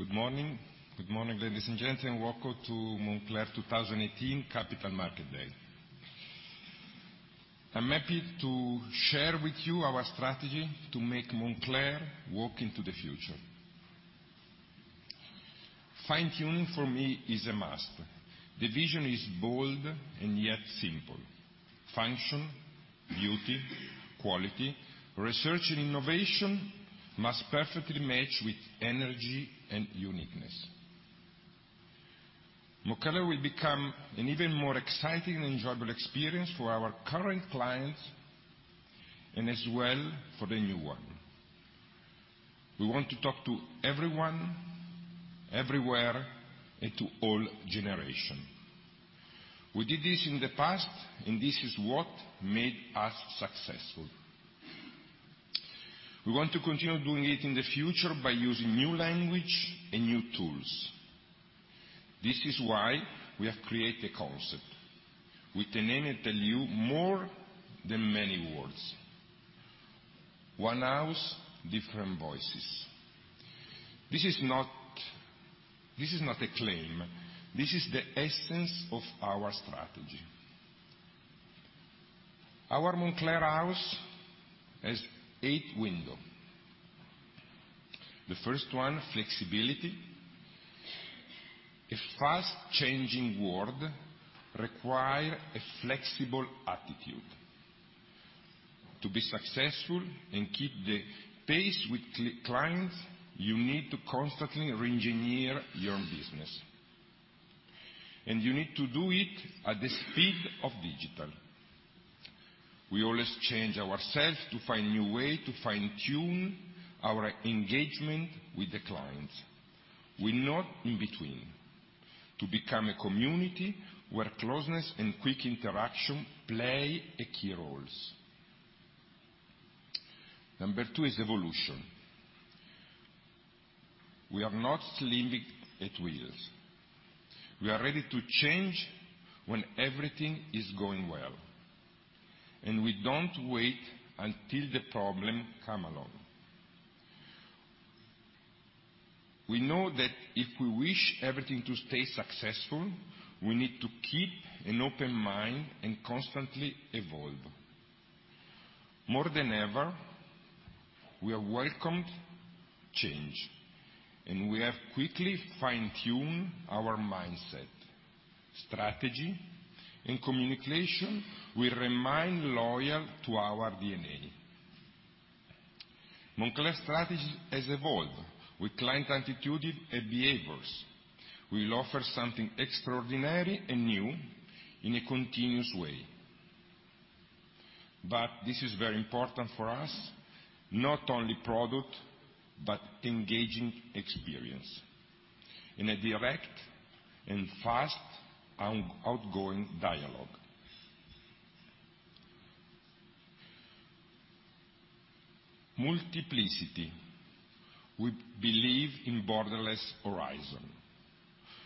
Good morning. Good morning, ladies and gentlemen. Welcome to Moncler 2018 Capital Market Day. I'm happy to share with you our strategy to make Moncler walk into the future. Fine-tuning, for me, is a must. The vision is bold and yet simple. Function, beauty, quality, research, and innovation must perfectly match with energy and uniqueness. Moncler will become an even more exciting and enjoyable experience for our current clients and as well for the new one. We want to talk to everyone, everywhere, and to all generation. We did this in the past, and this is what made us successful. We want to continue doing it in the future by using new language and new tools. This is why we have created a concept with the name that tell you more than many words. One House, Different Voices. This is not a claim. This is the essence of our strategy. Our Moncler house has eight window. The first one, flexibility. A fast changing world require a flexible attitude. To be successful and keep the pace with clients, you need to constantly re-engineer your business, and you need to do it at the speed of digital. We always change ourselves to find new way to fine-tune our engagement with the clients. We're not in between. To become a community where closeness and quick interaction play a key roles. Number 2 is evolution. We are not sleeping at wheels. We are ready to change when everything is going well, and we don't wait until the problem come along. We know that if we wish everything to stay successful, we need to keep an open mind and constantly evolve. More than ever, we have welcomed change, and we have quickly fine-tuned our mindset. Strategy and communication, we remain loyal to our DNA. Moncler strategy has evolved with client attitudes and behaviors. We will offer something extraordinary and new in a continuous way. This is very important for us, not only product, but engaging experience in a direct and fast outgoing dialogue. Multiplicity. We believe in borderless horizon.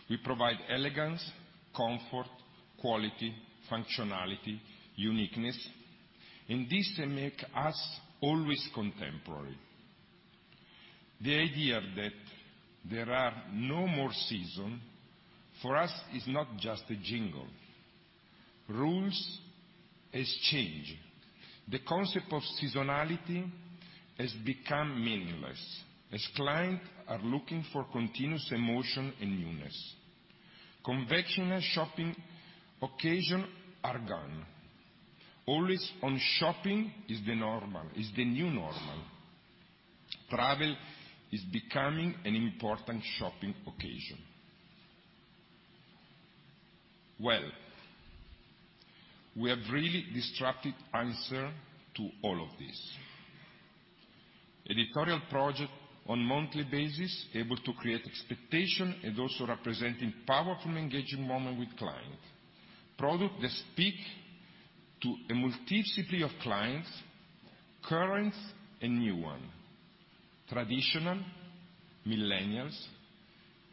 We provide elegance, comfort, quality, functionality, uniqueness, and this make us always contemporary. The idea that there are no more season, for us, is not just a jingle. Rules has changed. The concept of seasonality has become meaningless as client are looking for continuous emotion and newness. Conventional shopping occasion are gone. Always on shopping is the new normal. Travel is becoming an important shopping occasion. We have really disruptive answer to all of this. Editorial project on monthly basis able to create expectation and also representing powerful engaging moment with client. Product that speak to a multiplicity of clients, current and new one, traditional, millennials,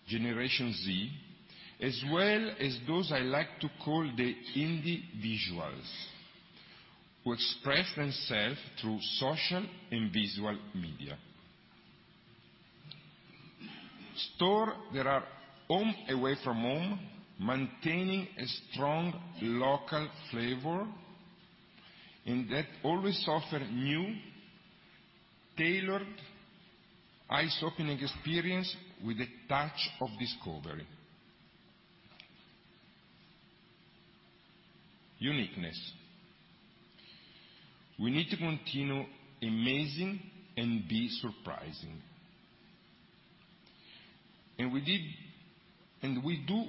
Generation Z, as well as those I like to call the individuals, who express themselves through social and visual media. Store that are home away from home, maintaining a strong local flavor, and that always offer new, tailored, eye-opening experience with a touch of discovery. Uniqueness. We need to continue amazing and be surprising. We do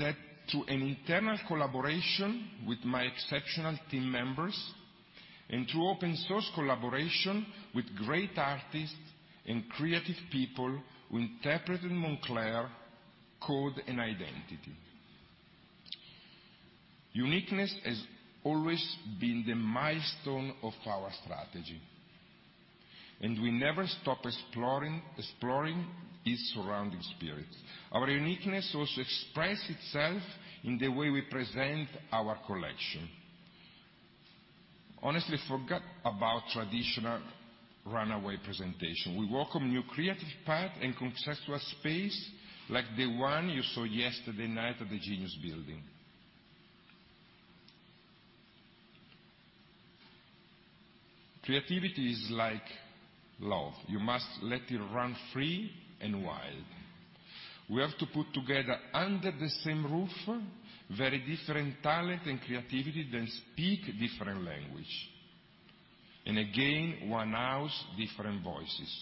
that through an internal collaboration with my exceptional team members and through open source collaboration with great artists and creative people who interpreted Moncler code and identity. Uniqueness has always been the milestone of our strategy, and we never stop exploring its surrounding spirit. Our uniqueness also express itself in the way we present our collection. Honestly, forget about traditional runway presentation. We welcome new creative path and conceptual space like the one you saw yesterday night at the Genius building. Creativity is like love. You must let it run free and wild. We have to put together, under the same roof, very different talent and creativity that speak different language. Again, one house, different voices.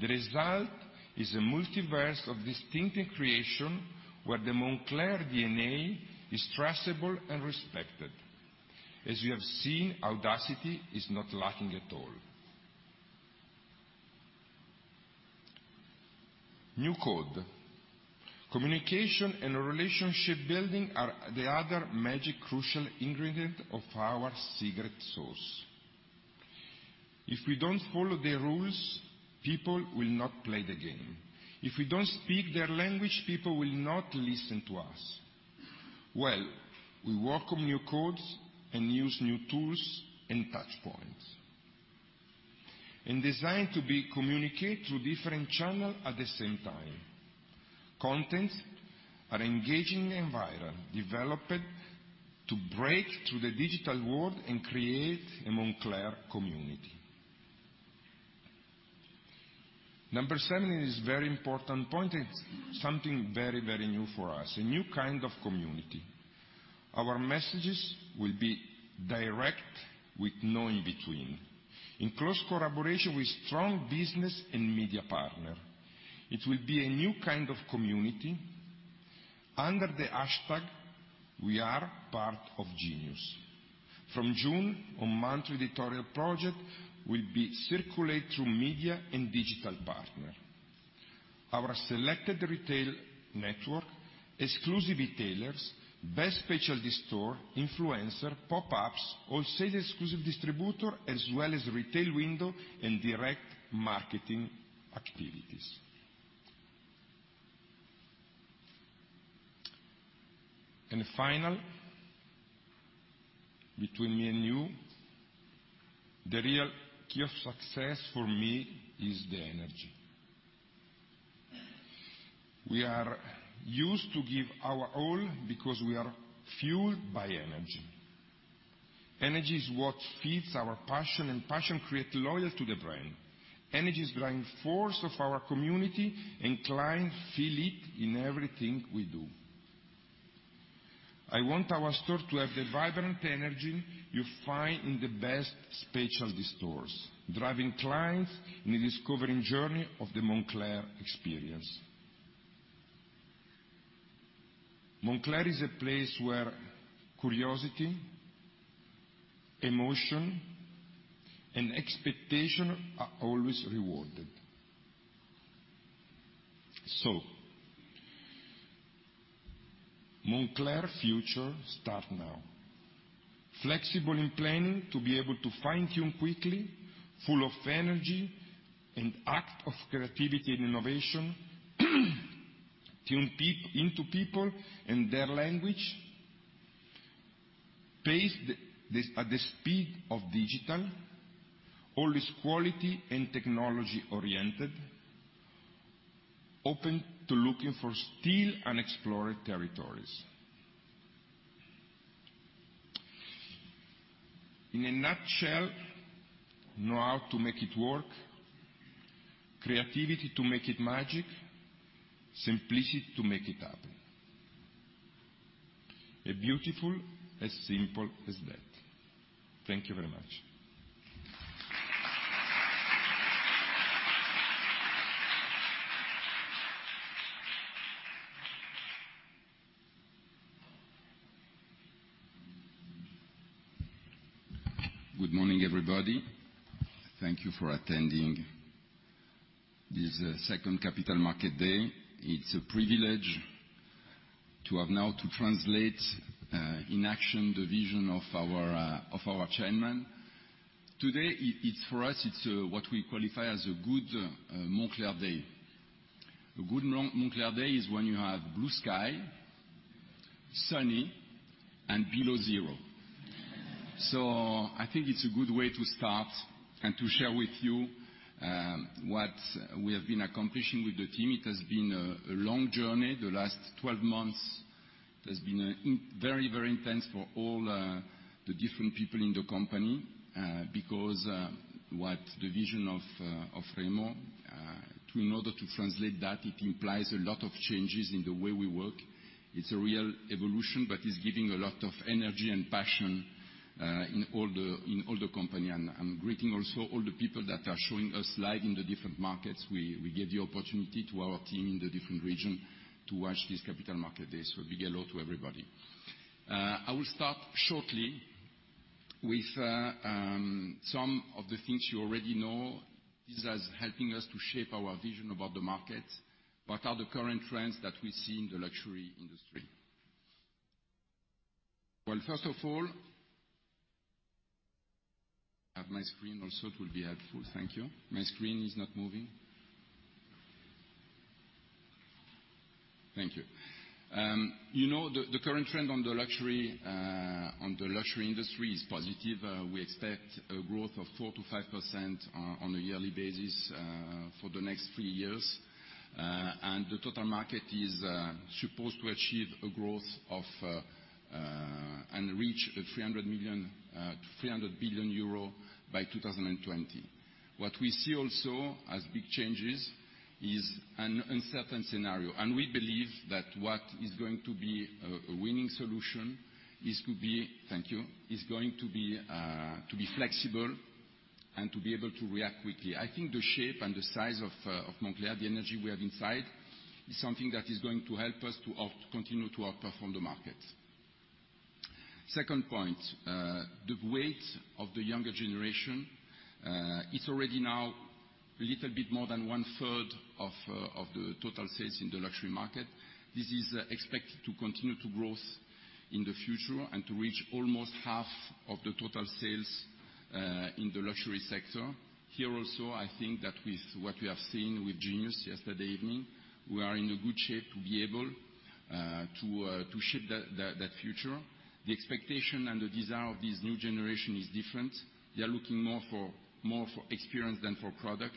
The result is a multiverse of distinctive creation, where the Moncler DNA is traceable and respected. As you have seen, audacity is not lacking at all. New code. Communication and relationship building are the other magic crucial ingredient of our secret sauce. If we don't follow the rules, people will not play the game. If we don't speak their language, people will not listen to us. We work on new codes and use new tools and touch points. In design to be communicate through different channel at the same time. Contents are engaging and viral, developed to break through the digital world and create a Moncler community. Number seven is very important point. It's something very new for us, a new kind of community. Our messages will be direct with no in-between. In close collaboration with strong business and media partner, it will be a new kind of community under the hashtag We Are Part of Genius. From June, a monthly editorial project will be circulate through media and digital partner. Our selected retail network, exclusive retailers, best specialty store, influencer, pop-ups, wholesale exclusive distributor, as well as retail window and direct marketing activities. Final, between me and you, the real key of success for me is the energy. We are used to give our all because we are fueled by energy. Energy is what feeds our passion, and passion create loyal to the brand. Energy is driving force of our community, client feel it in everything we do. I want our store to have the vibrant energy you find in the best specialty stores, driving clients in a discovering journey of the Moncler experience. Moncler is a place where curiosity, emotion, and expectation are always rewarded. Moncler future start now. Flexible in planning to be able to fine-tune quickly, full of energy and act of creativity and innovation, tuned into people and their language, paced at the speed of digital, always quality and technology-oriented, open to looking for still unexplored territories. In a nutshell, know how to make it work, creativity to make it magic, simplicity to make it happen. As beautiful, as simple as that. Thank you very much. Good morning, everybody. Thank you for attending this second Capital Market Day. It's a privilege to have now to translate, in action, the vision of our chairman. Today, for us, it's what we qualify as a good Moncler day. A good Moncler day is when you have blue sky, sunny and below zero. I think it's a good way to start and to share with you what we have been accomplishing with the team. It has been a long journey. The last 12 months has been very intense for all the different people in the company, because what the vision of Remo, in order to translate that, it implies a lot of changes in the way we work. It's a real evolution, but it's giving a lot of energy and passion in all the company. I'm greeting also all the people that are showing us live in the different markets. We gave the opportunity to our team in the different region to watch this Capital Market Day. Big hello to everybody. I will start shortly with some of the things you already know. This is helping us to shape our vision about the market, what are the current trends that we see in the luxury industry. Well, first of all, have my screen also, it will be helpful. Thank you. My screen is not moving Thank you. The current trend on the luxury industry is positive. We expect a growth of 4%-5% on a yearly basis for the next three years. The total market is supposed to achieve a growth and reach 300 billion euro by 2020. What we see also as big changes is an uncertain scenario. We believe that what is going to be a winning solution is going to be flexible and to be able to react quickly. I think the shape and the size of Moncler, the energy we have inside, is something that is going to help us to continue to outperform the market. Second point, the weight of the younger generation. It's already now a little bit more than one-third of the total sales in the luxury market. This is expected to continue to grow in the future and to reach almost half of the total sales in the luxury sector. Here also, I think that with what we have seen with Genius yesterday evening, we are in a good shape to be able to shape that future. The expectation and the desire of this new generation is different. They are looking more for experience than for product.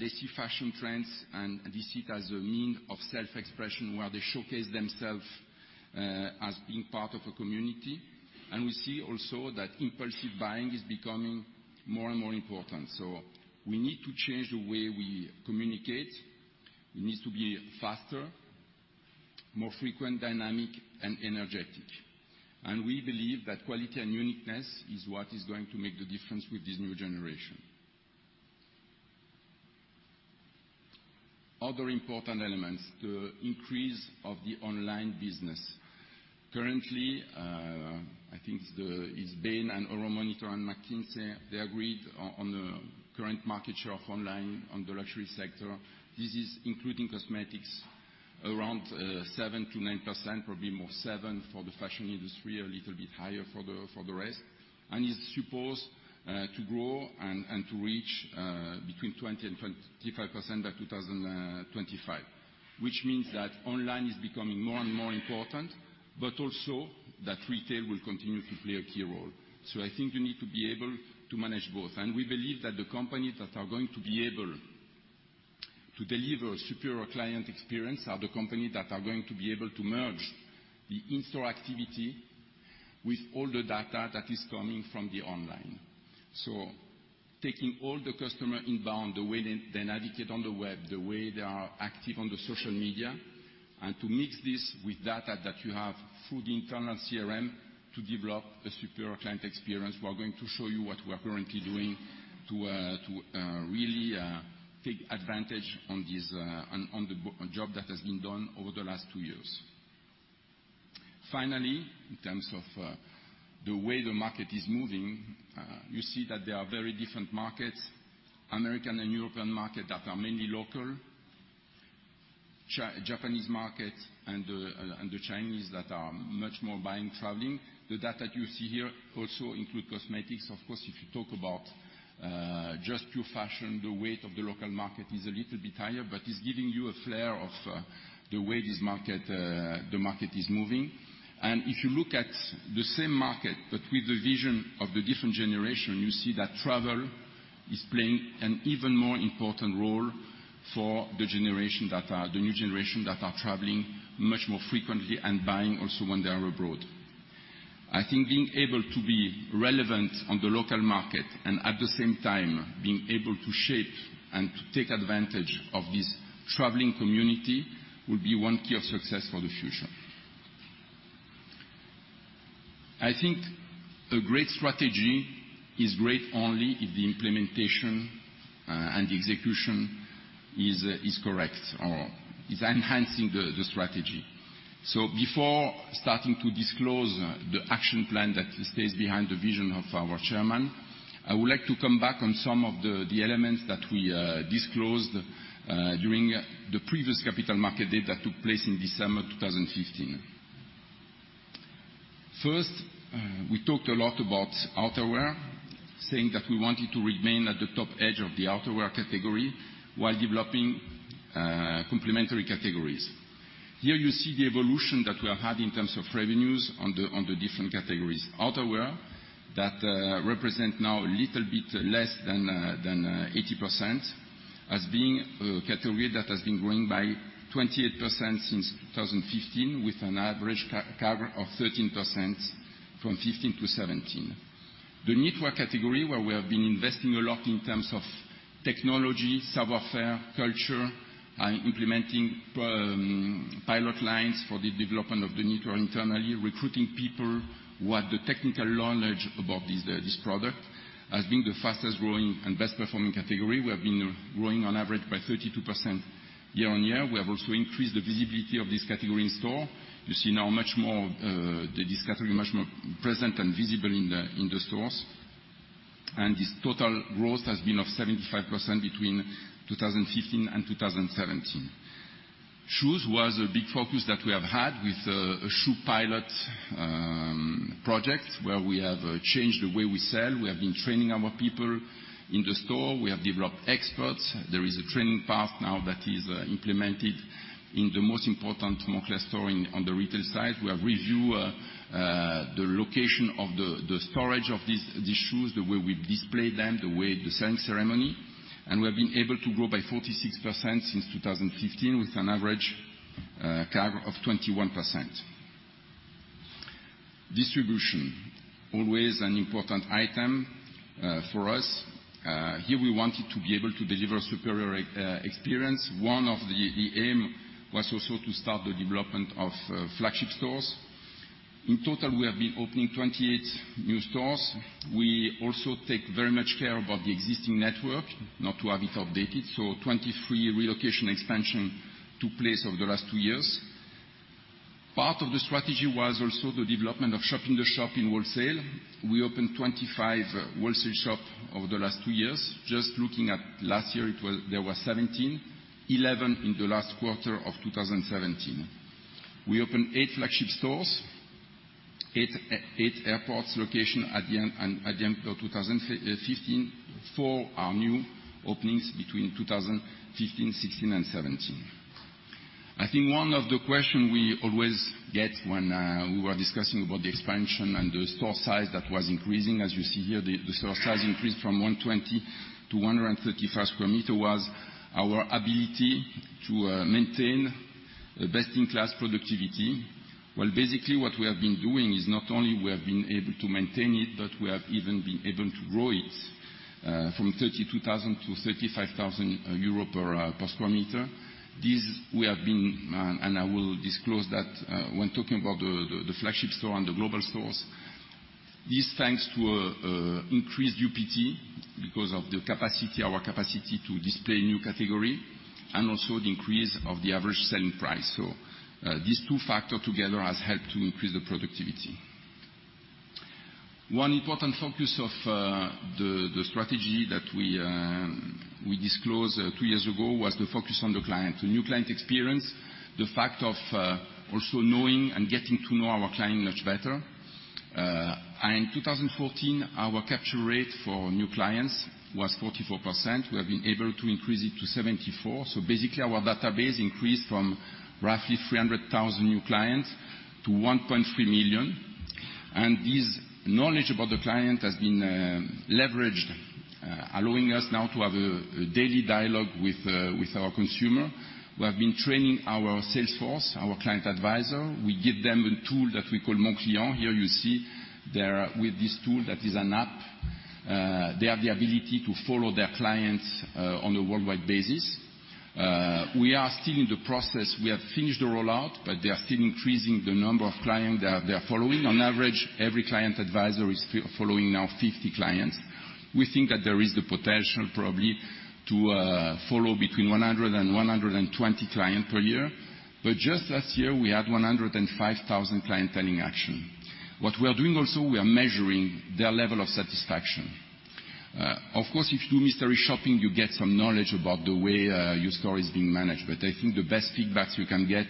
They see fashion trends, they see it as a mean of self-expression where they showcase themselves as being part of a community. We see also that impulsive buying is becoming more and more important. We need to change the way we communicate. We need to be faster, more frequent, dynamic, and energetic. We believe that quality and uniqueness is what is going to make the difference with this new generation. Other important elements, the increase of the online business. Currently, I think it's Bain and Euromonitor and McKinsey, they agreed on the current market share of online on the luxury sector. This is including cosmetics around 7%-9%, probably more 7% for the fashion industry, a little bit higher for the rest. It's supposed to grow and to reach between 20% and 25% by 2025, which means that online is becoming more and more important, but also that retail will continue to play a key role. I think you need to be able to manage both. We believe that the companies that are going to be able to deliver superior client experience are the company that are going to be able to merge the in-store activity with all the data that is coming from the online. Taking all the customer inbound, the way they navigate on the web, the way they are active on the social media, and to mix this with data that you have through the internal CRM to develop a superior client experience. We are going to show you what we are currently doing to really take advantage on the job that has been done over the last 2 years. Finally, in terms of the way the market is moving, you see that there are very different markets, American and European market that are mainly local. Japanese market and the Chinese that are much more buying, traveling. The data you see here also include cosmetics. Of course, if you talk about just pure fashion, the weight of the local market is a little bit higher, but it's giving you a flair of the way the market is moving. If you look at the same market, but with the vision of the different generation, you see that travel is playing an even more important role for the new generation that are traveling much more frequently and buying also when they are abroad. I think being able to be relevant on the local market and at the same time being able to shape and to take advantage of this traveling community will be one key of success for the future. I think a great strategy is great only if the implementation and the execution is correct or is enhancing the strategy. Before starting to disclose the action plan that stays behind the vision of our chairman, I would like to come back on some of the elements that we disclosed during the previous Capital Markets Day that took place in December 2015. First, we talked a lot about outerwear, saying that we wanted to remain at the top edge of the outerwear category while developing complementary categories. Here you see the evolution that we have had in terms of revenues on the different categories. Outerwear, that represent now a little bit less than 80%, as being a category that has been growing by 28% since 2015, with an average CAGR of 13% from 2015 to 2017. The knitwear category, where we have been investing a lot in terms of technology, savoir-faire, culture, and implementing pilot lines for the development of the knitwear internally, recruiting people who have the technical knowledge about this product, has been the fastest-growing and best-performing category. We have been growing on average by 32% year-on-year. We have also increased the visibility of this category in store. You see now this category much more present and visible in the stores. This total growth has been of 75% between 2015 and 2017. Shoes was a big focus that we have had with a shoe pilot project where we have changed the way we sell. We have been training our people in the store. We have developed experts. There is a training path now that is implemented in the most important Moncler store on the retail side. We have reviewed the location of the storage of these shoes, the way we display them, the selling ceremony. We have been able to grow by 46% since 2015 with an average CAGR of 21%. Distribution always an important item for us. Here we wanted to be able to deliver superior experience. One of the aim was also to start the development of flagship stores. In total, we have been opening 28 new stores. We also take very much care about the existing network, not to have it outdated. 23 relocation expansion took place over the last two years. Part of the strategy was also the development of shop in the shop in wholesale. We opened 25 wholesale shop over the last two years. Just looking at last year, there were 17, 11 in the last quarter of 2017. We opened 8 flagship stores, 8 airports location at the end of 2015. 4 are new openings between 2015, 2016, and 2017. I think one of the question we always get when we were discussing about the expansion and the store size that was increasing, as you see here, the store size increased from 120 to 135 sq m, was our ability to maintain best-in-class productivity, while basically what we have been doing is not only we have been able to maintain it, but we have even been able to grow it, from 32,000 to 35,000 euro per sq m. These we have been, and I will disclose that when talking about the flagship store and the global stores. This thanks to increased UPT because of our capacity to display new category, and also the increase of the average selling price. These two factor together has helped to increase the productivity. One important focus of the strategy that we disclosed two years ago was the focus on the client, the new client experience, the fact of also knowing and getting to know our client much better. In 2014, our capture rate for new clients was 44%. We have been able to increase it to 74%. Basically, our database increased from roughly 300,000 new clients to 1.3 million. This knowledge about the client has been leveraged, allowing us now to have a daily dialogue with our consumer. We have been training our sales force, our client advisor. We give them a tool that we call MonClient. Here you see there with this tool that is an app, they have the ability to follow their clients, on a worldwide basis. We are still in the process. We have finished the rollout, they are still increasing the number of clients they are following. On average, every client advisor is following now 50 clients. We think that there is the potential probably to follow between 100 and 120 clients per year. Just last year, we had 105,000 clienteling actions. What we are doing also, we are measuring their level of satisfaction. Of course, if you do mystery shopping, you get some knowledge about the way your store is being managed. I think the best feedback you can get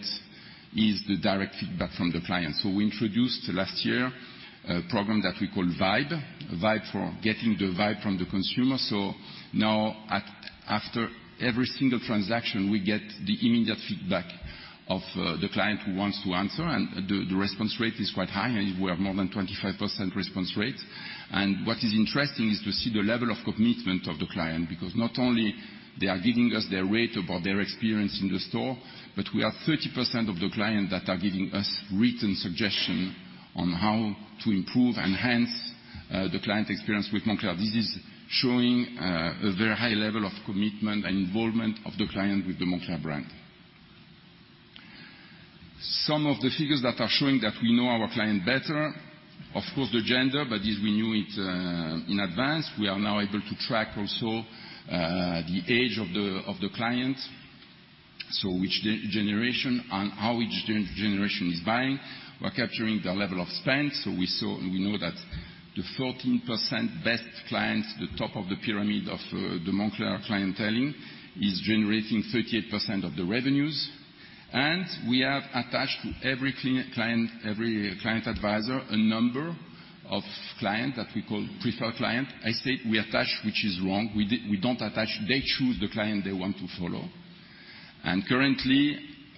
is the direct feedback from the client. We introduced last year a program that we call VIBE for getting the VIBE from the consumer. Now after every single transaction, we get the immediate feedback of the client who wants to answer, and the response rate is quite high. We have more than 25% response rate. What is interesting is to see the level of commitment of the client, because not only they are giving us their rate about their experience in the store, we have 30% of the clients that are giving us written suggestions on how to improve, enhance the client experience with Moncler. This is showing a very high level of commitment and involvement of the client with the Moncler brand. Some of the figures that are showing that we know our client better, of course, the gender, this we knew it in advance. We are now able to track also the age of the client, so which generation and how each generation is buying. We are capturing their level of spend. We know that the 14% best clients, the top of the pyramid of the Moncler clienteling, is generating 38% of the revenues. We have attached every client advisor a number of clients that we call preferred clients. I state we attach, which is wrong. We don't attach. They choose the client they want to follow. Currently,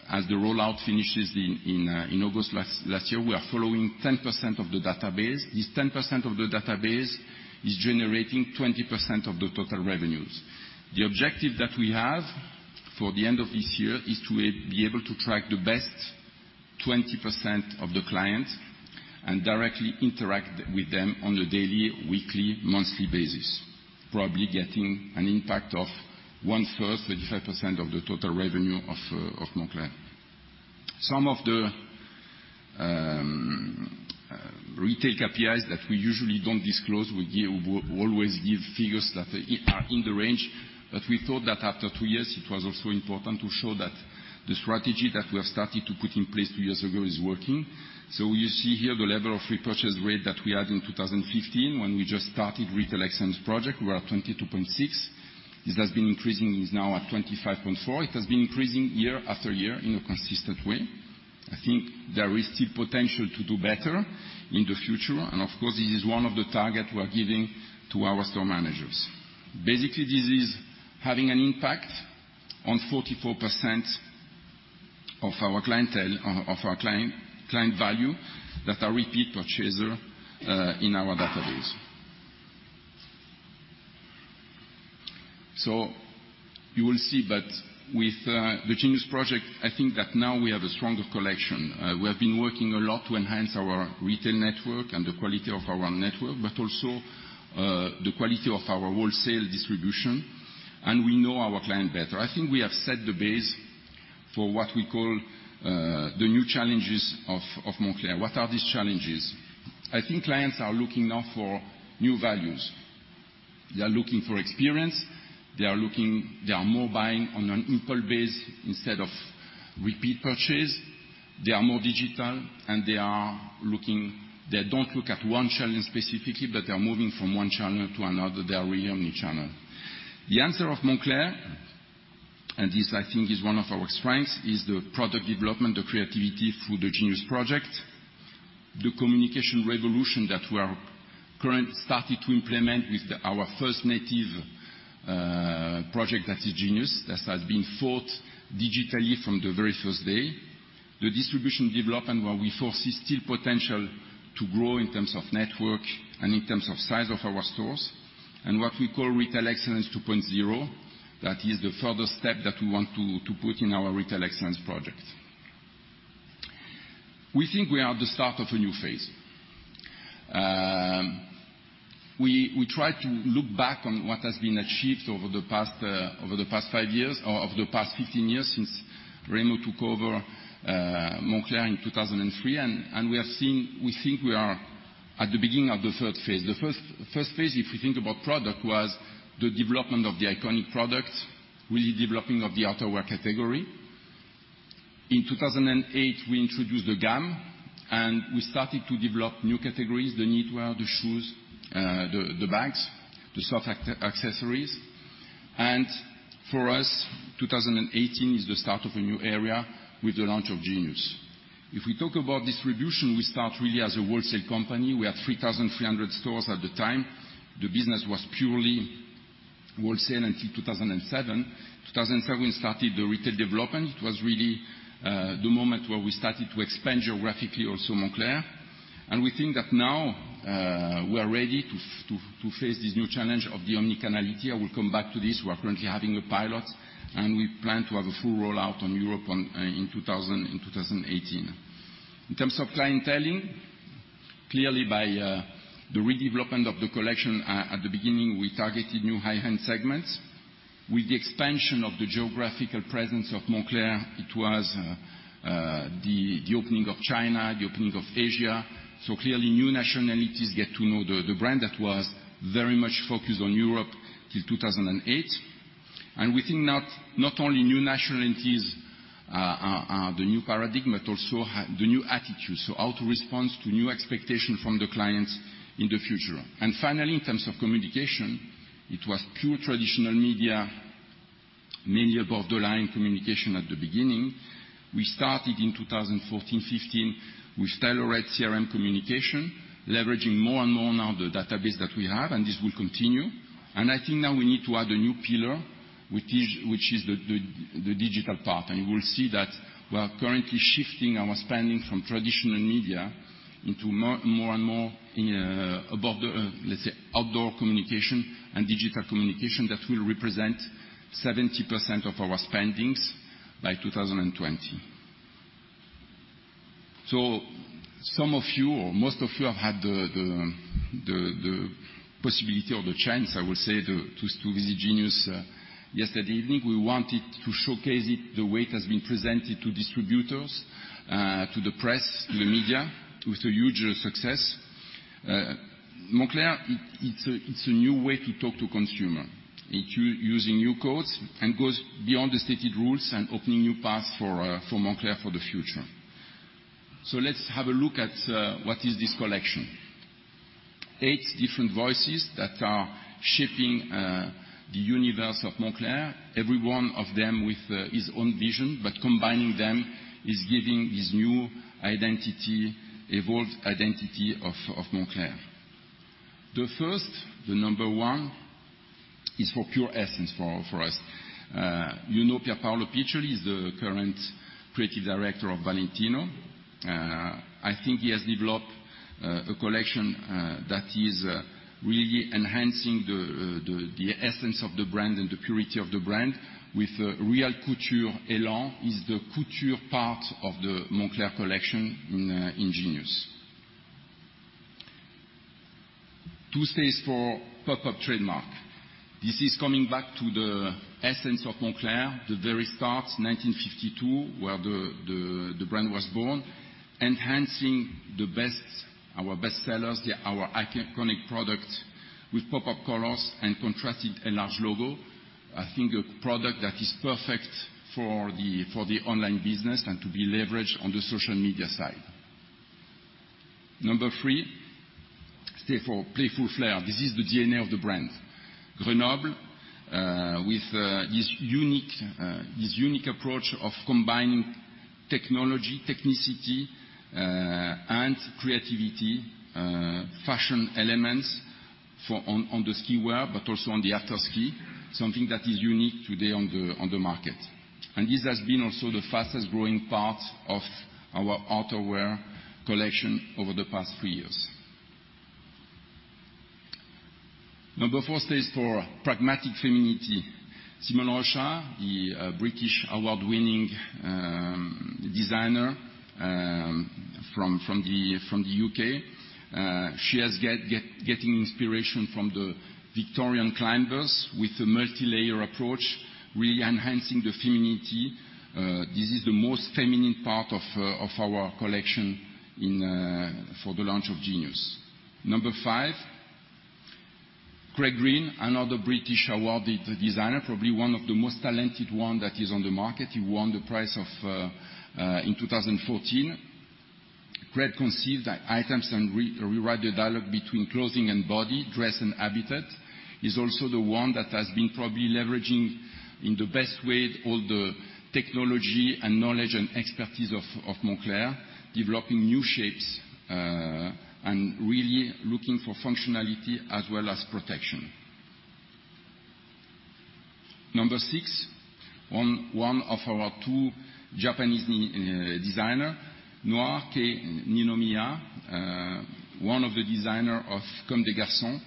as the rollout finishes in August last year, we are following 10% of the database. This 10% of the database is generating 20% of the total revenues. The objective that we have for the end of this year is to be able to track the best 20% of the clients and directly interact with them on a daily, weekly, monthly basis, probably getting an impact of one third, 35% of the total revenue of Moncler. Some of the retail KPIs that we usually don't disclose, we always give figures that are in the range. We thought that after two years, it was also important to show that the strategy that we have started to put in place two years ago is working. You see here the level of repurchase rate that we had in 2015 when we just started Retail Excellence project. We are at 22.6. This has been increasing, is now at 25.4. It has been increasing year after year in a consistent way. I think there is still potential to do better in the future, and of course, this is one of the targets we are giving to our store managers. Basically, this is having an impact on 44% of our client value that are repeat purchaser in our database. You will see that with the Genius project, I think that now we have a stronger collection. We have been working a lot to enhance our retail network and the quality of our network, but also, the quality of our wholesale distribution, and we know our client better. I think we have set the base for what we call the new challenges of Moncler. What are these challenges? I think clients are looking now for new values. They are looking for experience. They are more buying on an impulse base instead of repeat purchase. They are more digital, and they don't look at one channel specifically, but they are moving from one channel to another. They are really omni-channel. The answer of Moncler, and this, I think, is one of our strengths, is the product development, the creativity through the Genius project, the communication revolution that we are currently starting to implement with our first native project, that is Genius, that has been thought digitally from the very first day. The distribution development where we foresee still potential to grow in terms of network and in terms of size of our stores, and what we call Retail Excellence 2.0. That is the further step that we want to put in our Retail Excellence project. We think we are the start of a new phase. We try to look back on what has been achieved over the past 15 years since Remo took over Moncler in 2003, and we think we are at the beginning of the third phase. The first phase, if we think about product, was the development of the iconic product, really developing of the outerwear category. In 2008, we introduced the Gamme, and we started to develop new categories, the knitwear, the shoes, the bags, the soft accessories. For us, 2018 is the start of a new era with the launch of Genius. If we talk about distribution, we start really as a wholesale company. We had 3,300 stores at the time. The business was purely wholesale until 2007. 2007, we started the retail development. It was really the moment where we started to expand geographically also Moncler. We think that now, we are ready to face this new challenge of the omni-channelity. I will come back to this. We are currently having a pilot, and we plan to have a full rollout on Europe in 2018. In terms of clienteling, clearly by the redevelopment of the collection, at the beginning, we targeted new high-end segments. With the expansion of the geographical presence of Moncler, it was the opening of China, the opening of Asia. Clearly, new nationalities get to know the brand that was very much focused on Europe till 2008. We think not only new nationalities are the new paradigm, but also have the new attitude. How to respond to new expectation from the clients in the future. Finally, in terms of communication, it was pure traditional media, mainly above the line communication at the beginning. We started in 2014, 2015 with tailored CRM communication, leveraging more and more now the database that we have, and this will continue. I think now we need to add a new pillar, which is the digital part. You will see that we are currently shifting our spending from traditional media into more and more, let's say, outdoor communication and digital communication that will represent 70% of our spending by 2020. Some of you, or most of you have had the possibility or the chance, I will say, to visit Genius yesterday evening. We wanted to showcase it the way it has been presented to distributors, to the press, to the media, with a huge success. Moncler. It's a new way to talk to consumers. It uses new codes and goes beyond the stated rules and opening new paths for Moncler for the future. Let's have a look at what is this collection. Eight different voices that are shaping the universe of Moncler, every one of them with his own vision, but combining them is giving this new identity, evolved identity of Moncler. The first, the number 1 is for pure essence for us. You know Pierpaolo Piccioli is the current creative director of Valentino. I think he has developed a collection that is really enhancing the essence of the brand and the purity of the brand with a real couture Gamme is the couture part of the Moncler collection in Genius. 2 stays for pop-up trademark. This is coming back to the essence of Moncler, the very start, 1952, where the brand was born, enhancing our best sellers, our iconic product with pop-up colors and contrasted enlarged logo. I think a product that is perfect for the online business and to be leveraged on the social media side. Number 3, stay for playful flair. This is the DNA of the brand. Grenoble, with this unique approach of combining technology, technicity, and creativity, fashion elements on the ski wear, but also on the after-ski, something that is unique today on the market. This has been also the fastest-growing part of our outerwear collection over the past three years. Number 4 stays for pragmatic femininity. Simone Rocha, the British award-winning designer from the U.K., she is getting inspiration from the Victorian climbers with a multilayer approach, really enhancing the femininity. This is the most feminine part of our collection for the launch of Genius. Number 5, Craig Green, another British awarded designer, probably one of the most talented one that is on the market. He won the prize in 2014. Craig conceived the items and rewrite the dialogue between clothing and body, dress and habitat. He's also the one that has been probably leveraging, in the best way, all the technology and knowledge and expertise of Moncler, developing new shapes, and really looking for functionality as well as protection. Number 6, one of our two Japanese designers, Noir Kei Ninomiya, one of the designers of Comme des Garçons.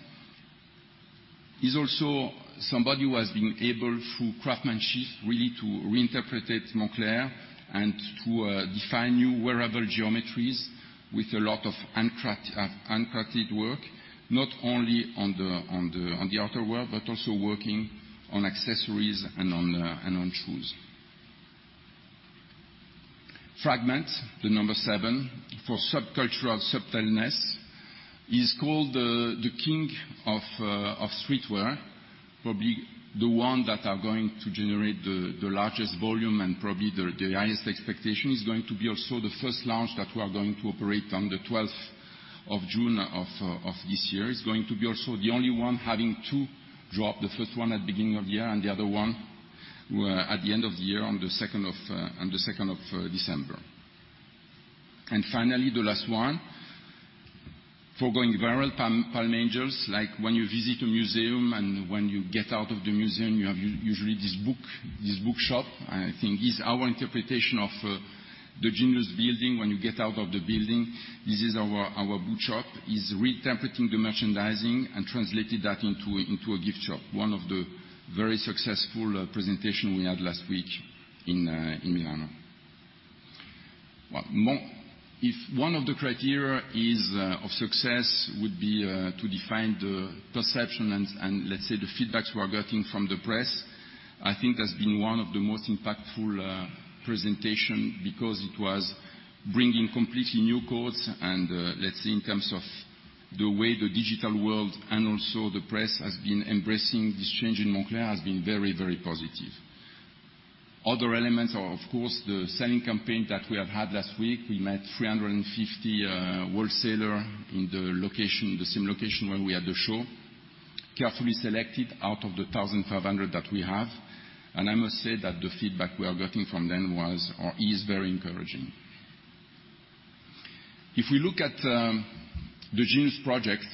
He's also somebody who has been able, through craftsmanship, really to reinterpret Moncler and to define new wearable geometries with a lot of handcrafted work, not only on the outerwear, but also working on accessories and on shoes. Fragment, the number 7, for subcultural subtleness. He's called the king of streetwear, probably the one that are going to generate the largest volume and probably the highest expectation. He's going to be also the first launch that we are going to operate on the 12th of June of this year. He's going to be also the only one having two drop, the first one at beginning of the year, and the other one at the end of the year on the 2nd of December. Finally, the last one, for going viral, Palm Angels, like when you visit a museum and when you get out of the museum, you have usually this bookshop, I think is our interpretation of the Genius building. When you get out of the building, this is our bookshop. He's reinterpreting the merchandising and translated that into a gift shop, one of the very successful presentation we had last week in Milano. If one of the criteria of success would be to define the perception and, let's say, the feedbacks we are getting from the press, I think that's been one of the most impactful presentation because it was bringing completely new codes and, let's say, in terms of the way the digital world and also the press has been embracing this change in Moncler, has been very, very positive. Other elements are, of course, the selling campaign that we have had last week. We met 350 wholesaler in the same location where we had the show, carefully selected out of the 1,500 that we have. I must say that the feedback we are getting from them is very encouraging. If we look at the Genius project,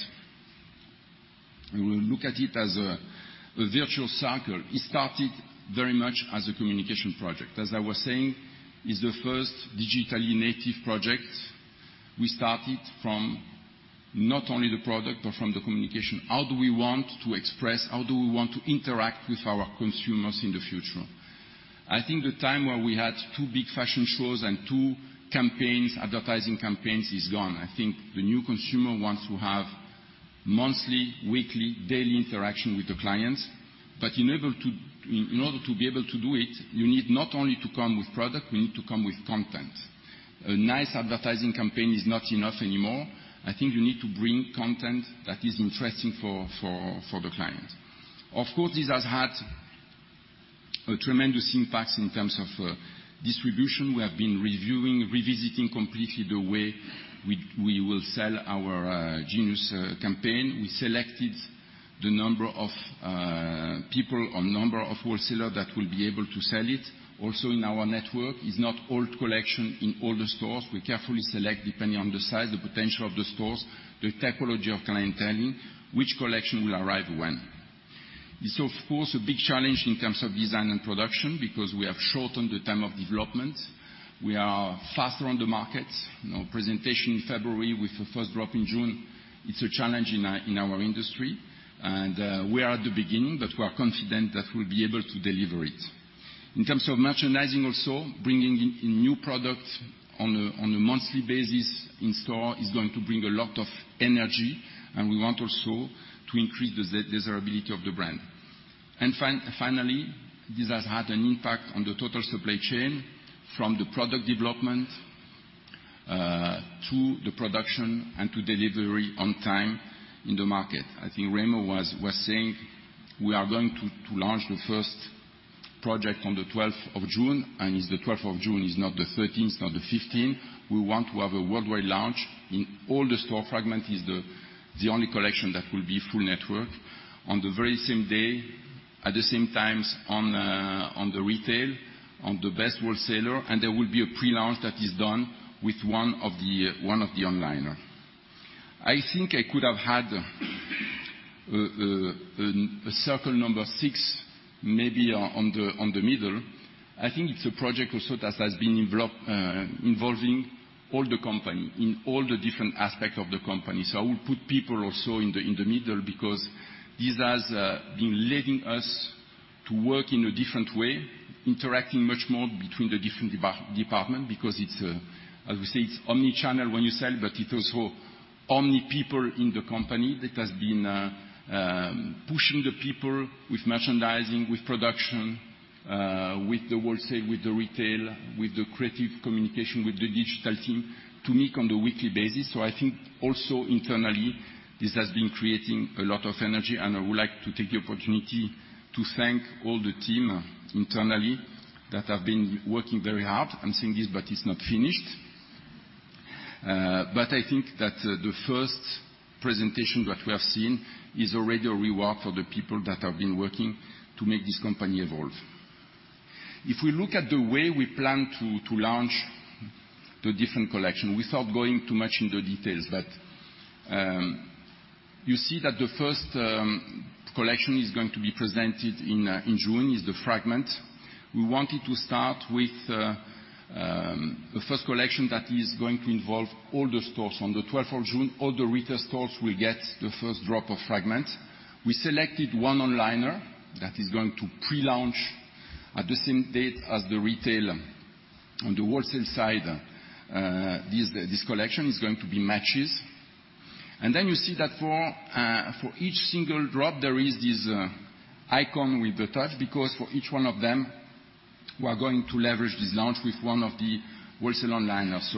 we will look at it as a virtual circle. It started very much as a communication project. As I was saying, it's the first digitally native project. We started from not only the product, but from the communication. How do we want to express? How do we want to interact with our consumers in the future? I think the time where we had two big fashion shows and two advertising campaigns is gone. I think the new consumer wants to have monthly, weekly, daily interaction with the clients. In order to be able to do it, you need to not only to come with product, we need to come with content. A nice advertising campaign is not enough anymore. I think you need to bring content that is interesting for the client. Of course, this has had a tremendous impact in terms of distribution. We have been reviewing, revisiting completely the way we will sell our Genius campaign. We selected the number of people or number of wholesaler that will be able to sell it also in our network. It's not old collection in all the stores. We carefully select, depending on the size, the potential of the stores, the typology of clienteling, which collection will arrive when. It's of course, a big challenge in terms of design and production, because we have shortened the time of development. We are faster on the market. Our presentation in February with the first drop in June, it's a challenge in our industry. We are at the beginning, but we are confident that we'll be able to deliver it. In terms of merchandising also, bringing in new product on a monthly basis in-store is going to bring a lot of energy, and we want also to increase the desirability of the brand. Finally, this has had an impact on the total supply chain from the product development, to the production, and to delivery on time in the market. I think Remo was saying we are going to launch the first project on the 12th of June, and it's the 12th of June is not the 13th, not the 15th. We want to have a worldwide launch in all the stores. Fragment is the only collection that will be full network on the very same day, at the same time on the retail, on the best wholesaler, and there will be a pre-launch that is done with one of the onliner. I think I could have had a circle number 6 maybe on the middle. I think it's a project also that has been involving all the company in all the different aspects of the company. I would put people also in the middle because this has been letting us work in a different way, interacting much more between the different departments because it's, as we say, it's omni-channel when you sell, but it's also omni-people in the company that has been pushing the people with merchandising, with production, with the wholesale, with the retail, with the creative communication, with the digital team to meet on a weekly basis. I think also internally, this has been creating a lot of energy, I would like to take the opportunity to thank all the team internally that have been working very hard. I'm saying this, but it's not finished. I think that the first presentation that we have seen is already a reward for the people that have been working to make this company evolve. If we look at the way we plan to launch the different collections, without going too much into details, you see that the first collection is going to be presented in June, is Fragment. We wanted to start with the first collection that is going to involve all the stores. On the 12th of June, all the retail stores will get the first drop of Fragment. We selected one onliner that is going to pre-launch at the same date as the retail on the wholesale side. This collection is going to be MATCHESFASHION. You see that for each single drop, there is this icon with the touch because for each one of them, we are going to leverage this launch with one of the wholesale onliners.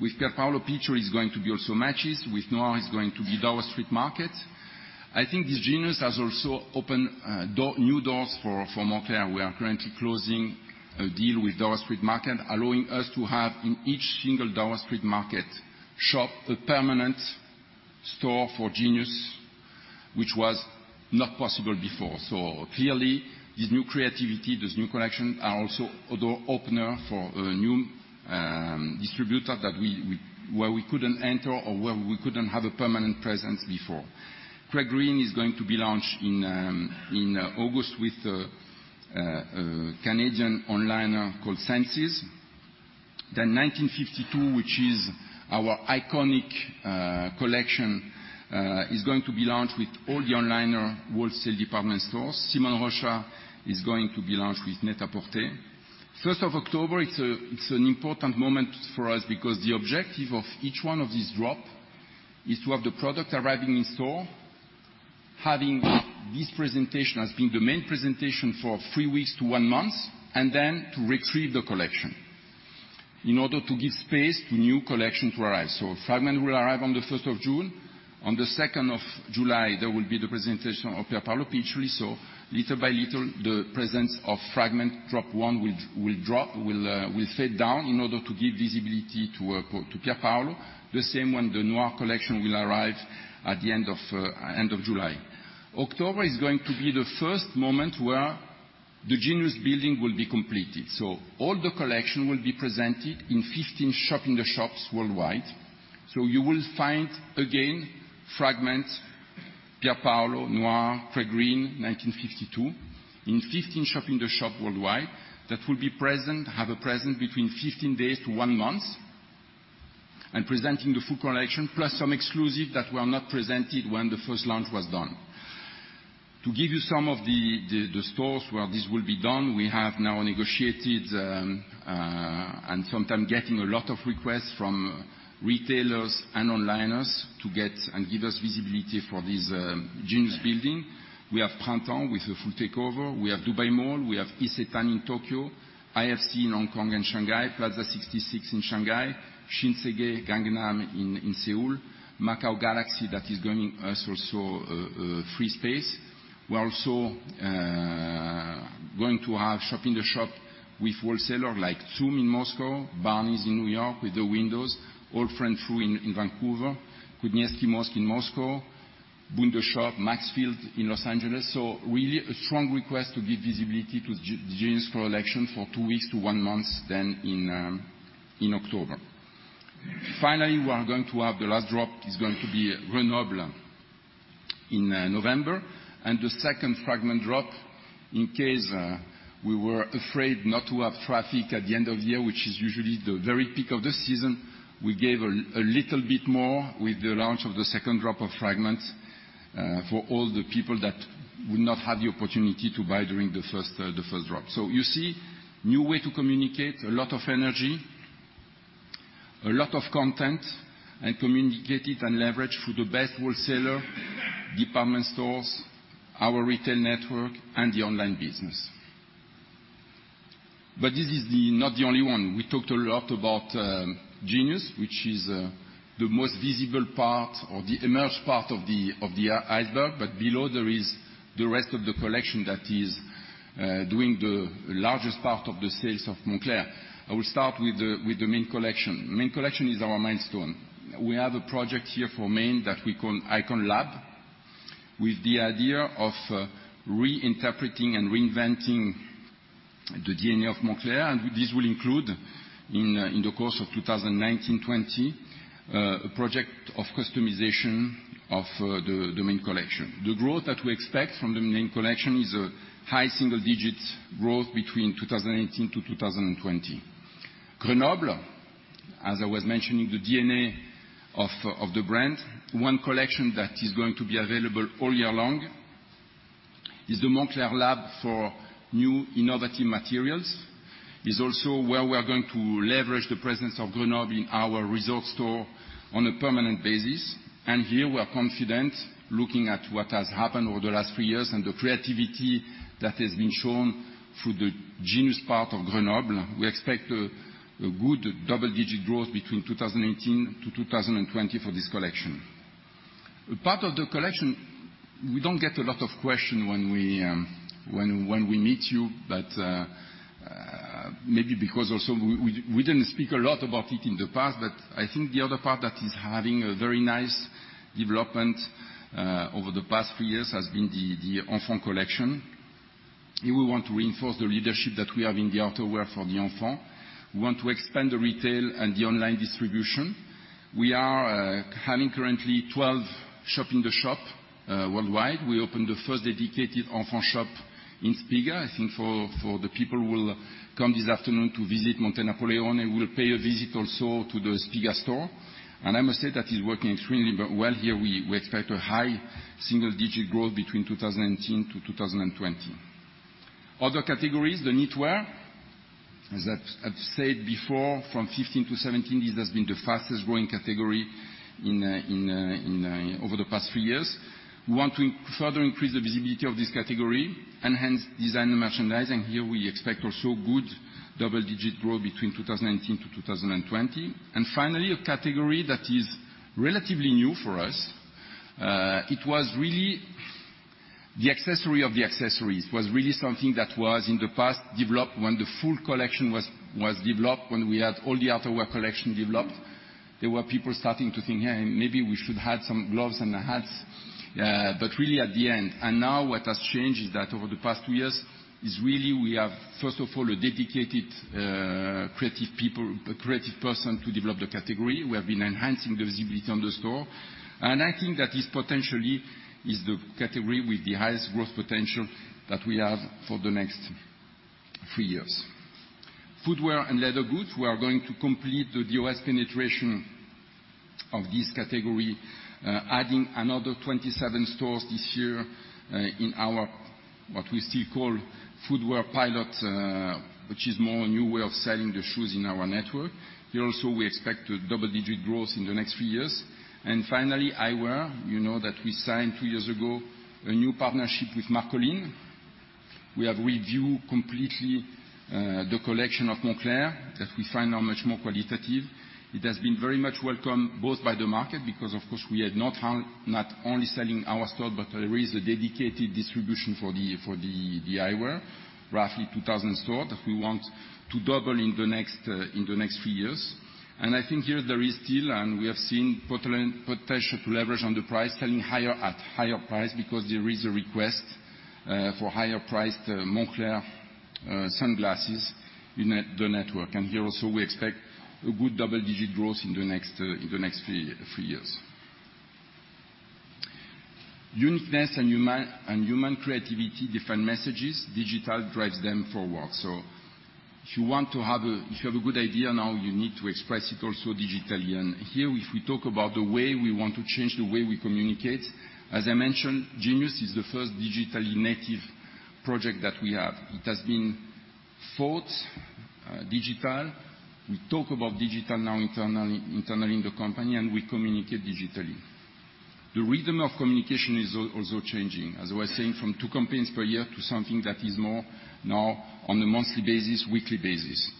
With Pierpaolo Piccioli is going to be also MATCHESFASHION, with Noir is going to be Dover Street Market. I think this Genius has also opened new doors for Moncler. We are currently closing a deal with Dover Street Market, allowing us to have in each single Dover Street Market shop a permanent store for Genius, which was not possible before. Clearly, this new creativity, this new collections are also a door opener for a new distributor where we couldn't enter or where we couldn't have a permanent presence before. Craig Green is going to be launched in August with a Canadian onliner called SSENSE. 1952, which is our iconic collection, is going to be launched with all the onliner wholesale department stores. Simone Rocha is going to be launched with NET-A-PORTER. 1st of October, it's an important moment for us because the objective of each one of these drop is to have the product arriving in store, having this presentation as being the main presentation for 3 weeks to 1 month, then to retrieve the collection in order to give space to new collection to arrive. Fragment will arrive on the 1st of June. On the 2nd of July, there will be the presentation of Pierpaolo Piccioli, little by little, the presence of Fragment drop 1 will fade down in order to give visibility to Pierpaolo. The same when the Noir collection will arrive at the end of July. October is going to be the first moment where the Genius building will be completed. All the collection will be presented in 15 shop-in-the-shops worldwide. You will find, again, Fragment, Pierpaolo, Noir, Craig Green, 1952 in 15 shop-in-the-shops worldwide that will have a presence between 15 days to 1 month and presenting the full collection, plus some exclusive that were not presented when the first launch was done. To give you some of the stores where this will be done, we have now negotiated, and sometimes getting a lot of requests from retailers and onliners to get and give us visibility for this Genius building. We have Printemps with a full takeover. We have Dubai Mall. We have Isetan in Tokyo, IFC in Hong Kong and Shanghai, Plaza 66 in Shanghai, Shinsegae, Gangnam in Seoul, Macau Galaxy that is giving us also a free space. We're also going to have shop-in-the-shops with wholesalers like TsUM in Moscow, Barneys New York with the windows, Holt Renfrew in Vancouver, GUM in Moscow, BOONTHESHOP, Maxfield in Los Angeles. Really a strong request to give visibility to Genius collection for 2 weeks to 1 month then in October. Finally, we are going to have the last drop is going to be Grenoble in November, and the second Fragment drop in case we were afraid not to have traffic at the end of the year, which is usually the very peak of the season. We gave a little bit more with the launch of the second drop of Fragment, for all the people that would not have the opportunity to buy during the first drop. You see new way to communicate, a lot of energy, a lot of content, communicated and leveraged through the best wholesalers, department stores, our retail network, and the online business. This is not the only one. We talked a lot about Genius, which is the most visible part or the emerged part of the iceberg. Below, there is the rest of the collection that is doing the largest part of the sales of Moncler. I will start with the main collection. Main collection is our milestone. We have a project here for main that we call Icon Lab, with the idea of reinterpreting and reinventing the DNA of Moncler. This will include, in the course of 2019-2020, a project of customization of the main collection. The growth that we expect from the main collection is a high single-digit growth between 2018-2020. Grenoble, as I was mentioning, the DNA of the brand, one collection that is going to be available all year long is the Moncler Lab for new innovative materials. It is also where we are going to leverage the presence of Grenoble in our resort store on a permanent basis. Here we are confident, looking at what has happened over the last few years and the creativity that has been shown through the Genius part of Grenoble. We expect a good double-digit growth between 2018 to 2020 for this collection. A part of the collection, we do not get a lot of question when we meet you, but maybe because also we did not speak a lot about it in the past, but I think the other part that is having a very nice development over the past few years has been the Enfant collection. Here, we want to reinforce the leadership that we have in the outerwear for the Enfant. We want to expand the retail and the online distribution. We are having currently 12 shop in the shop worldwide. We opened the first dedicated Enfant shop in Spiga. I think for the people who will come this afternoon to visit Montenapoleone, will pay a visit also to the Spiga store. I must say that is working extremely well here. We expect a high single-digit growth between 2018 to 2020. Other categories, the knitwear, as I have said before, from 2015 to 2017, this has been the fastest growing category over the past few years. We want to further increase the visibility of this category, enhance design and merchandising. Here, we expect also good double-digit growth between 2019 to 2020. Finally, a category that is relatively new for us, it was really the accessory of the accessories, was really something that was in the past developed when the full collection was developed, when we had all the outerwear collection developed, there were people starting to think, "Hey, maybe we should add some gloves and hats." But really at the end. Now what has changed is that over the past two years is really we have, first of all, a dedicated creative person to develop the category. We have been enhancing the visibility on the store, and I think that is potentially the category with the highest growth potential that we have for the next three years. Footwear and leather goods, we are going to complete the U.S. penetration of this category, adding another 27 stores this year in our, what we still call footwear pilot, which is more a new way of selling the shoes in our network. Here also, we expect a double-digit growth in the next few years. Finally, eyewear. You know that we signed two years ago a new partnership with Marcolin. We have reviewed completely the collection of Moncler that we find are much more qualitative. It has been very much welcome, both by the market because of course we are not only selling our store, but there is a dedicated distribution for the eyewear, roughly 2,000 stores that we want to double in the next few years. I think here there is still, and we have seen potential to leverage on the price, selling higher at higher price because there is a request for higher priced Moncler sunglasses in the network. Here also, we expect a good double-digit growth in the next few years. Uniqueness and human creativity, different messages, digital drives them forward. If you have a good idea now, you need to express it also digitally. Here, if we talk about the way we want to change the way we communicate, as I mentioned, Genius is the first digitally native project that we have. It has been thought digital. We talk about digital now internally in the company, and we communicate digitally. The rhythm of communication is also changing, as I was saying, from two campaigns per year to something that is more now on a monthly basis, weekly basis.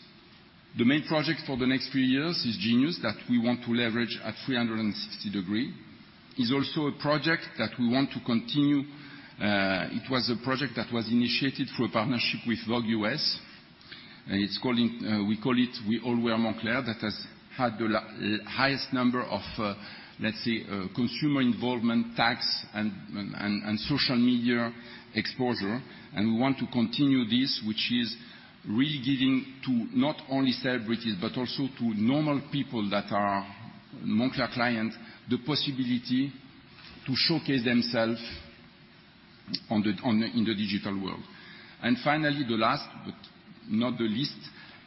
The main project for the next few years is Genius that we want to leverage at 360 degree. It is also a project that we want to continue. It was a project that was initiated through a partnership with Vogue U.S., and we call it We All Wear Moncler that has had the highest number of, let's say, consumer involvement tags and social media exposure. We want to continue this, which is really giving to not only celebrities but also to normal people that are Moncler client, the possibility to showcase themselves in the digital world. Finally, the last but not the least,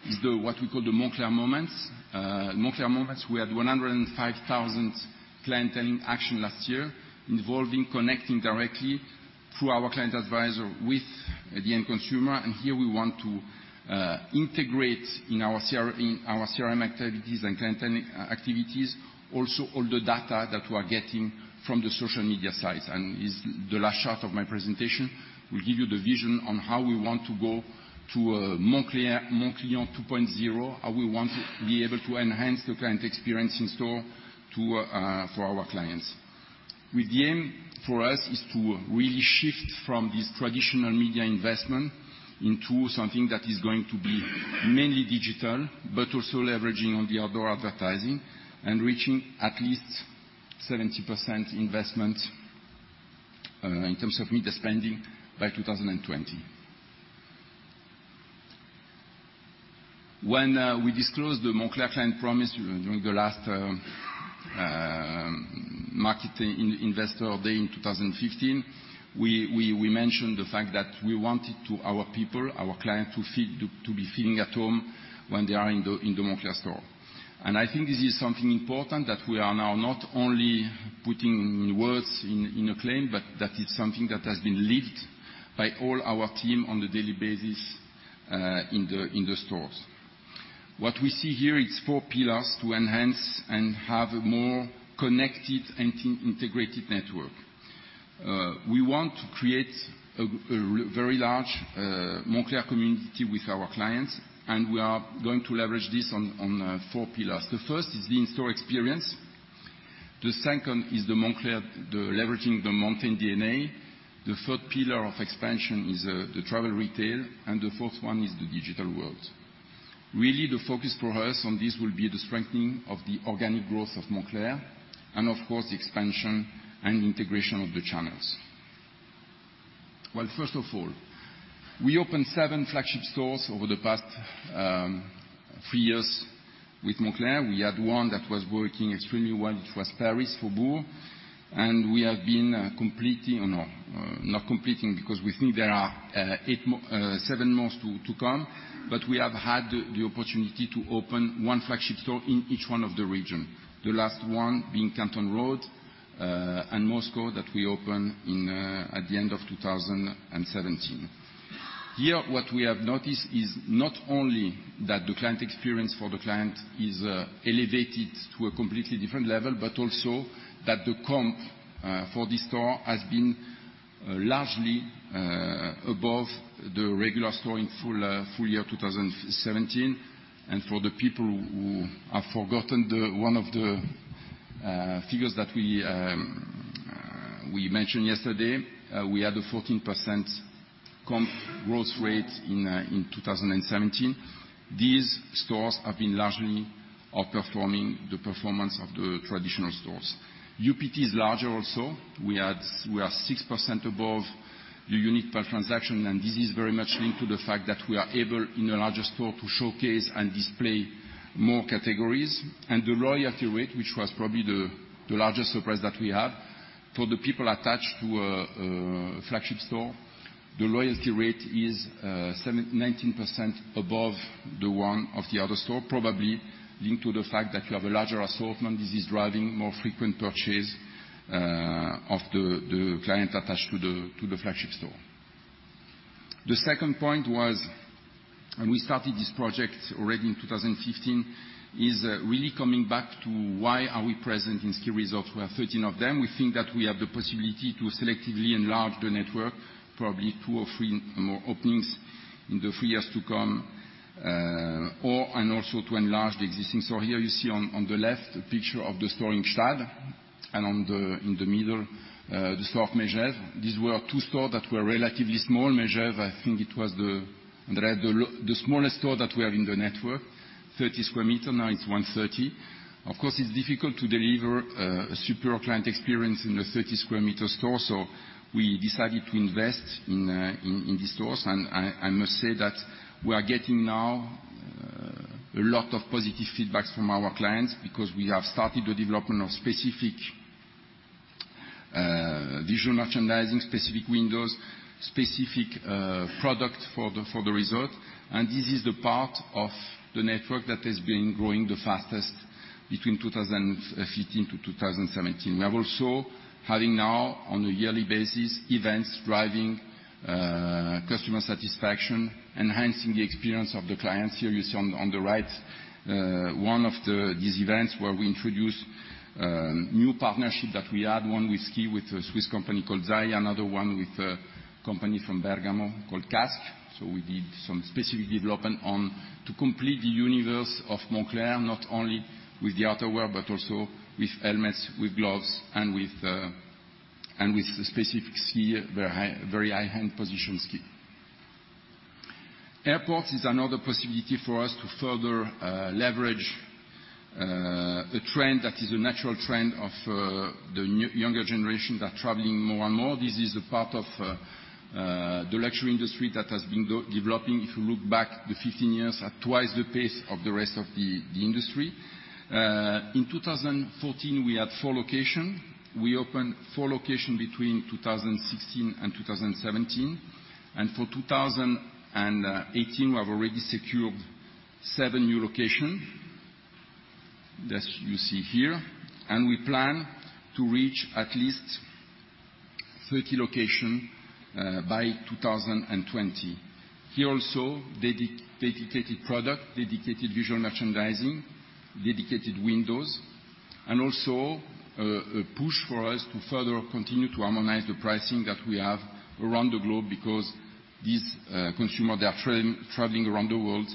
is the what we call the Moncler Moments. Moncler Moments, we had 105,000 clienteling action last year involving connecting directly through our client advisor with the end consumer. Here we want to integrate in our CRM activities and client activities, also all the data that we are getting from the social media sites. It's the last shot of my presentation. We give you the vision on how we want to go to a Moncler 2.0, how we want to be able to enhance the client experience in-store for our clients. With the aim for us is to really shift from this traditional media investment into something that is going to be mainly digital, but also leveraging on the outdoor advertising and reaching at least 70% investment, in terms of media spending by 2020. When we disclosed the Moncler client promise during the last, marketing investor day in 2015, we mentioned the fact that we wanted our people, our client, to be feeling at home when they are in the Moncler store. I think this is something important that we are now not only putting words in a claim, but that is something that has been lived by all our team on a daily basis, in the stores. What we see here, it's four pillars to enhance and have a more connected and integrated network. We want to create a very large Moncler community with our clients. We are going to leverage this on four pillars. The first is the in-store experience. The second is leveraging the mountain DNA. The third pillar of expansion is the travel retail. The fourth one is the digital world. The focus for us on this will be the strengthening of the organic growth of Moncler and of course, the expansion and integration of the channels. First of all, we opened 7 flagship stores over the past three years with Moncler. We had one that was working extremely well, which was Paris Faubourg. We have had the opportunity to open 1 flagship store in each one of the region, the last one being Canton Road, and Moscow that we open at the end of 2017. What we have noticed is not only that the client experience for the client is elevated to a completely different level, but also that the comp, for this store, has been largely above the regular store in full year 2017. For the people who have forgotten 1 of the figures that we mentioned yesterday, we had a 14% comp growth rate in 2017. These stores have been largely outperforming the performance of the traditional stores. UPT is larger also. We are 6% above the unit per transaction, and this is very much linked to the fact that we are able, in a larger store, to showcase and display more categories. The loyalty rate, which was probably the largest surprise that we have, for the people attached to a flagship store, the loyalty rate is 19% above the one of the other store, probably linked to the fact that you have a larger assortment. This is driving more frequent purchase, of the client attached to the flagship store. The second point was, we started this project already in 2015, is really coming back to why are we present in ski resorts. We have 13 of them. We think that we have the possibility to selectively enlarge the network, probably 2 or 3 more openings in the 3 years to come, to enlarge the existing. You see on the left, the picture of the store in Gstaad and in the middle, the store of Megève. These were 2 stores that were relatively small. Megève, I think it was the, Andrea, the smallest store that we have in the network, 30 sq m, now it's 130. Of course, it's difficult to deliver a superior client experience in a 30 sq m store. We decided to invest in the stores. I must say that we are getting now a lot of positive feedbacks from our clients because we have started the development of specific visual merchandising, specific windows, specific product for the resort. This is the part of the network that has been growing the fastest between 2015 to 2017. We are also having now on a yearly basis events driving customer satisfaction, enhancing the experience of the clients. You see on the right, 1 of these events where we introduce new partnership that we had, one with ski with a Swiss company called zai, another one with a company from Bergamo called KASK. We did some specific development on to complete the universe of Moncler, not only with the outerwear, but also with helmets, with gloves, and with the specific ski, very high-end position ski. Airports is another possibility for us to further leverage the trend that is a natural trend of the younger generation that traveling more and more. This is a part of the luxury industry that has been developing, if you look back the 15 years, at twice the pace of the rest of the industry. In 2014, we had four location. We opened four location between 2016 and 2017. For 2018, we have already secured seven new location That you see here, and we plan to reach at least 30 locations by 2020. Here also, dedicated product, dedicated visual merchandising, dedicated windows, and also a push for us to further continue to harmonize the pricing that we have around the globe, because these consumers are traveling around the world,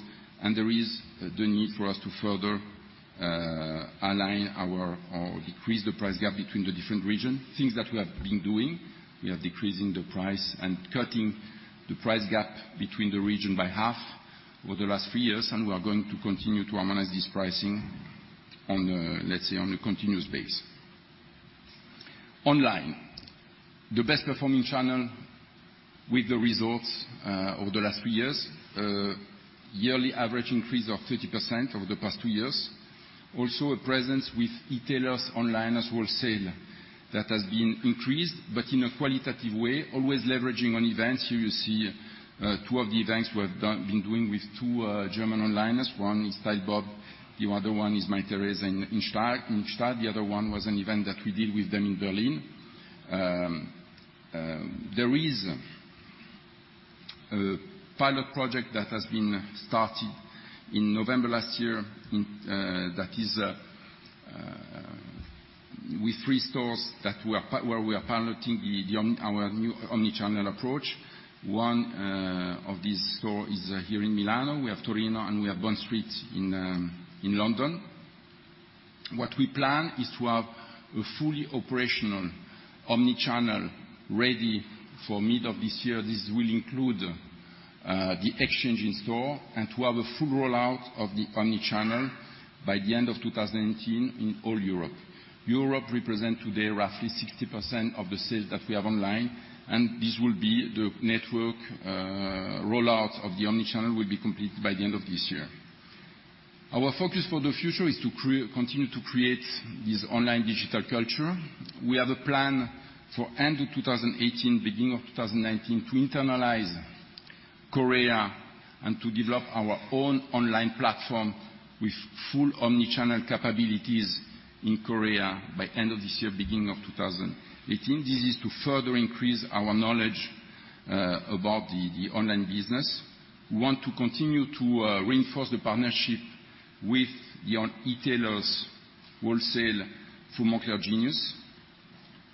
and there is the need for us to further align or decrease the price gap between the different regions. Things that we have been doing. We are decreasing the price and cutting the price gap between the regions by half over the last few years. We are going to continue to harmonize this pricing on a continuous basis. Online. The best performing channel with the results over the last few years. Yearly average increase of 30% over the past two years. Also, a presence with e-tailers, online as wholesale that has been increased, but in a qualitative way, always leveraging on events. Here you see two of the events we have been doing with two German onlineers. One is STYLEBOP, the other one is Mytheresa in. [inaudible] The other one was an event that we did with them in Berlin. There is a pilot project that has been started in November last year, that is with three stores where we are piloting our new omni-channel approach. One of these stores is here in Milano. We have Torino, and we have Bond Street in London. What we plan is to have a fully operational omni-channel ready for mid of this year. This will include the exchange in store and to have a full rollout of the omni-channel by the end of 2018 in all Europe. Europe represents today roughly 60% of the sales that we have online. The network rollout of the omni-channel will be completed by the end of this year. Our focus for the future is to continue to create this online digital culture. We have a plan for end of 2018, beginning of 2019, to internalize Korea and to develop our own online platform with full omni-channel capabilities in Korea by end of this year, beginning of 2019. This is to further increase our knowledge about the online business. We want to continue to reinforce the partnership with the e-tailers wholesale for Moncler Genius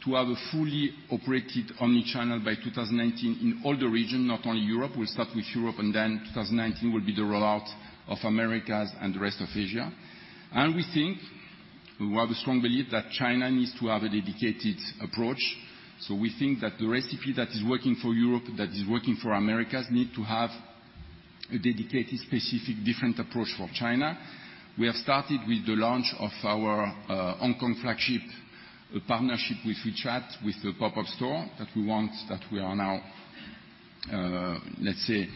to have a fully operated omni-channel by 2019 in all the regions, not only Europe. We'll start with Europe. Then 2019 will be the rollout of Americas and the rest of Asia. We have a strong belief that China needs to have a dedicated approach. We think that the recipe that is working for Europe, that is working for Americas, need to have a dedicated, specific, different approach for China. We have started with the launch of our Hong Kong flagship, a partnership with WeChat, with the pop-up store that we are now, let's say,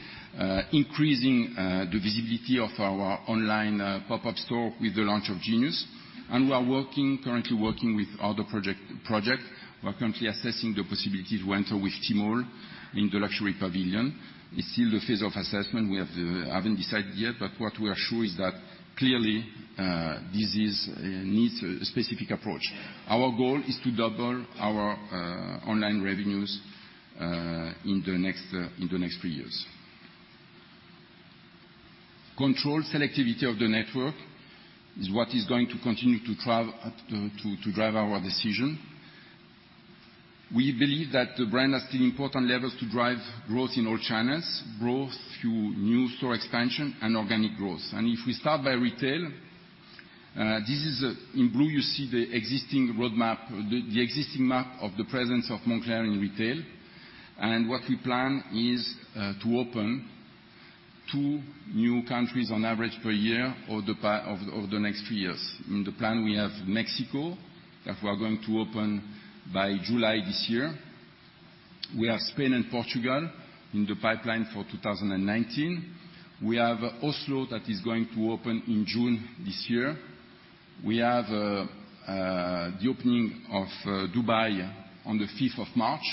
increasing the visibility of our online pop-up store with the launch of Genius. We are currently working with other projects. We are currently assessing the possibility to enter with Tmall in the Luxury Pavilion. It's still the phase of assessment. We haven't decided yet. What we are sure is that clearly, this needs a specific approach. Our goal is to double our online revenues in the next three years. Control selectivity of the network is what is going to continue to drive our decision. We believe that the brand has still important levels to drive growth in all channels, growth through new store expansion and organic growth. If we start by retail, in blue you see the existing roadmap, the existing map of the presence of Moncler in retail. What we plan is to open two new countries on average per year over the next three years. In the plan, we have Mexico, that we are going to open by July this year. We have Spain and Portugal in the pipeline for 2019. We have Oslo that is going to open in June this year. We have the opening of Dubai on the 5th of March.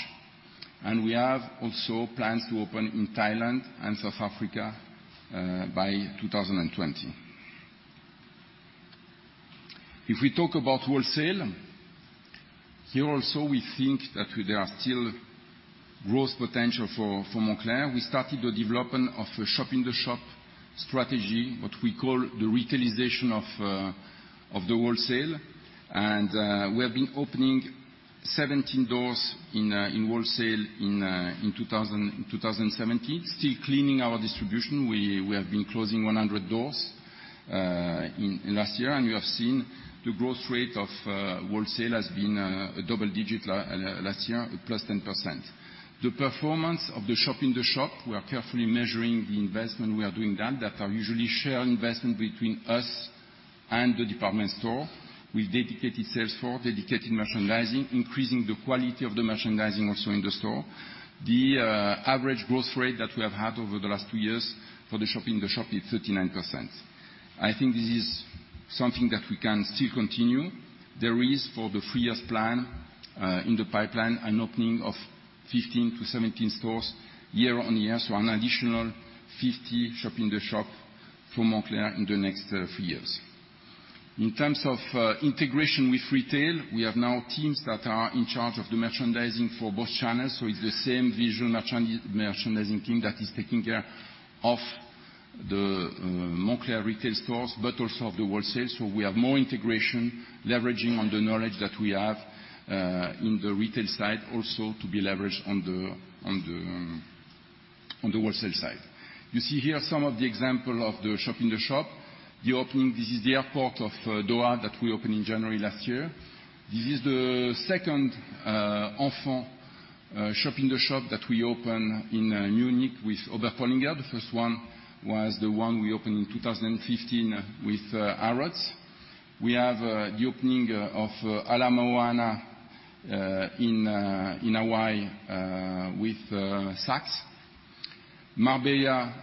We have also plans to open in Thailand and South Africa by 2020. If we talk about wholesale, here also we think that there are still growth potential for Moncler. We started the development of a shop in the shop strategy, what we call the retailization of the wholesale. We have been opening 17 doors in wholesale in 2017, still cleaning our distribution. We have been closing 100 doors last year. We have seen the growth rate of wholesale has been a double digit last year, plus 10%. The performance of the shop in the shop, we are carefully measuring the investment. We are doing that. That are usually share investment between us and the department store with dedicated sales floor, dedicated merchandising, increasing the quality of the merchandising also in the store. The average growth rate that we have had over the last two years for the shop in the shop is 39%. I think this is something that we can still continue. There is, for the three-years plan, in the pipeline, an opening of 15 to 17 stores year-on-year, an additional 50 shop in the shop for Moncler in the next three years. In terms of integration with retail, we have now teams that are in charge of the merchandising for both channels. It's the same visual merchandising team that is taking care of the Moncler retail stores, also of the wholesale. We have more integration, leveraging on the knowledge that we have in the retail side, also to be leveraged on the wholesale side. You see here some of the examples of the shop in the shop, the opening. This is the airport of Doha that we opened in January last year. This is the second Moncler Enfant shop in the shop that we opened in Munich with Oberpollinger. The first one was the one we opened in 2015 with Harrods. We have the opening of Ala Moana in Hawaii with Saks. Marbella,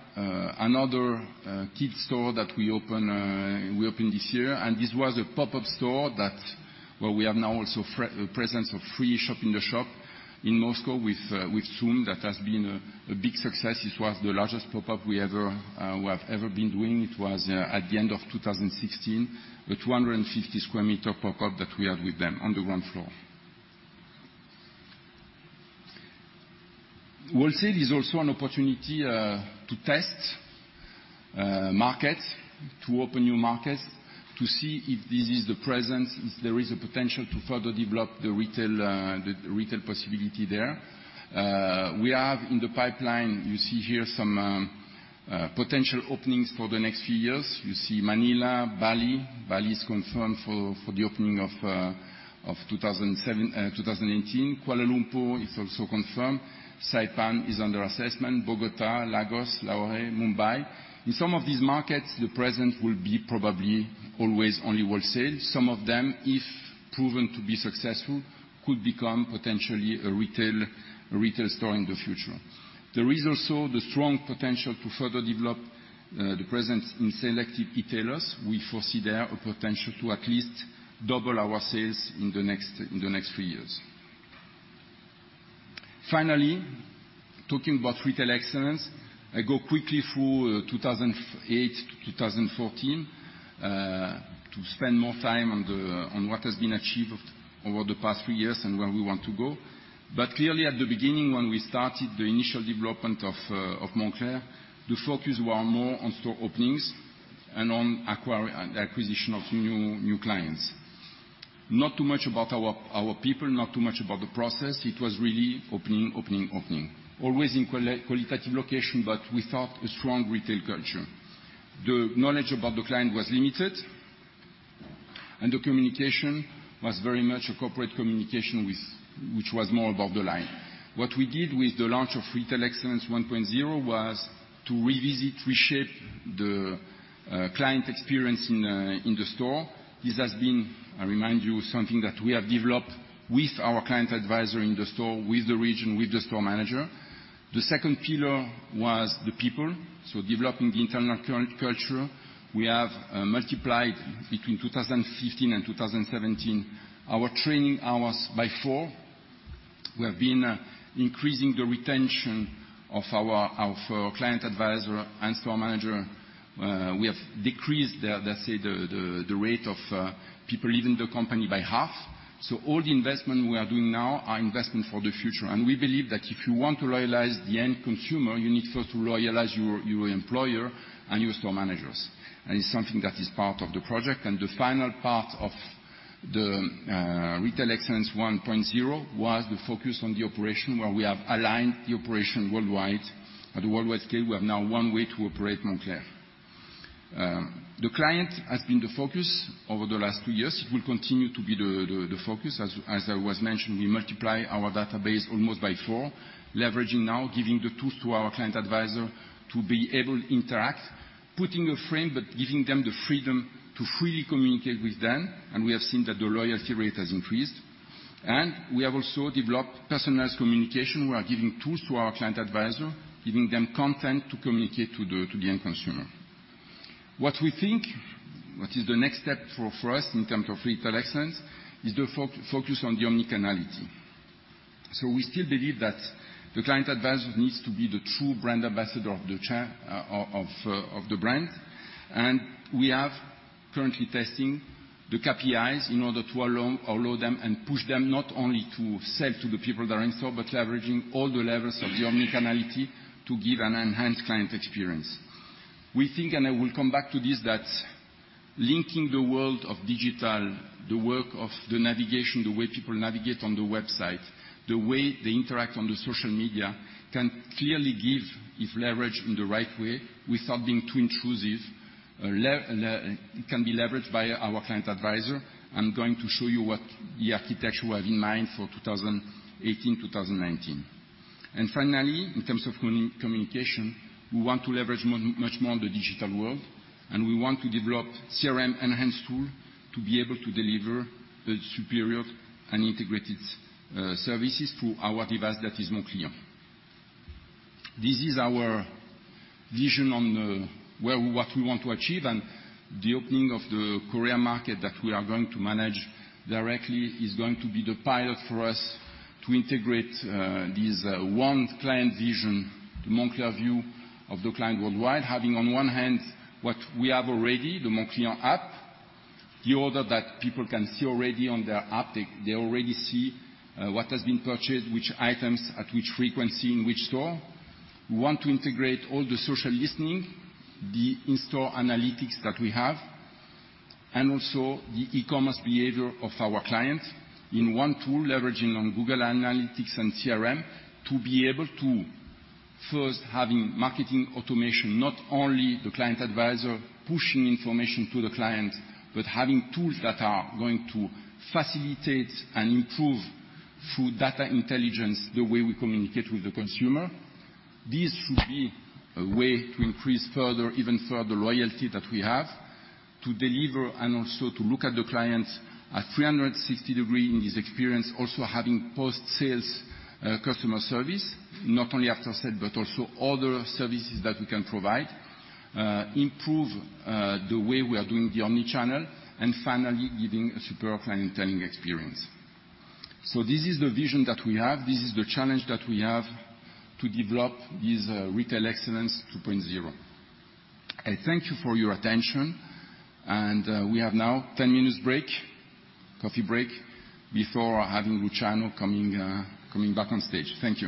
another kid store that we opened this year. This was a pop-up store that we have now also presence of three shop in the shop in Moscow with TsUM that has been a big success. This was the largest pop-up we have ever been doing. It was at the end of 2016, a 250 sq m pop-up that we had with them on the ground floor. Wholesale is also an opportunity to test markets, to open new markets, to see if this is the presence, if there is a potential to further develop the retail possibility there. We have in the pipeline, you see here some potential openings for the next few years. You see Manila, Bali. Bali is confirmed for the opening of 2018. Kuala Lumpur is also confirmed. Saipan is under assessment. Bogota, Lagos, Lahore, Mumbai. In some of these markets, the presence will be probably always only wholesale. Some of them, if proven to be successful, could become potentially a retail store in the future. There is also the strong potential to further develop the presence in selective e-tailers. We foresee there a potential to at least double our sales in the next few years. Talking about Retail Excellence, I go quickly through 2008-2014 to spend more time on what has been achieved over the past few years and where we want to go. Clearly at the beginning, when we started the initial development of Moncler, the focus was more on store openings and on acquisition of new clients. Not too much about our people, not too much about the process. It was really opening, opening. Always in qualitative location, but without a strong retail culture. The knowledge about the client was limited, and the communication was very much a corporate communication which was more above the line. What we did with the launch of Retail Excellence 1.0 was to revisit, reshape the client experience in the store. This has been, I remind you, something that we have developed with our client advisor in the store, with the region, with the store manager. The second pillar was the people, so developing the internal culture. We have multiplied between 2015 and 2017 our training hours by four. We have been increasing the retention of our client advisor and store manager. We have decreased the rate of people leaving the company by half. All the investment we are doing now are investment for the future, and we believe that if you want to loyalize the end consumer, you need first to loyalize your employer and your store managers. It's something that is part of the project, and the final part of the Retail Excellence 1.0 was the focus on the operation where we have aligned the operation worldwide. At the worldwide scale, we have now one way to operate Moncler. The client has been the focus over the last two years. It will continue to be the focus. As there was mentioned, we multiply our database almost by four, leveraging now, giving the tools to our client advisor to be able to interact, putting a frame but giving them the freedom to freely communicate with them, and we have seen that the loyalty rate has increased. We have also developed personalized communication. We are giving tools to our client advisor, giving them content to communicate to the end consumer. What we think, what is the next step for us in terms of Retail Excellence is the focus on the omni-channelity. We still believe that the client advisor needs to be the true brand ambassador of the brand, and we are currently testing the KPIs in order to allow them and push them not only to sell to the people that are in store, but leveraging all the levels of the omni-channelity to give an enhanced client experience. We think, and I will come back to this, that linking the world of digital, the work of the navigation, the way people navigate on the website, the way they interact on the social media, can clearly give, if leveraged in the right way, without being too intrusive, can be leveraged by our client advisor. I'm going to show you what the architecture we have in mind for 2018-2019. Finally, in terms of communication, we want to leverage much more on the digital world. We want to develop CRM enhanced tool to be able to deliver the superior and integrated services through our device that is Moncler. This is our vision on what we want to achieve, and the opening of the Korea market that we are going to manage directly is going to be the pilot for us to integrate this one client vision, the Moncler view of the client worldwide, having on one hand what we have already, the Moncler app, the order that people can see already on their app. They already see what has been purchased, which items, at which frequency, in which store. We want to integrate all the social listening, the in-store analytics that we have, also the e-commerce behavior of our clients in one tool, leveraging on Google Analytics and CRM to be able to first have marketing automation, not only the client advisor pushing information to the client, but having tools that are going to facilitate and improve through data intelligence the way we communicate with the consumer. This should be a way to increase even further loyalty that we have to deliver and also to look at the clients at 360 degree in this experience, also having post-sales customer service, not only after-sales, but also other services that we can provide, improve the way we are doing the omni-channel, finally giving a superb clienteling experience. This is the vision that we have. This is the challenge that we have to develop this Retail Excellence 2.0. I thank you for your attention. We have now 10 minutes break, coffee break, before having Luciano coming back on stage. Thank you.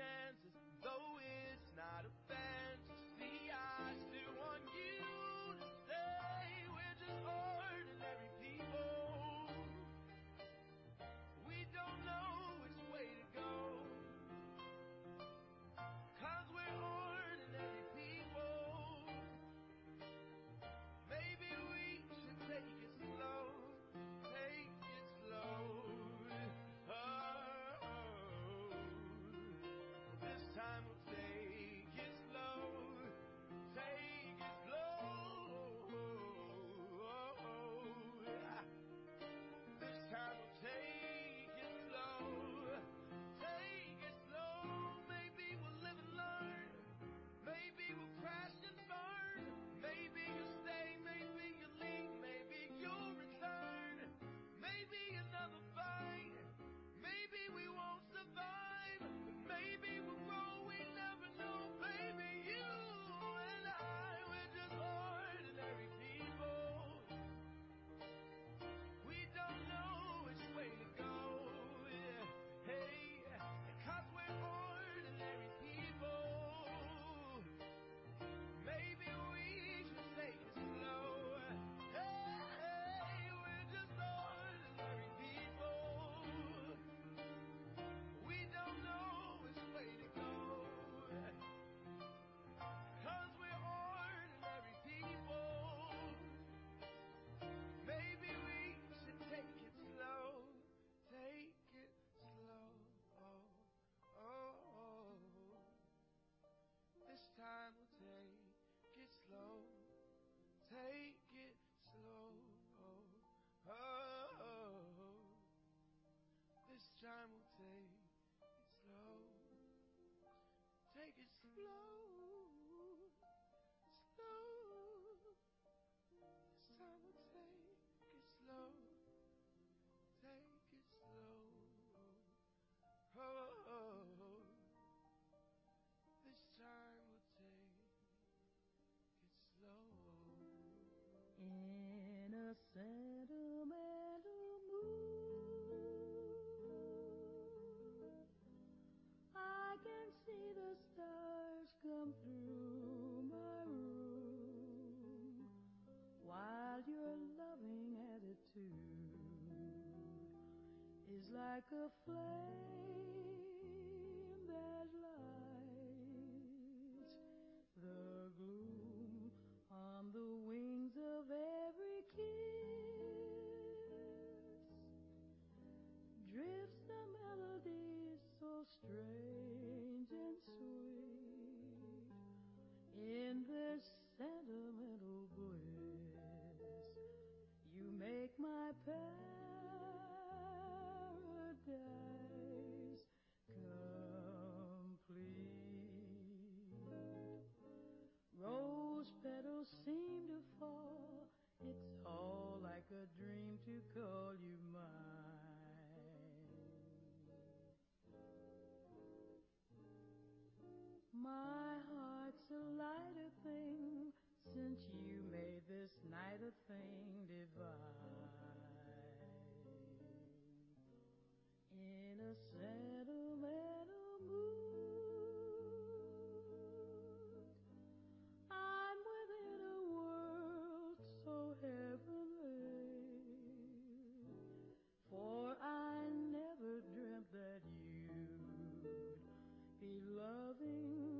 I hang up, you come through my room. While your loving attitude is like a flame that lights the gloom. On the wings of every kiss, drifts the melodies so strange and sweet. In this sentimental bliss, you make my paradise complete. Rose petals seem to fall. It's all like a dream to call you mine. My heart's a lighter thing since you made this night a thing divine. In a sentimental mood, I'm within a world so heavenly. For I never dreamt that you'd be loving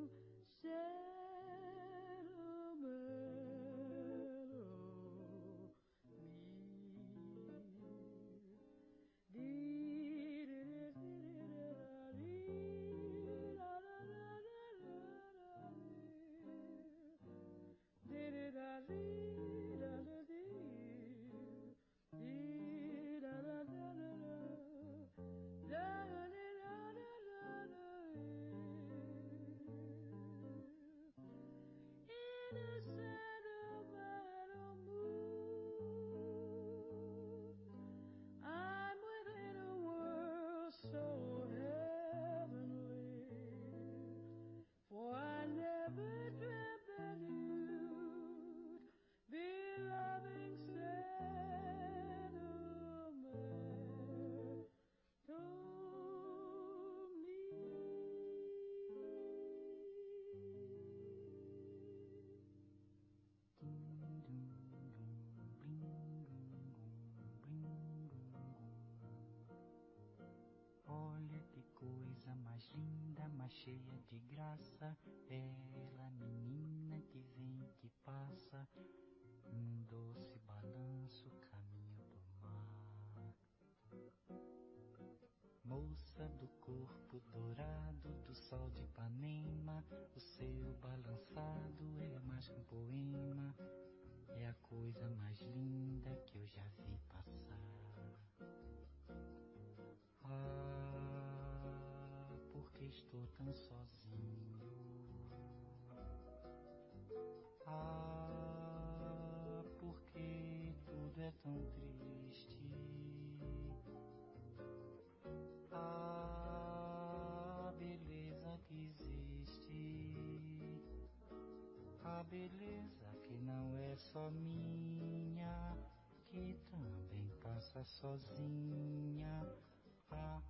Ela, menina que vem e que passa. Num doce balanço, caminho do mar. Moça do corpo dourado do Sol de Ipanema. O seu balançado é mais que um poema. É a coisa mais linda que eu já vi passar. Ah, por que estou tão sozinho? Ah, por que tudo é tão triste? Ah, a beleza que existe. A beleza que não é só minha, que também passa sozinha. Ah, se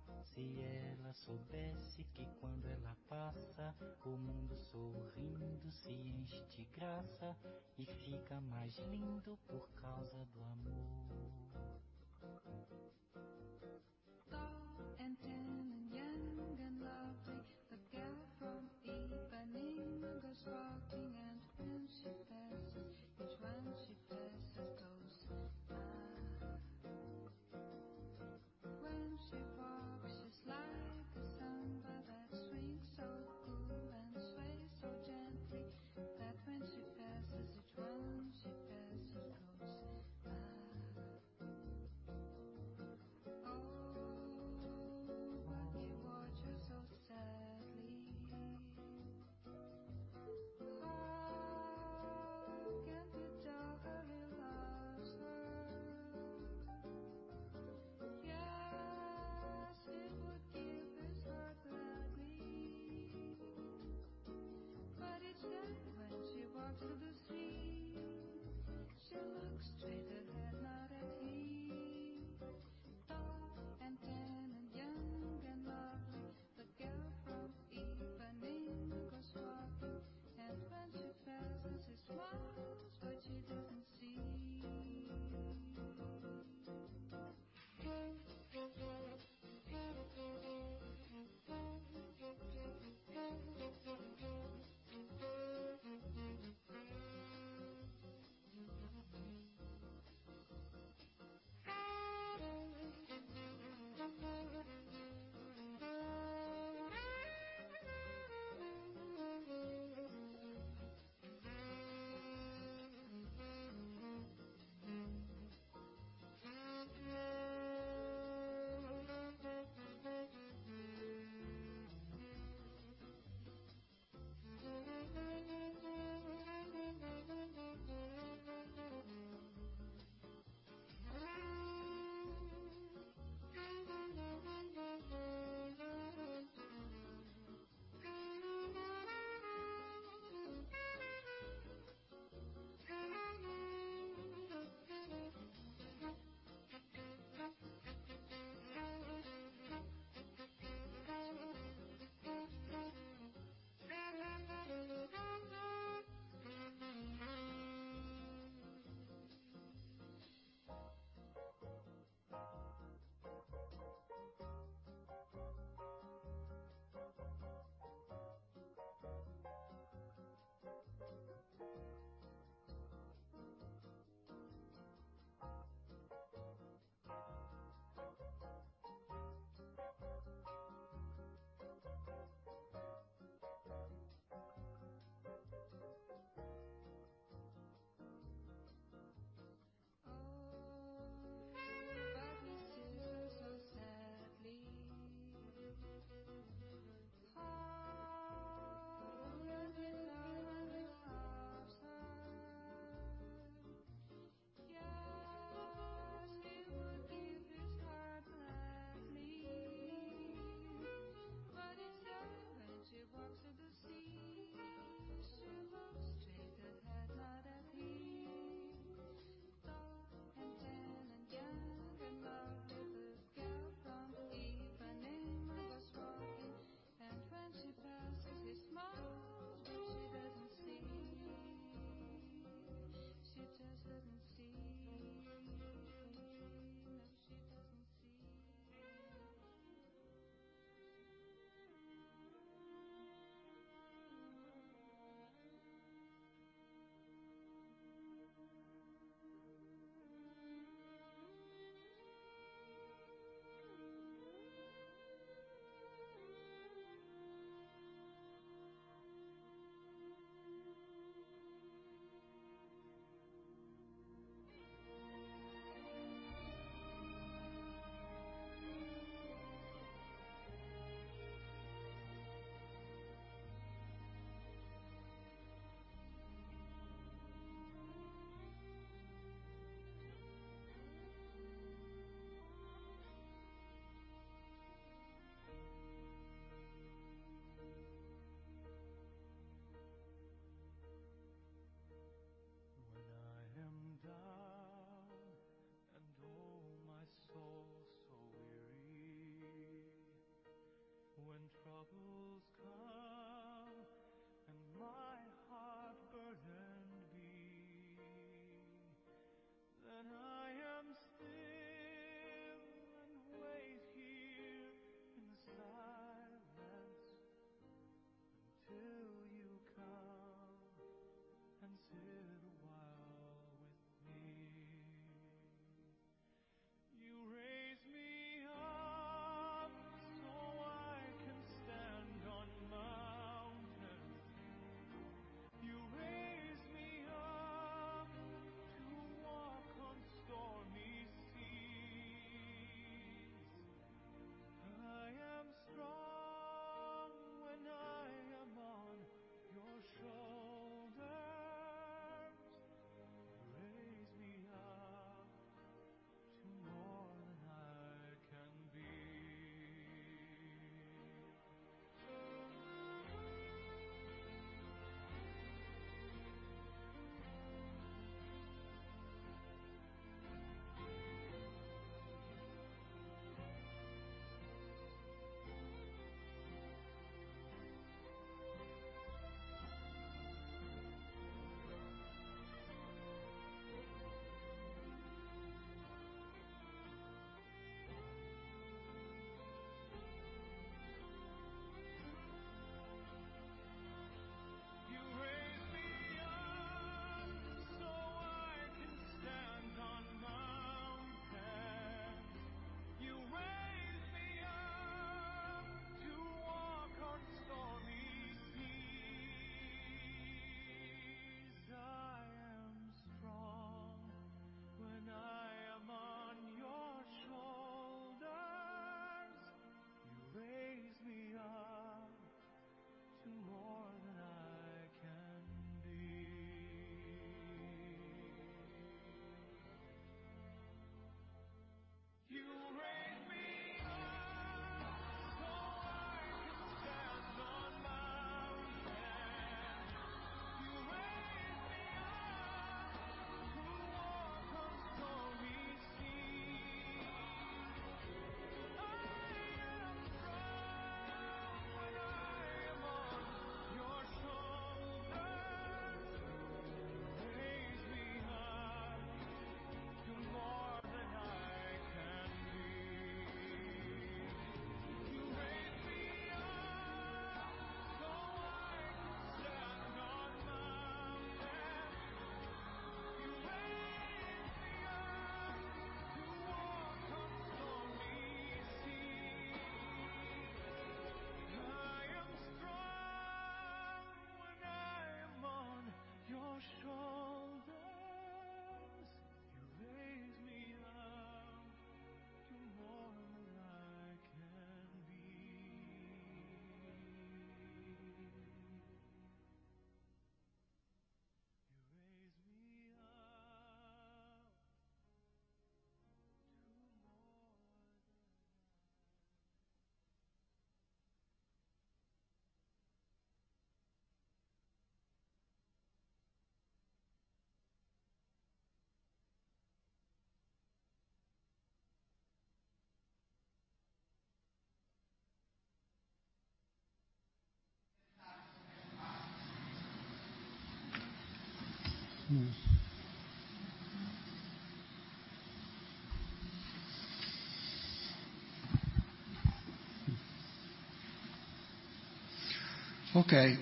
ela soubesse que Okay.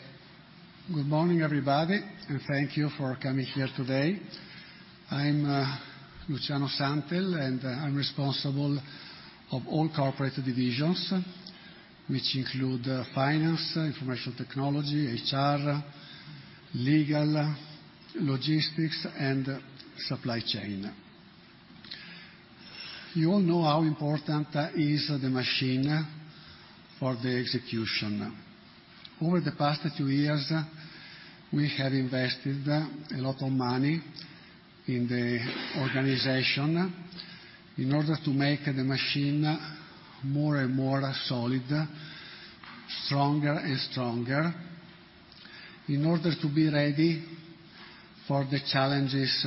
Good morning, everybody, and thank you for coming here today. I'm Luciano Santel, and I'm responsible of all corporate divisions, which include finance, information technology, HR, legal, logistics, and supply chain. You all know how important is the machine for the execution. Over the past two years, we have invested a lot of money in the organization in order to make the machine more and more solid, stronger and stronger, in order to be ready for the challenges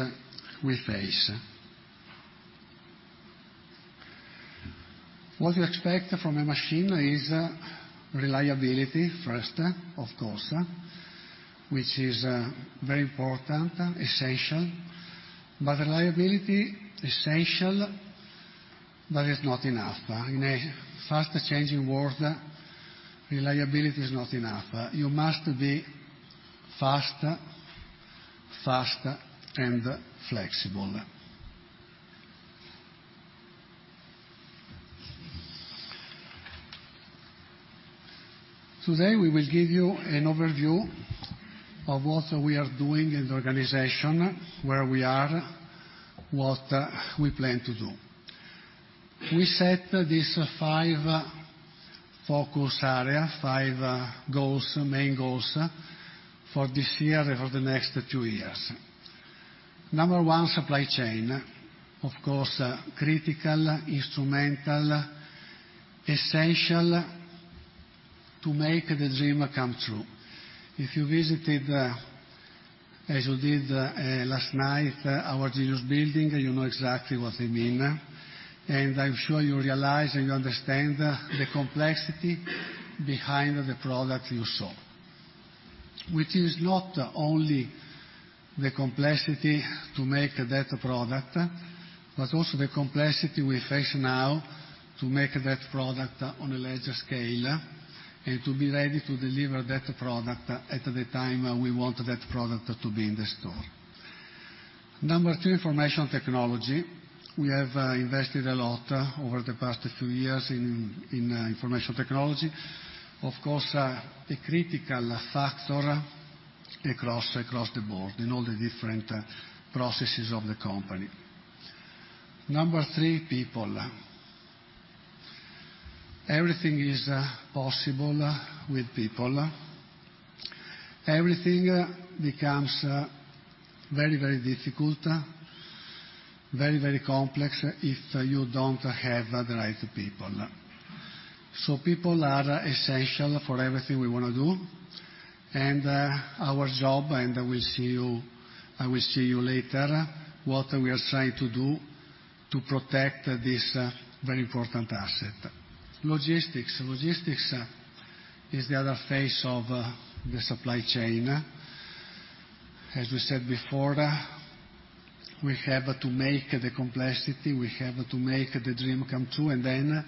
we face. What you expect from a machine is reliability, first, of course, which is very important, essential. Reliability, essential, but it's not enough. In a fast-changing world, reliability is not enough. You must be fast, fast, and flexible. Today, we will give you an overview of what we are doing in the organization, where we are, what we plan to do. We set these five focus areas, five main goals for this year and for the next two years. Number 1, Supply Chain. Of course, critical, instrumental, essential to make the dream come true. If you visited, as you did last night, our Genius building, you know exactly what I mean, and I'm sure you realize and you understand the complexity behind the product you saw. Which is not only the complexity to make that product, but also the complexity we face now to make that product on a larger scale, and to be ready to deliver that product at the time we want that product to be in the store. Number 2, Information Technology. We have invested a lot over the past few years in Information Technology. Of course, a critical factor across the board in all the different processes of the company. Number 3, people. Everything is possible with people. Everything becomes very, very difficult, very, very complex if you don't have the right people. People are essential for everything we want to do, and our job, and I will show you later what we are trying to do to protect this very important asset. Logistics. Logistics is the other face of the Supply Chain. As we said before, we have to make the dream come true, and then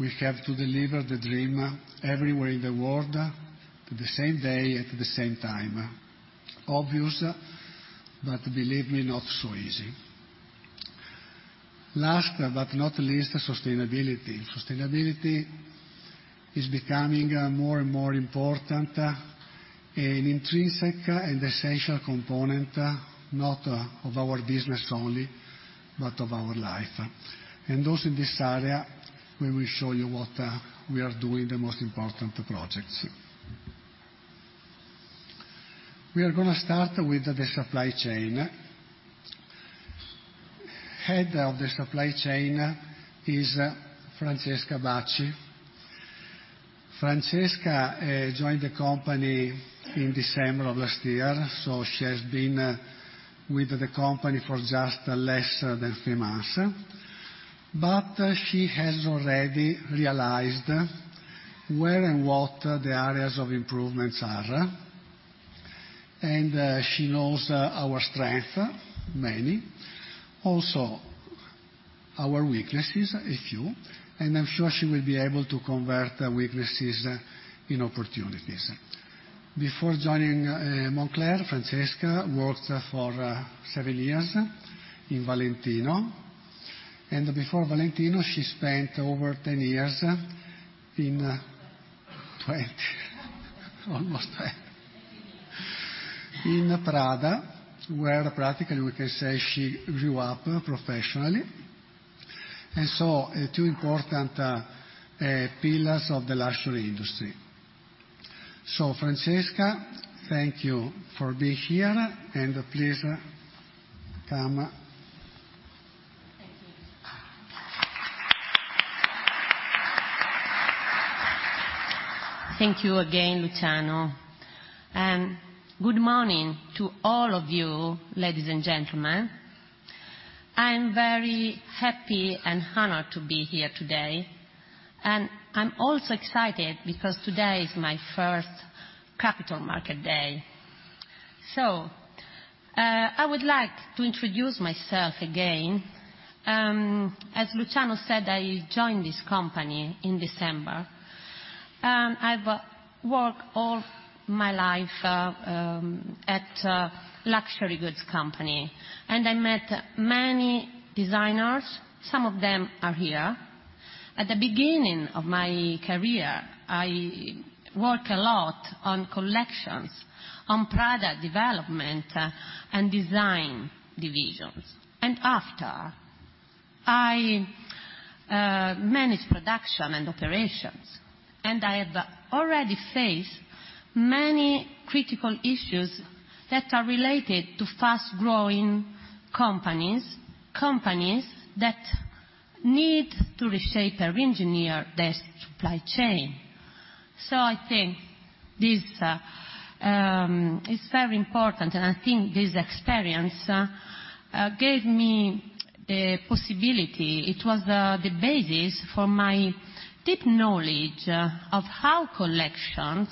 we have to deliver the dream everywhere in the world the same day at the same time. Obvious, believe me, not so easy. Last but not least, Sustainability. Sustainability is becoming more and more important, an intrinsic and essential component, not of our business only, but of our life. Also in this area, we will show you what we are doing, the most important projects. We are going to start with the supply chain. Head of the supply chain is Francesca Bacci. Francesca joined the company in December of last year, so she has been with the company for just less than three months. She has already realized where and what the areas of improvements are. She knows our strength, many. Also our weaknesses, a few, and I'm sure she will be able to convert weaknesses in opportunities. Before joining Moncler, Francesca worked for seven years in Valentino, and before Valentino, she spent over 10 years in. 18 years. In Prada, where practically we can say she grew up professionally, and saw two important pillars of the luxury industry. Francesca, thank you for being here, and please come. Thank you. Thank you again, Luciano. Good morning to all of you, ladies and gentlemen. I'm very happy and honored to be here today, and I'm also excited because today is my first Capital Markets Day. I would like to introduce myself again. As Luciano said, I joined this company in December. I've worked all my life at a luxury goods company, and I met many designers. Some of them are here. At the beginning of my career, I worked a lot on collections, on product development, and design divisions. After, I managed production and operations, and I have already faced many critical issues that are related to fast-growing companies that need to reshape or re-engineer their supply chain. I think this is very important. I think this experience gave me the possibility, it was the basis for my deep knowledge of how collections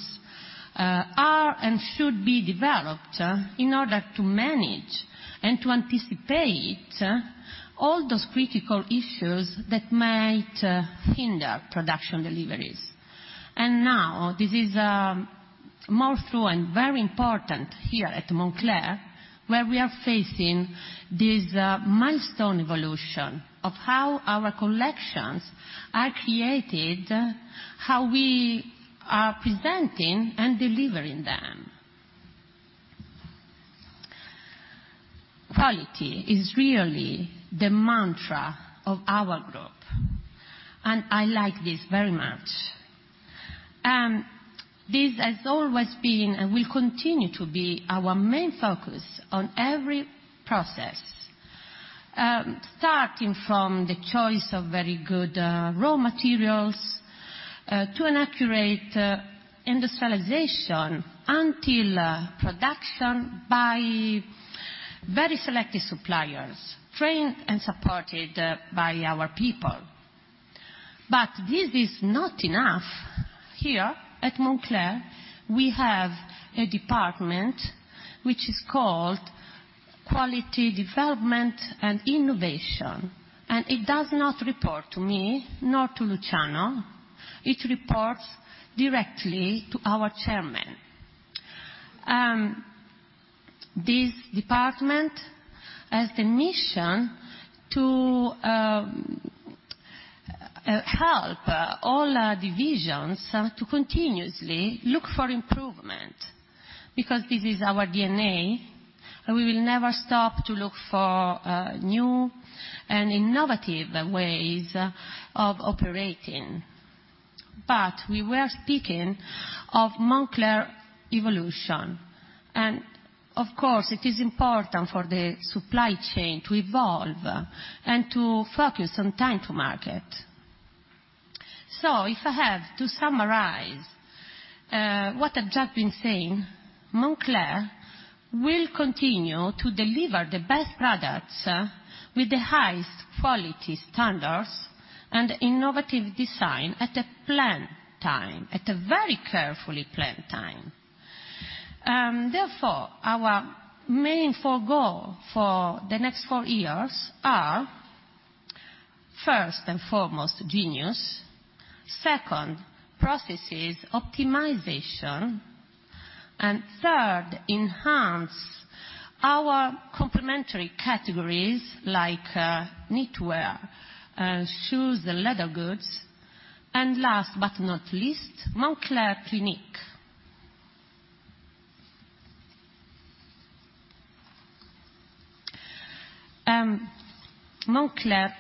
are and should be developed in order to manage and to anticipate all those critical issues that might hinder production deliveries. Now this is more true and very important here at Moncler, where we are facing this milestone evolution of how our collections are created, how we are presenting and delivering them. Quality is really the mantra of our group. I like this very much. This has always been and will continue to be our main focus on every process. Starting from the choice of very good raw materials, to an accurate industrialization, until production by very selective suppliers, trained and supported by our people. This is not enough. Here at Moncler, we have a department which is called Quality Development and Innovation. It does not report to me, nor to Luciano. It reports directly to our chairman. This department has the mission to help all our divisions to continuously look for improvement, because this is our DNA. We will never stop to look for new and innovative ways of operating. We were speaking of Moncler evolution. Of course, it is important for the supply chain to evolve and to focus on time to market. If I have to summarize what I've just been saying, Moncler will continue to deliver the best products with the highest quality standards and innovative design at a planned time, at a very carefully planned time. Therefore, our main four goal for the next four years are, first and foremost, Genius. Second, processes optimization. Third, enhance our complementary categories like knitwear, shoes, and leather goods. Last but not least, Moncler Clinique. Moncler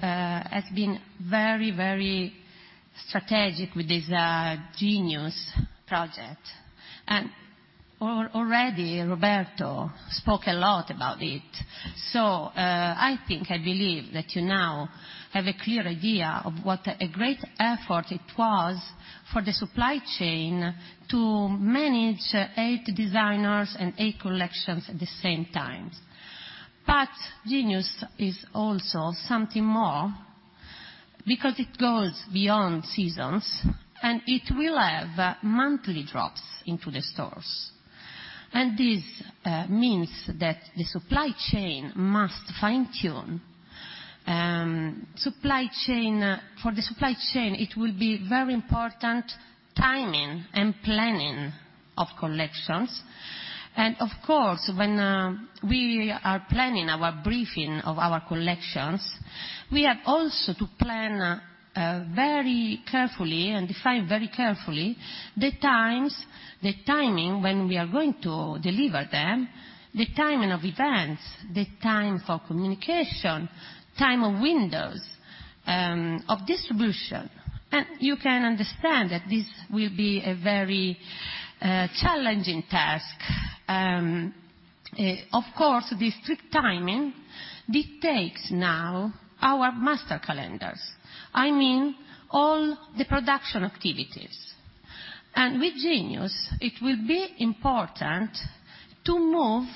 has been very strategic with this Genius project. Already Roberto spoke a lot about it. I think, I believe that you now have a clear idea of what a great effort it was for the supply chain to manage eight designers and eight collections at the same time. Genius is also something more. Because it goes beyond seasons, and it will have monthly drops into the stores. This means that the supply chain must fine-tune. For the supply chain, it will be very important, timing and planning of collections. Of course, when we are planning our briefing of our collections, we have also to plan very carefully and define very carefully the times, the timing when we are going to deliver them, the timing of events, the time for communication, time of windows, of distribution. You can understand that this will be a very challenging task. Of course, the strict timing dictates now our master calendars. I mean, all the production activities. With Genius, it will be important to move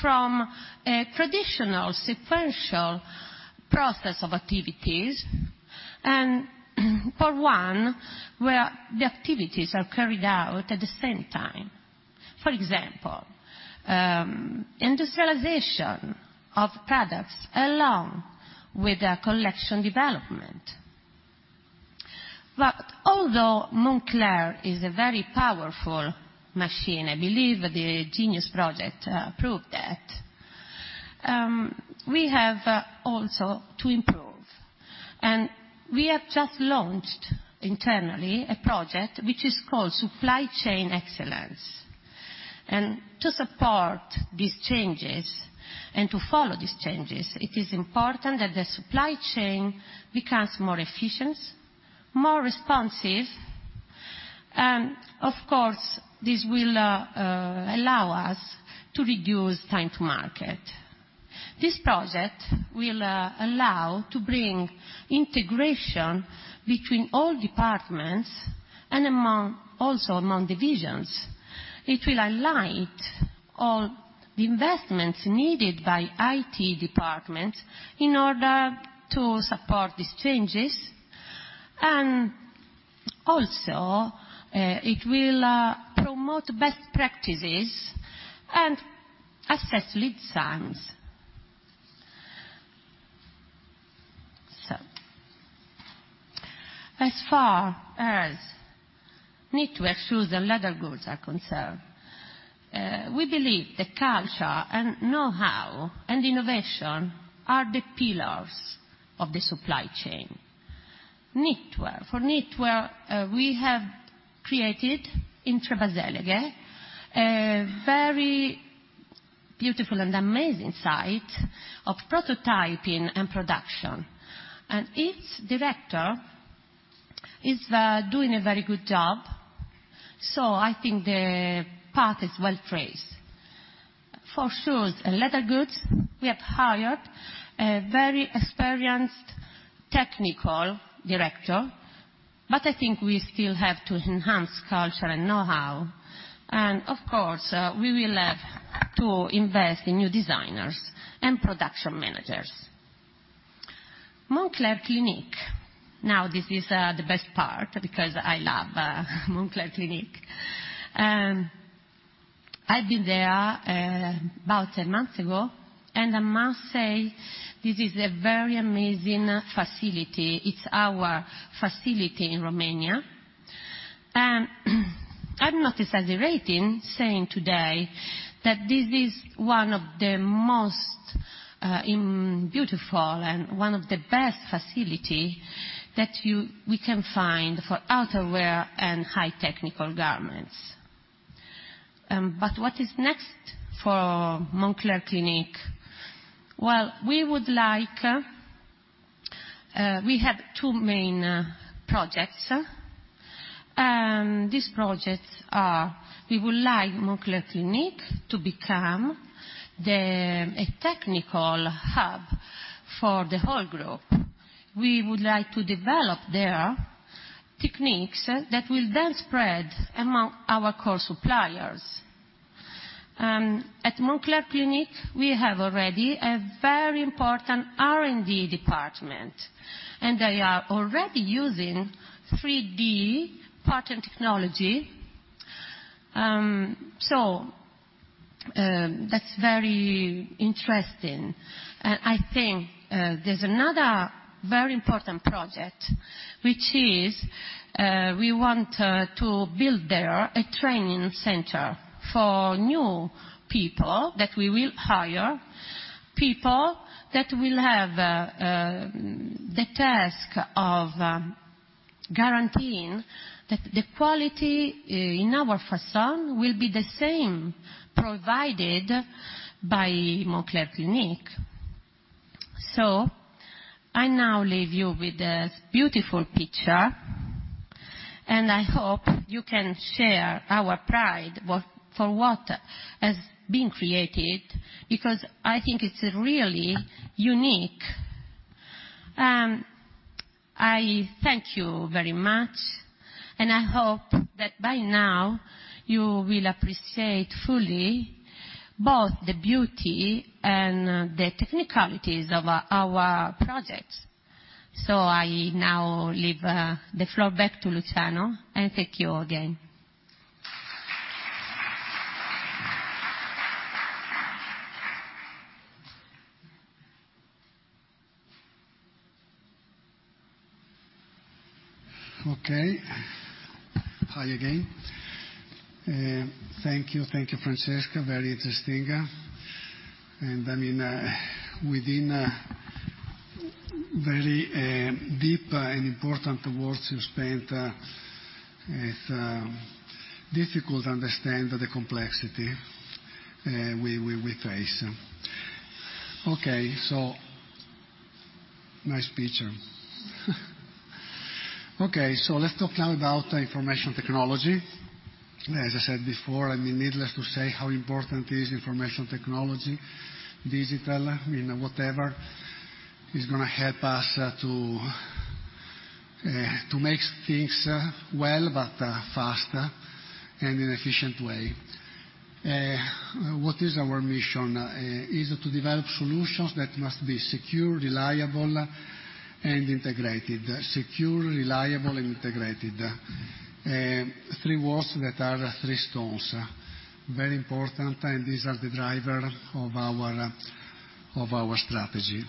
from a traditional sequential process of activities and for one where the activities are carried out at the same time. For example, industrialization of products along with collection development. Although Moncler is a very powerful machine, I believe the Genius project proved that, we have also to improve. We have just launched internally a project which is called Supply Chain Excellence. To support these changes and to follow these changes, it is important that the supply chain becomes more efficient, more responsive. Of course, this will allow us to reduce time to market. This project will allow to bring integration between all departments and also among divisions. It will align all the investments needed by IT department in order to support these changes. It will promote best practices and assess lead times. As far as knitwear, shoes, and leather goods are concerned, we believe the culture and know-how and innovation are the pillars of the supply chain. Knitwear. For knitwear, we have created in Trebaseleghe, a very beautiful and amazing site of prototyping and production. Its director is doing a very good job. I think the path is well-traced. For shoes and leather goods, we have hired a very experienced technical director, I think we still have to enhance culture and know-how. Of course, we will have to invest in new designers and production managers. Moncler Clinique. This is the best part because I love Moncler Clinique. I've been there about 10 months ago, and I must say this is a very amazing facility. It's our facility in Romania. I'm not exaggerating saying today that this is one of the most beautiful and one of the best facility that we can find for outerwear and high technical garments. What is next for Moncler Clinique? We have two main projects. These projects are, we would like Moncler Clinique to become a technical hub for the whole group. We would like to develop their techniques that will then spread among our core suppliers. At Moncler Clinique, we have already a very important R&D department, and they are already using 3D pattern technology. That's very interesting. I think there's another very important project, which is, we want to build there a training center for new people that we will hire, people that will have the task of guaranteeing that the quality in our person will be the same provided by Moncler Clinique. I now leave you with a beautiful picture, and I hope you can share our pride for what has been created, because I think it's really unique. I thank you very much, and I hope that by now you will appreciate fully both the beauty and the technicalities of our projects. I now leave the floor back to Luciano, and thank you again. Hi again. Thank you, Francesca, very interesting. Within very deep and important words you spent, it's difficult to understand the complexity we face. Nice picture. Let's talk now about information technology. As I said before, needless to say how important is information technology, digital, whatever, is going to help us to make things well, but faster and in an efficient way. What is our mission? Is it to develop solutions that must be secure, reliable, and integrated. Three words that are three stones. Very important, these are the driver of our strategy.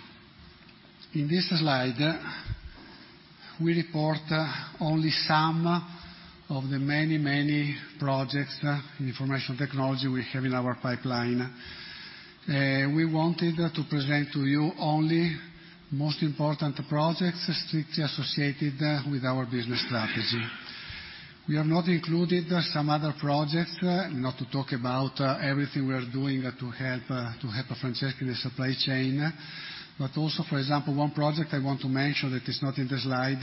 In this slide, we report only some of the many projects in information technology we have in our pipeline. We wanted to present to you only most important projects strictly associated with our business strategy. We have not included some other projects, not to talk about everything we are doing to help Francesca in the supply chain. Also, for example, one project I want to mention that is not in the slide,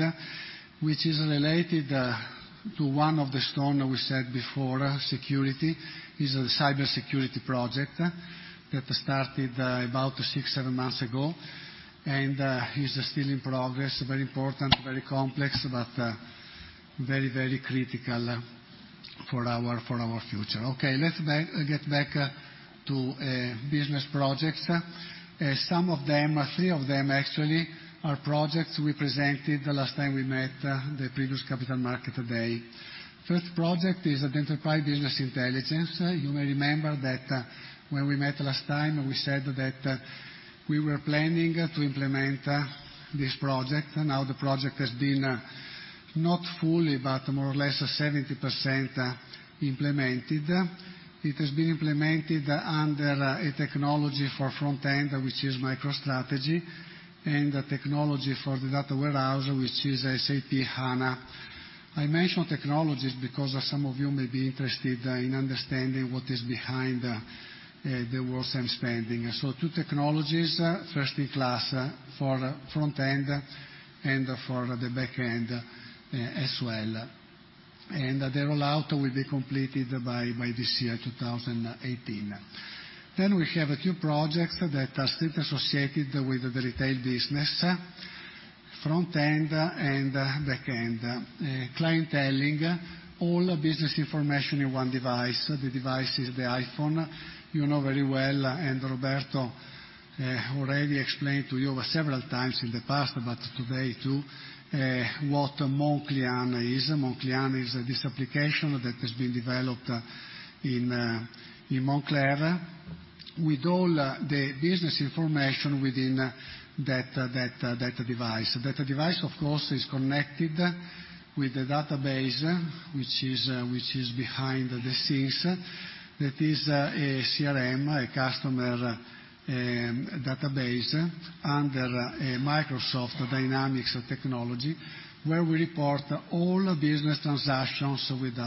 which is related to one of the stones we said before, security, is a cybersecurity project that started about six, seven months ago and is still in progress. Very important, very complex, but very critical for our future. Okay, let's get back to business projects. Some of them, three of them actually, are projects we presented the last time we met, the previous Capital Markets Day. First project is the Enterprise Business Intelligence. You may remember that when we met last time, we said that we were planning to implement this project. Now the project has been not fully, but more or less 70% implemented. It has been implemented under a technology for front-end, which is MicroStrategy, and technology for the data warehouse, which is SAP HANA. I mention technologies because some of you may be interested in understanding what is behind the words I'm spending. Two technologies, first in class for front-end and for the back-end as well. The rollout will be completed by this year, 2018. We have a few projects that are still associated with the retail business, front-end and back-end. Clienteling, all business information in one device. The device is the iPhone. You know very well, and Roberto already explained to you several times in the past, but today too, what MonClient is. MonClient is this application that has been developed in Moncler with all the business information within that device. That device of course, is connected with the database, which is behind the scenes. That is a CRM, a customer database, under a Microsoft Dynamics technology, where we report all business transactions with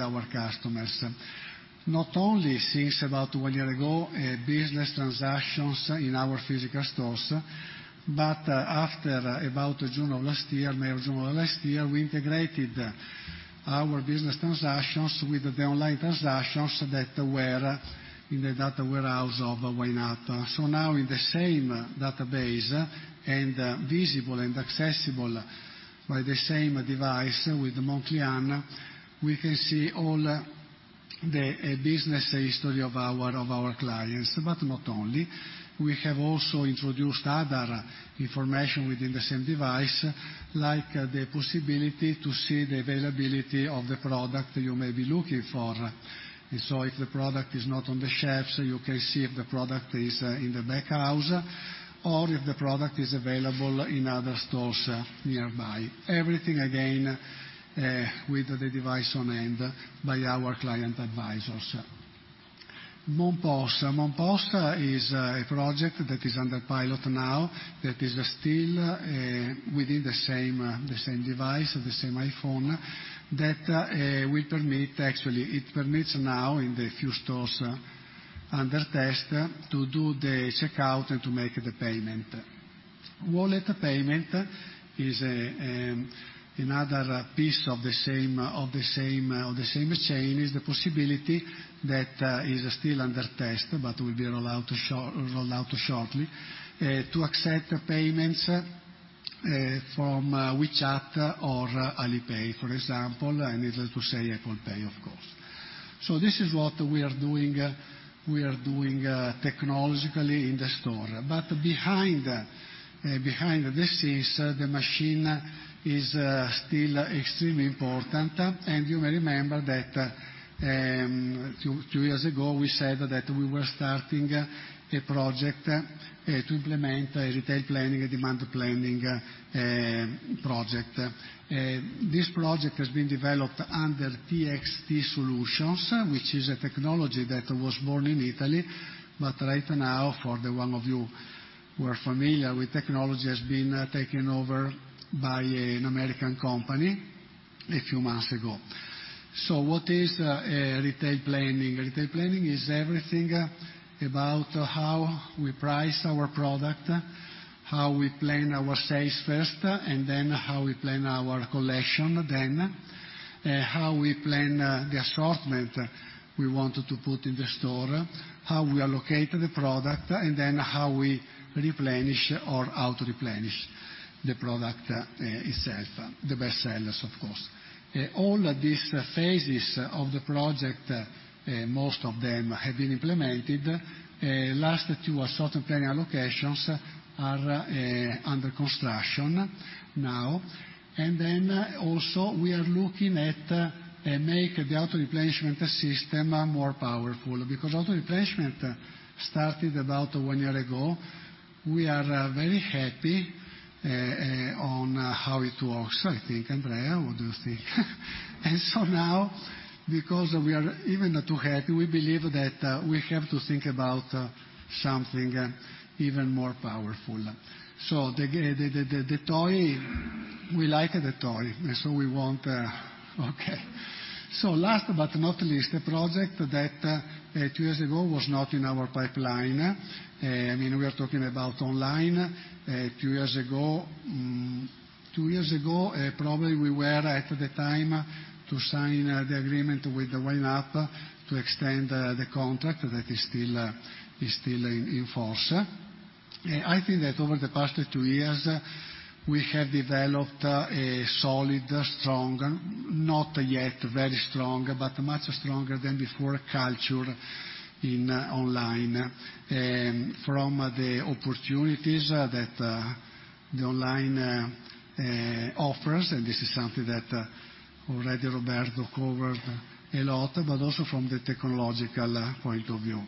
our customers. Not only since about one year ago, business transactions in our physical stores, after about May or June of last year, we integrated our business transactions with the online transactions that were in the data warehouse of YNAP. Now in the same database and visible and accessible by the same device with MonClient, we can see all the business history of our clients. Not only, we have also introduced other information within the same device, like the possibility to see the availability of the product you may be looking for. If the product is not on the shelves, you can see if the product is in the back house or if the product is available in other stores nearby. Everything again, with the device on hand by our client advisors. MonPOS. MonPOS is a project that is under pilot now, that is still within the same device, the same iPhone, that will permit, actually, it permits now in the few stores under test to do the checkout and to make the payment. Wallet payment is another piece of the same chain, is the possibility that is still under test, but will be rolled out shortly, to accept payments from WeChat or Alipay, for example, needless to say, Apple Pay, of course. This is what we are doing technologically in the store. Behind this is the machine is still extremely important. You may remember that two years ago we said that we were starting a project to implement a retail planning, a demand planning project. This project has been developed under TXT e-solutions, which is a technology that was born in Italy, but right now, for the one of you who are familiar with technology, has been taken over by an American company a few months ago. What is retail planning? Retail planning is everything about how we price our product, how we plan our sales first, and then how we plan our collection, then how we plan the assortment we want to put in the store, how we allocate the product, and then how we replenish or how to replenish the product itself. The best sellers, of course. All these phases of the project, most of them have been implemented. Last two, assortment planning, allocations are under construction now. Also we are looking at make the auto-replenishment system more powerful. Because auto-replenishment started about one year ago. We are very happy on how it works, I think. Andrea, what do you think? Because we are even too happy, we believe that we have to think about something even more powerful. Last but not least, a project that two years ago was not in our pipeline. We are talking about online. Two years ago, probably we were at the time to sign the agreement with the YNAP to extend the contract that is still in force. I think that over the past two years, we have developed a solid, strong, not yet very strong, but much stronger than before culture in online. From the opportunities that the online offers, and this is something that already Roberto covered a lot, but also from the technological point of view.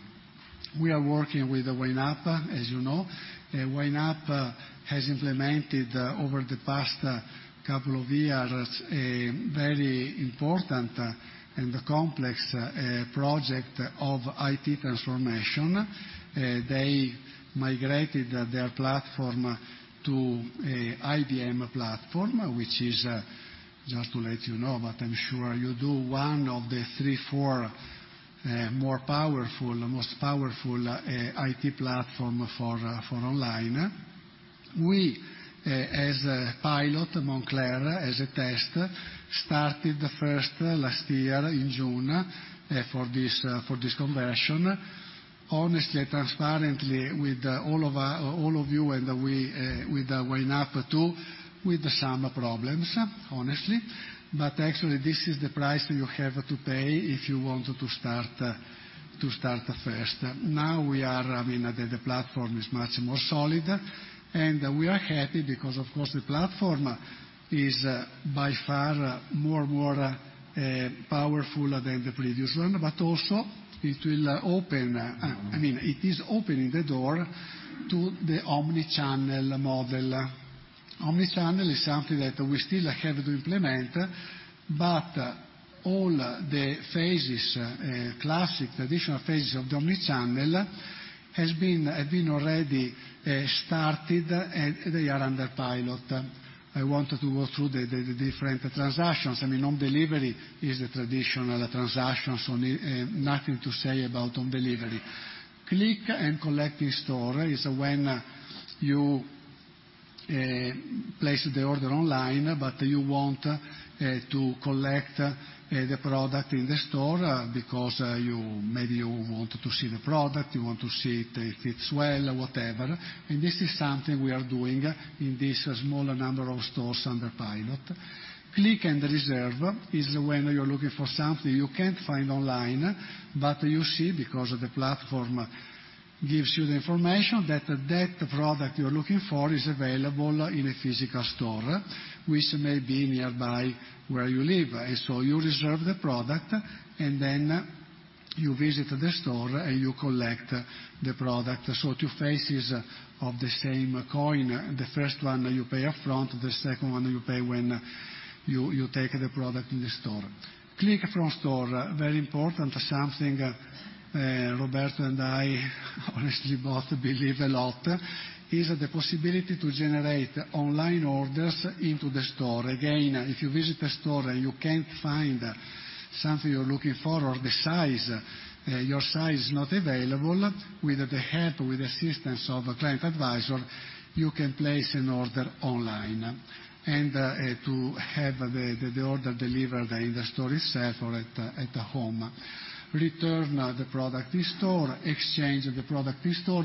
We are working with YNAP, as you know. YNAP has implemented, over the past couple of years, a very important and complex project of IT transformation. They migrated their platform to IBM platform, which is, just to let you know, but I'm sure you do, one of the three, four most powerful IT platform for online. We, as a pilot, Moncler, as a test, started first last year in June for this conversion. Honestly, and transparently with all of you and with YNAP too, with some problems, honestly. This is the price you have to pay if you want to start first. Now, the platform is much more solid, and we are happy because, of course, the platform is by far more powerful than the previous one. It is opening the door to the omni-channel model. Omni-channel is something that we still have to implement, all the classic traditional phases of the omni-channel have been already started, and they are under pilot. I wanted to go through the different transactions. Home delivery is a traditional transaction, so nothing to say about home delivery. Click and collect in store is when you place the order online, but you want to collect the product in the store because maybe you want to see the product, you want to see if it fits well or whatever. This is something we are doing in this small number of stores under pilot. Click and reserve is when you're looking for something you can't find online, but you see, because the platform gives you the information that product you're looking for is available in a physical store, which may be nearby where you live. You reserve the product, then you visit the store, you collect the product. Two faces of the same coin. The first one you pay upfront, the second one you pay when you take the product in the store. Click from store, very important. Something Roberto and I honestly both believe a lot is the possibility to generate online orders into the store. If you visit a store and you can't find something you're looking for or your size is not available, with the help, with the assistance of a client advisor, you can place an order online and to have the order delivered in the store itself or at home. Return the product in store, exchange the product in store.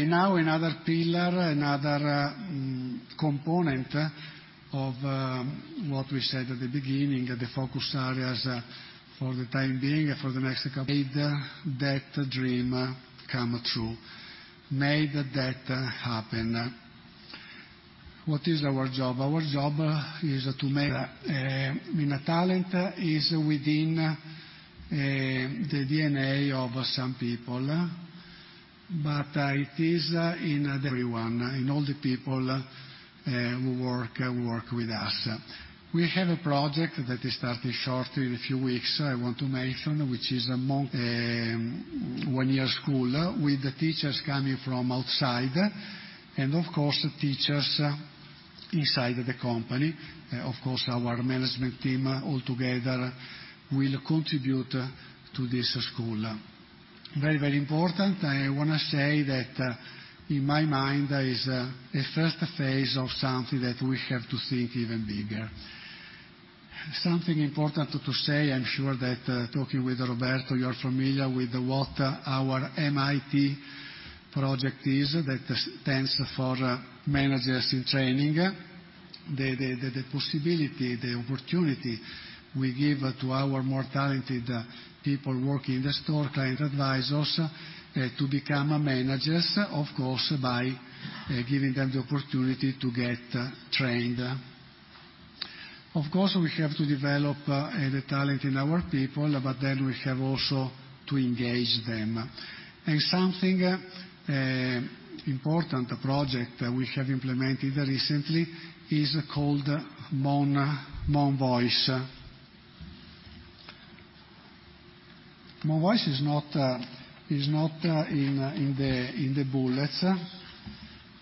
Another pillar, another component of what we said at the beginning, the focus areas for the time being and for the next couple made that dream come true, made that happen. What is our job? Our job is to make talent is within the DNA of some people, but it is in everyone, in all the people who work with us. We have a project that is starting shortly, in a few weeks, I want to mention, which is Mon One Year School with the teachers coming from outside and of course, teachers inside the company. Our management team all together will contribute to this school. Very important, I want to say that in my mind, is a first phase of something that we have to think even bigger. Something important to say, I'm sure that talking with Roberto, you're familiar with what our MIT project is. That stands for Managers In Training. The possibility, the opportunity we give to our more talented people working in the store, client advisors, to become managers, of course, by giving them the opportunity to get trained. We have to develop the talent in our people, then we have also to engage them. Something important, a project we have implemented recently is called Mon Voice. Mon Voice is not in the bullets,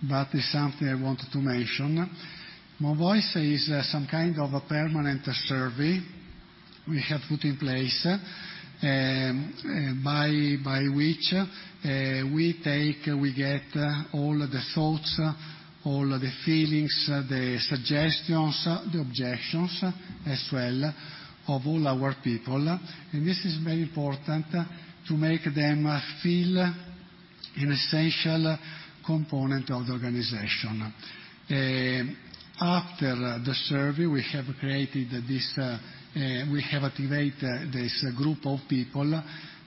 but it's something I wanted to mention. Mon Voice is some kind of a permanent survey we have put in place, by which we get all the thoughts, all the feelings, the suggestions, the objections as well of all our people. This is very important to make them feel an essential component of the organization. All these phases are under pilot in a small number of stores, we expect the rollout in Europe for sure by the end of this year. One full inventory we have mentioned, which is another important transaction associated with the multi-channel model that has not been evaluated yet because we gave priority to the phases I mentioned before. Single customer view is something that relates to what I said before and what Roberto said in his presentation, very self-explanatory. Business architecture is everything associated with what we are doing together with the YNAP our information technology platform, their IBM platform, and honestly, very complex integration between the two platforms. Important, I was forgetting to tell you that, we are planning to spend about EUR 30 million in CapEx only in the next three years. After the survey, we have activated this group of people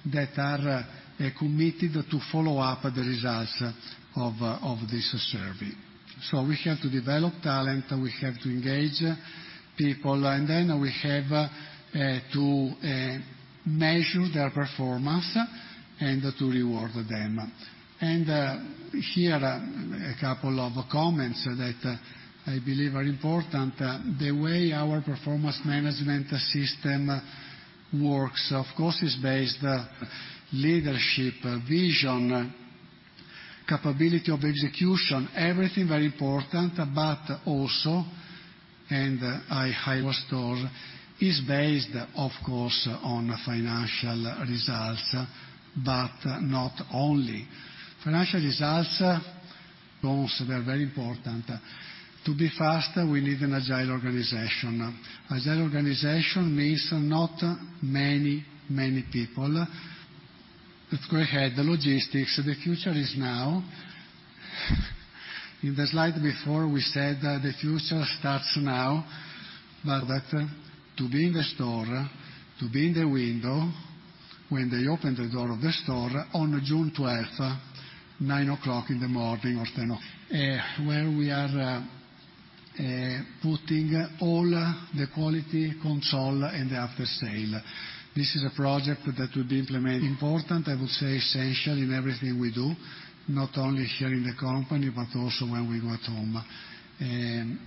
that are committed to follow up the results of this survey. We have to develop talent, we have to engage people, we have to measure their performance and to reward them. Here are a couple of comments that I believe are important. The way our performance management system works, of course, is based Leadership, vision, capability of execution, everything very important. Our store is based, of course, on financial results, but not only. Financial results, of course, they're very important. To be fast, we need an agile organization. Agile organization means not many people. Let's go ahead. The logistics, the future is now. In the slide before we said that the future starts now. To be in the store, to be in the window, when they open the door of the store on June 12th, 9:00 A.M. Where we are putting all the quality console and the aftersale. This is a project that will be implement, important, I would say, essential in everything we do, not only here in the company, but also when we go at home.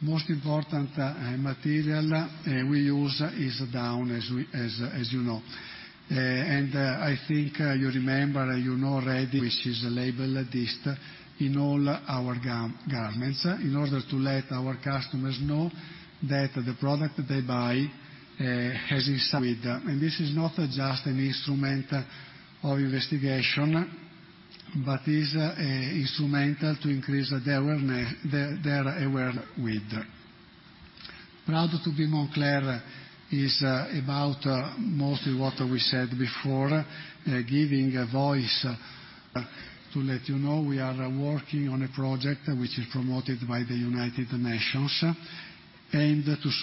Most important material we use is down, as you know. I think you remember, you know already Which is a label DIST in all our garments in order to let our customers know that the product they buy has this. This is not just an instrument of investigation, but is instrumental to increase their awareness. Proud to be Moncler is about mostly what we said before, giving a voice. To let you know, we are working on a project which is promoted by the United Nations. This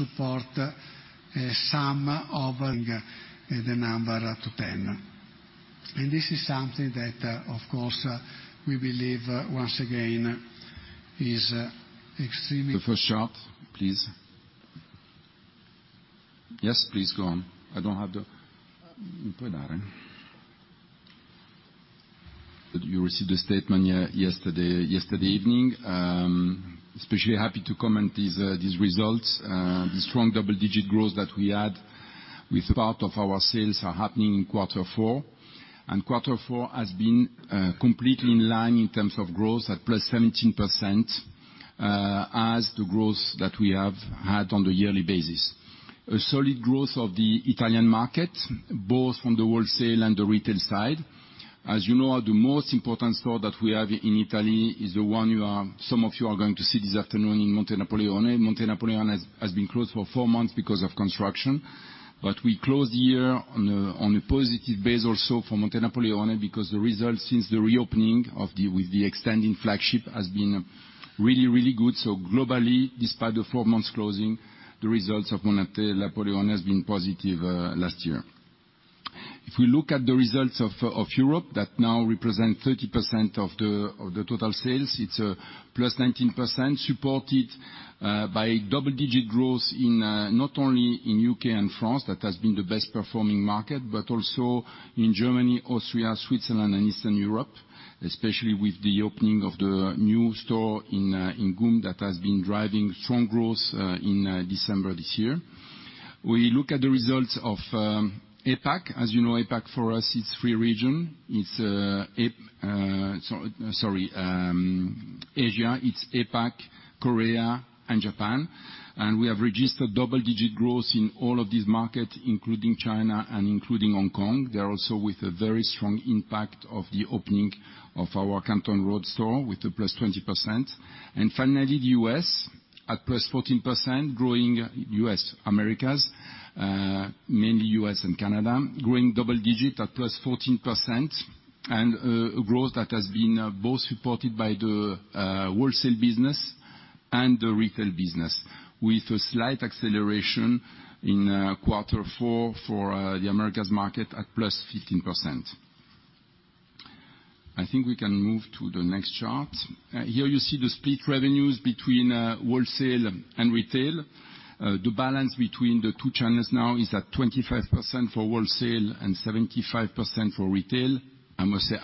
is something that, of course, we believe, once again, is extremely. The first chart, please. Yes, please, go on. You received the statement yesterday evening. Especially happy to comment these results, the strong double-digit growth that we had with part of our sales are happening in quarter four, and quarter four has been completely in line in terms of growth at +17%, as the growth that we have had on the yearly basis. A solid growth of the Italian market, both on the wholesale and the retail side. As you know, the most important store that we have in Italy is the one some of you are going to see this afternoon in Montenapoleone. Montenapoleone has been closed for four months because of construction. We closed the year on a positive base also for Montenapoleone because the results since the reopening with the extending flagship has been really good. Globally, despite the four months closing, the results of Montenapoleone has been positive last year. If we look at the results of Europe, that now represent 30% of the total sales, it is +19%, supported by double-digit growth not only in U.K. and France, that has been the best-performing market, but also in Germany, Austria, Switzerland, and Eastern Europe, especially with the opening of the new store in GUM that has been driving strong growth in December this year. We look at the results of APAC. As you know, APAC for us, it is three regions. It is Asia, it is APAC, Korea, and Japan. And we have registered double-digit growth in all of these markets, including China and including Hong Kong. There also with a very strong impact of the opening of our Canton Road store with a +20%. Finally, the U.S. at +14%, growing U.S. Americas, mainly U.S. and Canada, growing double-digit at +14%, and a growth that has been both supported by the wholesale business and the retail business, with a slight acceleration in Q4 for the Americas market at +15%. I think we can move to the next chart. Here you see the split revenues between wholesale and retail. The balance between the two channels now is at 25% for wholesale and 75% for retail. I must say,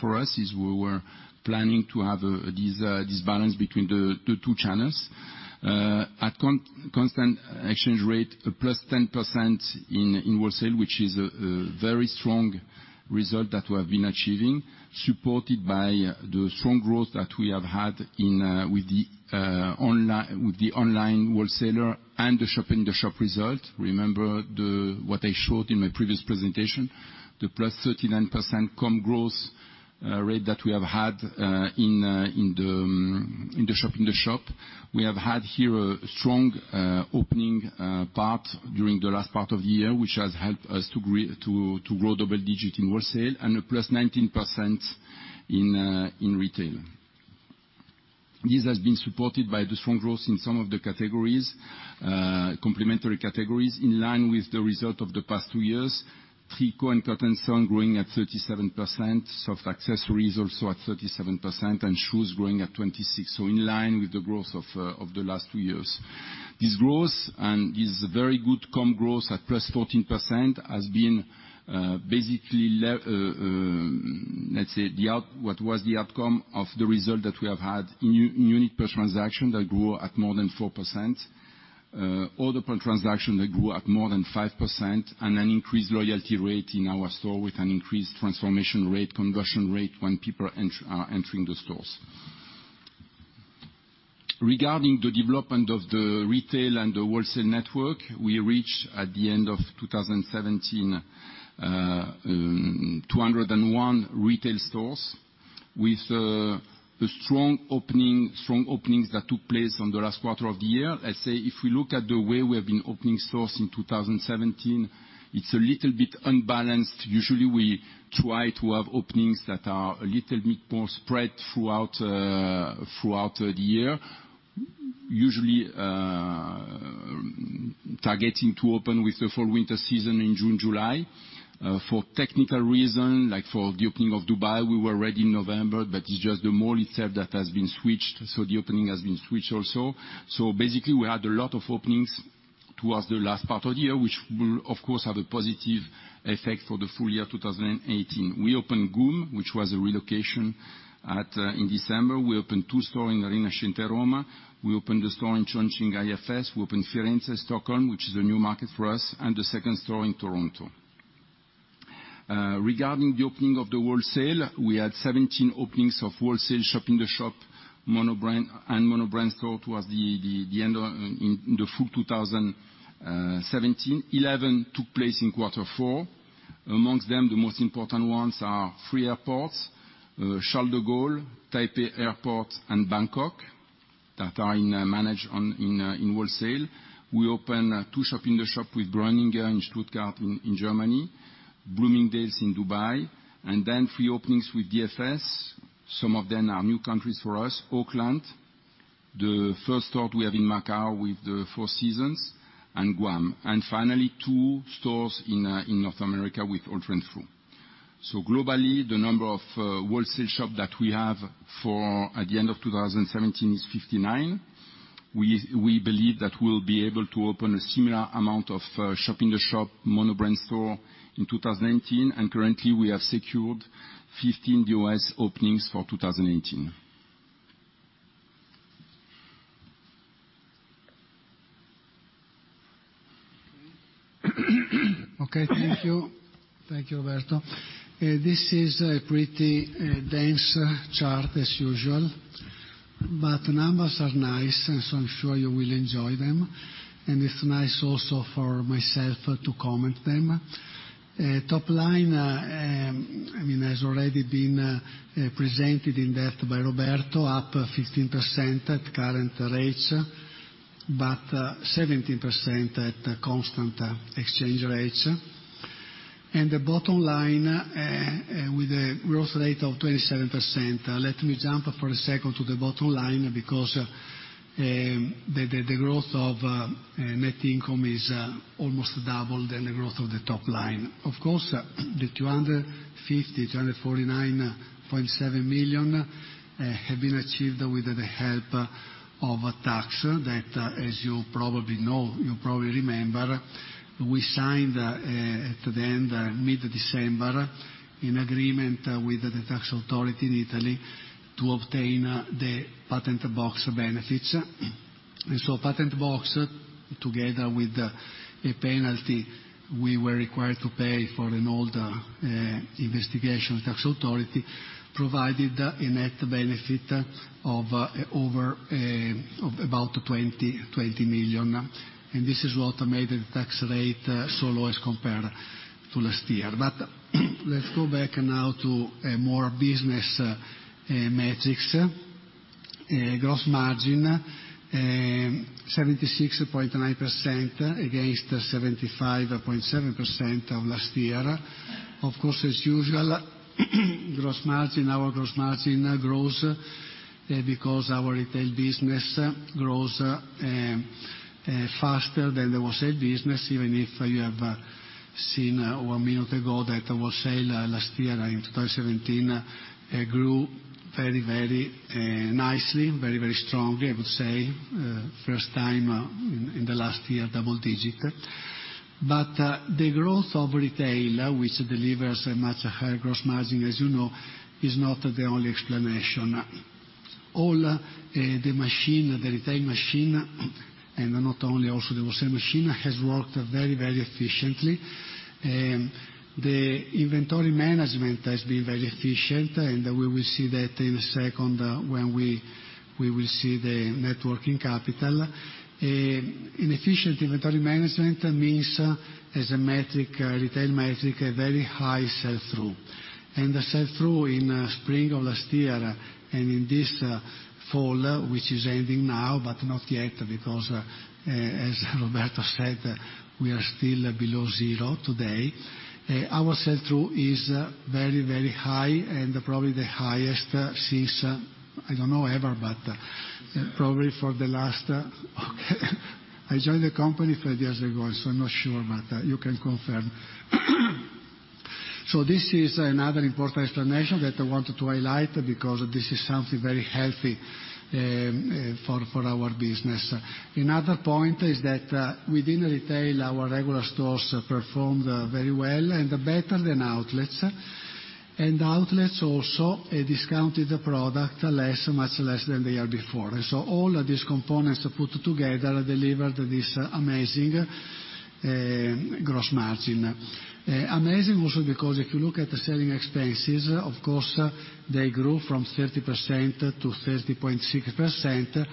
for us, we were planning to have this balance between the two channels. At constant exchange rate, a +10% in wholesale, which is a very strong result that we have been achieving, supported by the strong growth that we have had with the online wholesaler and the shop-in-shop result. Remember what I showed in my previous presentation, the +39% comp growth rate that we have had in the shop-in-shop. We have had here a strong opening part during the last part of the year, which has helped us to grow double-digit in wholesale and a +19% in retail. This has been supported by the strong growth in some of the categories, complementary categories, in line with the result of the past two years. Tricot and cotton growing at 37%, soft accessories also at 37%, and shoes growing at 26%, so in line with the growth of the last two years. This growth, and this very good comp growth at +14%, has been basically, let's say, what was the outcome of the result that we have had in units per transaction that grew at more than 4%, orders per transaction that grew at more than 5%, and an increased loyalty rate in our stores with an increased conversion rate when people are entering the stores. Regarding the development of the retail and the wholesale network, we reached, at the end of 2017, 201 retail stores with the strong openings that took place on the last quarter of the year. If we look at the way we have been opening stores in 2017, it is a little bit unbalanced. Usually, we try to have openings that are a little bit more spread throughout the year. Usually, targeting to open with the fall/winter season in June, July. For technical reason, like for the opening of Dubai, we were ready in November, but it's just the mall itself that has been switched, so the opening has been switched also. Basically, we had a lot of openings towards the last part of the year, which will, of course, have a positive effect for the full year 2018. We opened GUM, which was a relocation in December. We opened two stores in Rinascente, Rome. We opened a store in Chongqing IFS. We opened Firenze, Stockholm, which is a new market for us, and a second store in Toronto. Regarding the opening of the wholesale, we had 17 openings of wholesale shop-in-the-shop and mono-brand stores towards the end of the full 2017. 11 took place in Q4. Amongst them, the most important ones are three airports, Charles de Gaulle, Taipei Airport, and Bangkok, that are managed in wholesale. We opened two shop-in-the-shops with Breuninger in Stuttgart in Germany, Bloomingdale's in Dubai, and then three openings with DFS. Some of them are new countries for us, Auckland. The first store we have in Macau with the Four Seasons and Guam. Finally, two stores in North America with Holt Renfrew. Globally, the number of wholesale shops that we have for at the end of 2017 is 59. We believe that we'll be able to open a similar amount of shop-in-the-shop, mono-brand stores in 2019. Currently, we have secured 15 U.S. openings for 2018. Okay, thank you. Thank you, Roberto. This is a pretty dense chart as usual, numbers are nice, I'm sure you will enjoy them. It's nice also for myself to comment them. Top line, has already been presented in depth by Roberto, up 15% at current rates, 17% at constant exchange rates. The bottom line, with a growth rate of 27%. Let me jump for a second to the bottom line, because the growth of net income is almost double than the growth of the top line. Of course, the 250 million, 249.7 million, have been achieved with the help of tax that, as you probably know, you probably remember, we signed at the end, mid-December, in agreement with the tax authority in Italy to obtain the patent box benefits. Patent box, together with a penalty we were required to pay for an old investigation, tax authority, provided a net benefit of about 20 million. This is what made the tax rate so low as compared to last year. Let's go back now to more business metrics. Gross margin, 76.9% against 75.7% of last year. Of course, as usual, our gross margin grows because our retail business grows faster than the wholesale business, even if you have seen one minute ago that the wholesale last year in 2017, grew very nicely, very strongly, I would say, first time in the last year, double digit. The growth of retail, which delivers a much higher gross margin, as you know, is not the only explanation. All the retail machine, and not only also the wholesale machine, has worked very efficiently. The inventory management has been very efficient, we will see that in a second when we will see the net working capital. An efficient inventory management means as a retail metric, a very high sell-through. The sell-through in spring of last year and in this fall, which is ending now, but not yet, because as Roberto said, we are still below zero today. Our sell-through is very high and probably the highest since, I don't know ever, but probably for the last I joined the company five years ago, so I'm not sure, but you can confirm. This is another important explanation that I wanted to highlight because this is something very healthy for our business. Another point is that within retail, our regular stores performed very well and better than outlets. Outlets also discounted the product much less than the year before. All of these components put together delivered this amazing gross margin. Amazing also because if you look at the selling expenses, of course, they grew from 30% to 30.6%,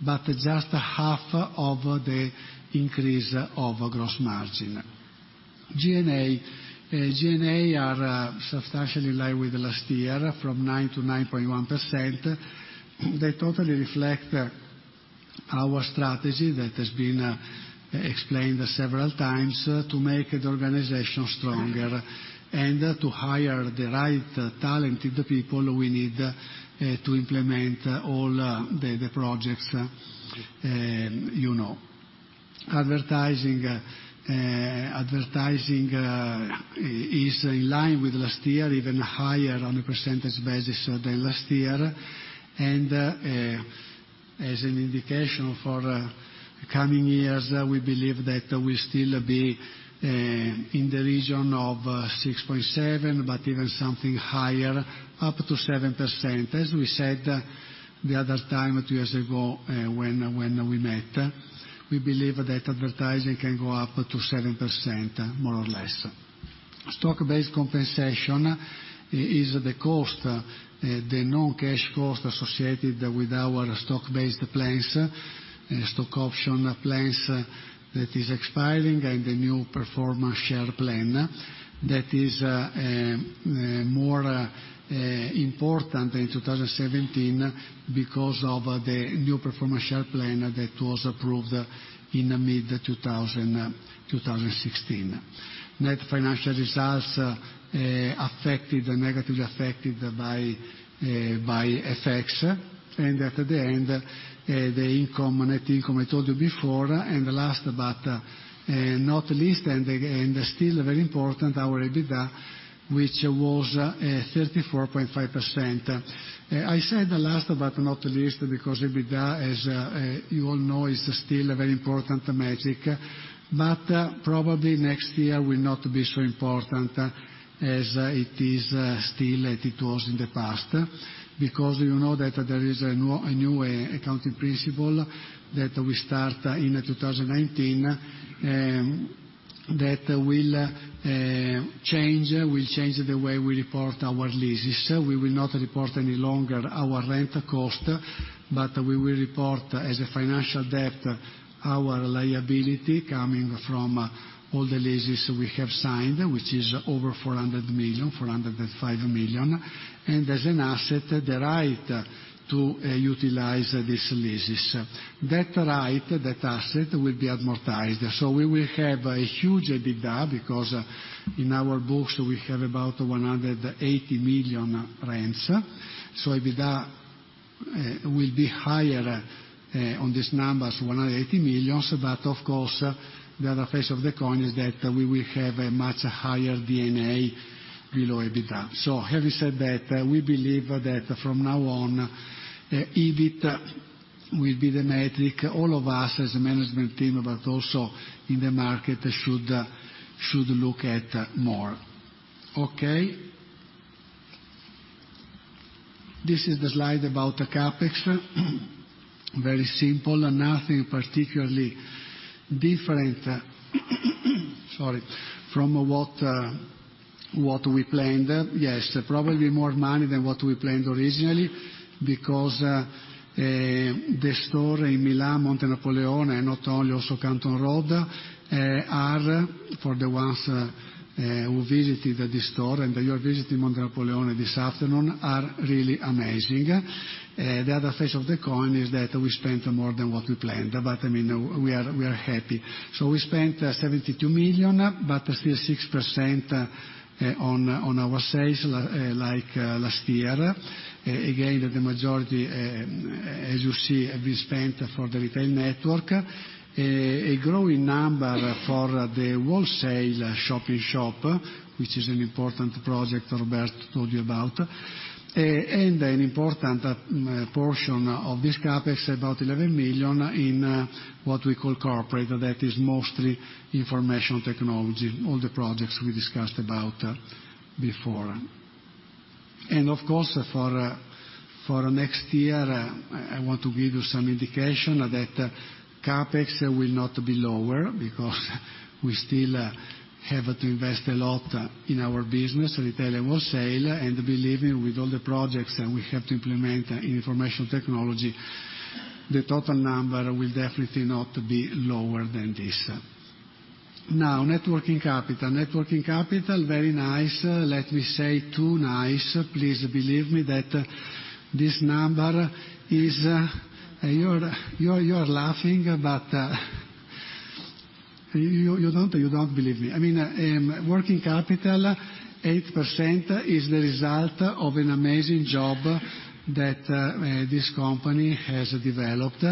but just half of the increase of gross margin. G&A are substantially in line with last year, from 9% to 9.1%. They totally reflect our strategy that has been explained several times to make the organization stronger and to hire the right talented people we need to implement all the projects. Advertising is in line with last year, even higher on a percentage basis than last year. As an indication for coming years, we believe that we'll still be in the region of 6.7% but even something higher, up to 7%. As we said the other time two years ago when we met, we believe that advertising can go up to 7%, more or less. Stock-based compensation is the non-cash cost associated with our stock-based plans, stock option plans that is expiring and the new performance share plan that is more important in 2017 because of the new performance share plan that was approved in mid-2016. Net financial results, negatively affected by FX and at the end, the net income I told you before and last but not least, and still very important, our EBITDA, which was 34.5%. I said last but not least, because EBITDA, as you all know, is still a very important metric. Probably next year will not be so important as it is still, it was in the past because you know that there is a new accounting principle that we start in 2019 that will change the way we report our leases. We will not report any longer our rent cost, but we will report as a financial debt our liability coming from all the leases we have signed, which is over 400 million, 405 million, and as an asset, the right to utilize these leases. That right, that asset, will be amortized. We will have a huge EBITDA because in our books, we have about 180 million rents. EBITDA will be higher on these numbers, 180 million, but of course, the other face of the coin is that we will have a much higher DNA below EBITDA. Having said that, we believe that from now on, EBIT will be the metric all of us as a management team, but also in the market should look at more. Okay. This is the slide about the CapEx. Very simple and nothing particularly different from what we planned. Yes, probably more money than what we planned originally because the store in Milan, Montenapoleone, and not only also Canton Road, are for the ones who visited the store and you are visiting Montenapoleone this afternoon, are really amazing. The other face of the coin is that we spent more than what we planned, but we are happy. We spent 72 million, but still 6% on our sales like last year. Again, the majority, as you see, have been spent for the retail network. A growing number for the wholesale shop in shop, which is an important project Roberto told you about. An important portion of this CapEx, about 11 million in what we call corporate, that is mostly information technology, all the projects we discussed about before. Of course, for next year, I want to give you some indication that CapEx will not be lower because we still have to invest a lot in our business, retail and wholesale, and believe with all the projects that we have to implement in information technology, the total number will definitely not be lower than this. Net working capital. Net working capital, very nice. Let me say too nice. Please believe me that this number is You are laughing, but you don't believe me. Net working capital, 8% is the result of an amazing job that this company has developed.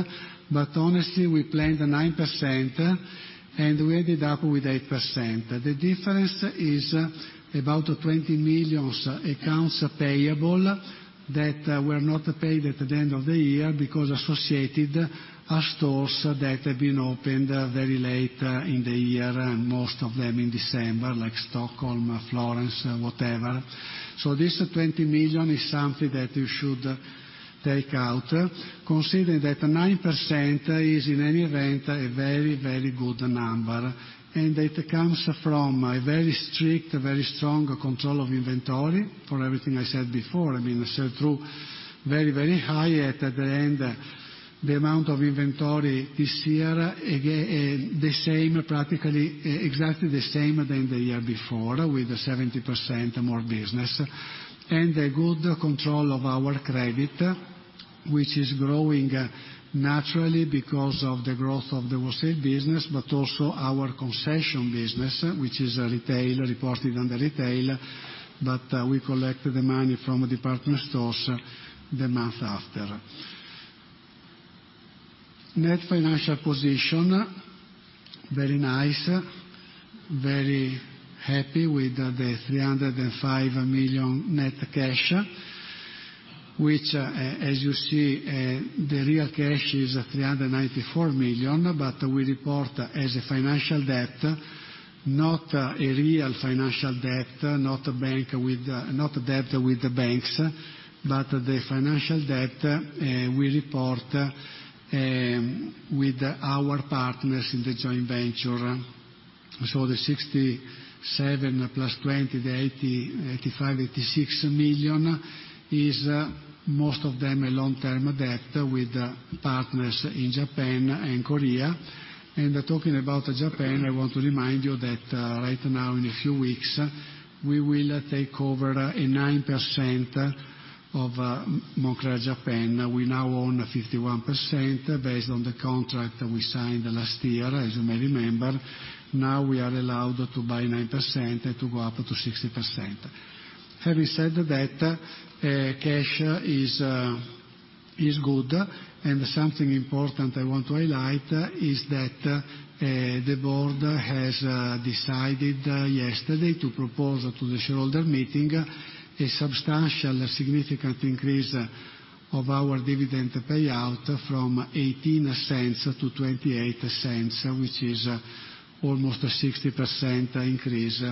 Honestly, we planned 9%, and we ended up with 8%. The difference is about 20 million accounts payable that were not paid at the end of the year because associated are stores that have been opened very late in the year, and most of them in December, like Stockholm, Florence, whatever. This 20 million is something that you should take out, considering that 9% is in any event a very good number, and that comes from a very strict, very strong control of inventory for everything I said before. I mean, sell-through very high at the end. The amount of inventory this year, exactly the same than the year before with 17% more business. A good control of our credit, which is growing naturally because of the growth of the wholesale business, but also our concession business, which is retail, reported under retail, but we collect the money from department stores the month after. Net financial position, very nice. Very happy with the 305 million net cash, which, as you see, the real cash is 394 million, but we report as a financial debt, not a real financial debt, not debt with the banks, but the financial debt we report with our partners in the joint venture. The 67 plus 20, the 85, 86 million is most of them a long-term debt with partners in Japan and Korea. Talking about Japan, I want to remind you that right now, in a few weeks, we will take over a 9% of Moncler Japan. We now own 51% based on the contract that we signed last year, as you may remember. Now we are allowed to buy 9% and to go up to 60%. Having said that, cash is good. Something important I want to highlight is that the board has decided yesterday to propose to the shareholder meeting a substantial significant increase of our dividend payout from 0.18 to 0.28, which is almost a 60% increase,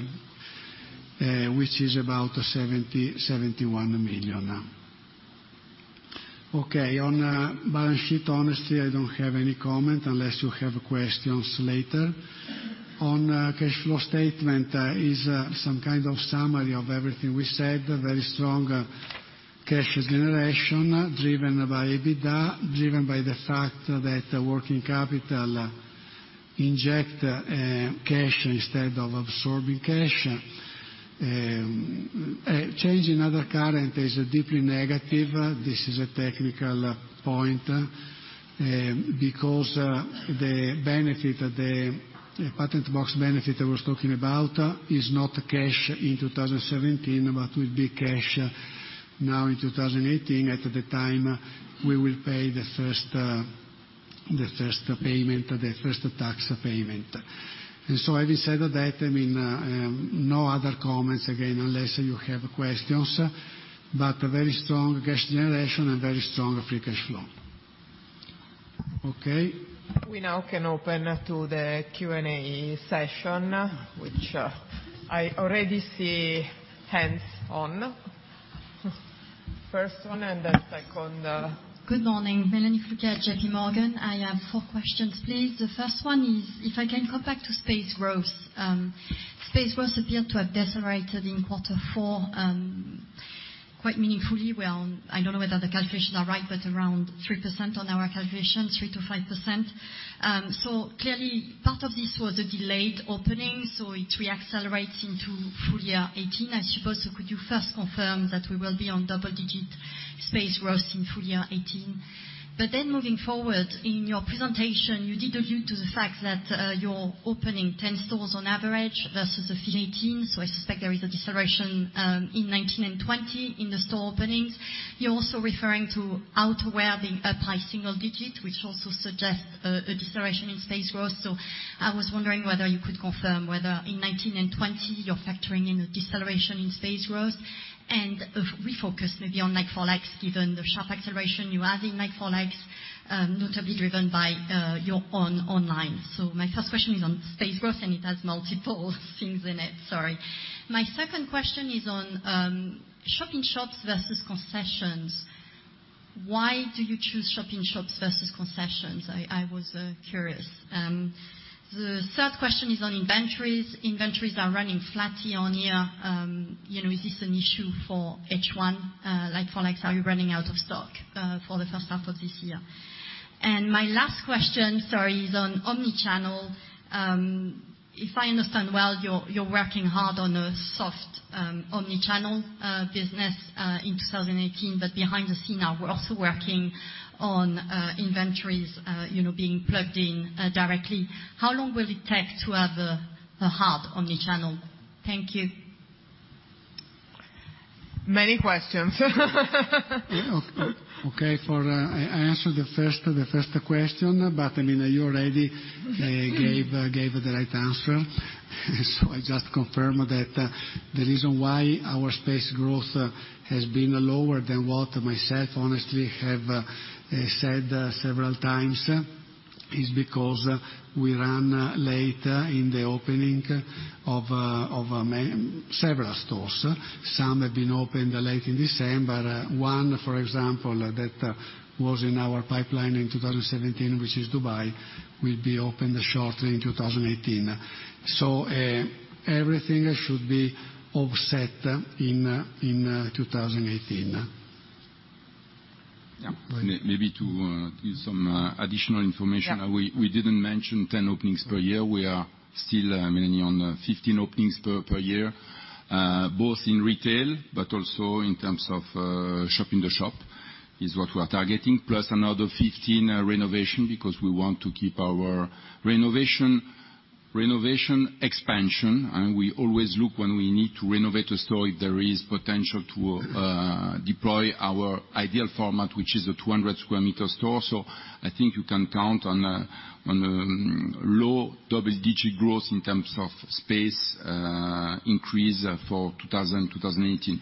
which is about 70 million, 71 million. On balance sheet, honestly, I do not have any comment unless you have questions later. On cash flow statement is some kind of summary of everything we said. Very strong cash generation driven by EBITDA, driven by the fact that working capital inject cash instead of absorbing cash. Change in other current is deeply negative. This is a technical point, because the patent box benefit I was talking about is not cash in 2017, but will be cash now in 2018 at the time we will pay the first tax payment. Having said that, no other comments, again, unless you have questions. Very strong cash generation and very strong free cash flow. We now can open to the Q&A session, which I already see hands on. First one and then second. Good morning. Mélanie Flouquet, JP Morgan. I have four questions, please. The first one is, if I can go back to space growth. Space growth appeared to have decelerated in quarter four quite meaningfully. Well, I do not know whether the calculations are right, but around 3% on our calculation, 3%-5%. Clearly part of this was a delayed opening, it re-accelerates into full year 2018, I suppose. Could you first confirm that we will be on double-digit space growth in full year 2018? Moving forward, in your presentation, you did allude to the fact that you are opening 10 stores on average versus the full 2018, so I suspect there is a deceleration in 2019 and 2020 in the store openings. You are also referring to outerwear being up high single digit, which also suggests a deceleration in space growth. I was wondering whether you could confirm whether in 2019 and 2020, you're factoring in a deceleration in space growth and a refocus maybe on like-for-likes, given the sharp acceleration you have in like-for-likes, notably driven by your own online. My first question is on space growth, and it has multiple things in it. Sorry. My second question is on shop-in-shops versus concessions. Why do you choose shop-in-shops versus concessions? I was curious. The third question is on inventories. Inventories are running flat year-on-year. Is this an issue for H1 like-for-likes? Are you running out of stock for the first half of this year? My last question, sorry, is on omni-channel. If I understand well, you're working hard on a soft omni-channel business in 2018, but behind the scenes now, we're also working on inventories being plugged in directly. How long will it take to have a hard omni-channel? Thank you. Many questions. Okay. I answer the first question. You already gave the right answer. I just confirm that the reason why our space growth has been lower than what myself honestly have said several times is because we ran late in the opening of several stores. Some have been opened late in December. One, for example, that was in our pipeline in 2017, which is Dubai, will be opened shortly in 2018. Everything should be offset in 2018. Yeah. Maybe to give some additional information. Yeah. We didn't mention 10 openings per year. We are still on 15 openings per year, both in retail but also in terms of shop-in-shop is what we are targeting, plus another 15 renovations because we want to keep our renovation expansion, and we always look when we need to renovate a store, if there is potential to deploy our ideal format, which is a 200 sq m store. I think you can count on a low double-digit growth in terms of space increase for 2018.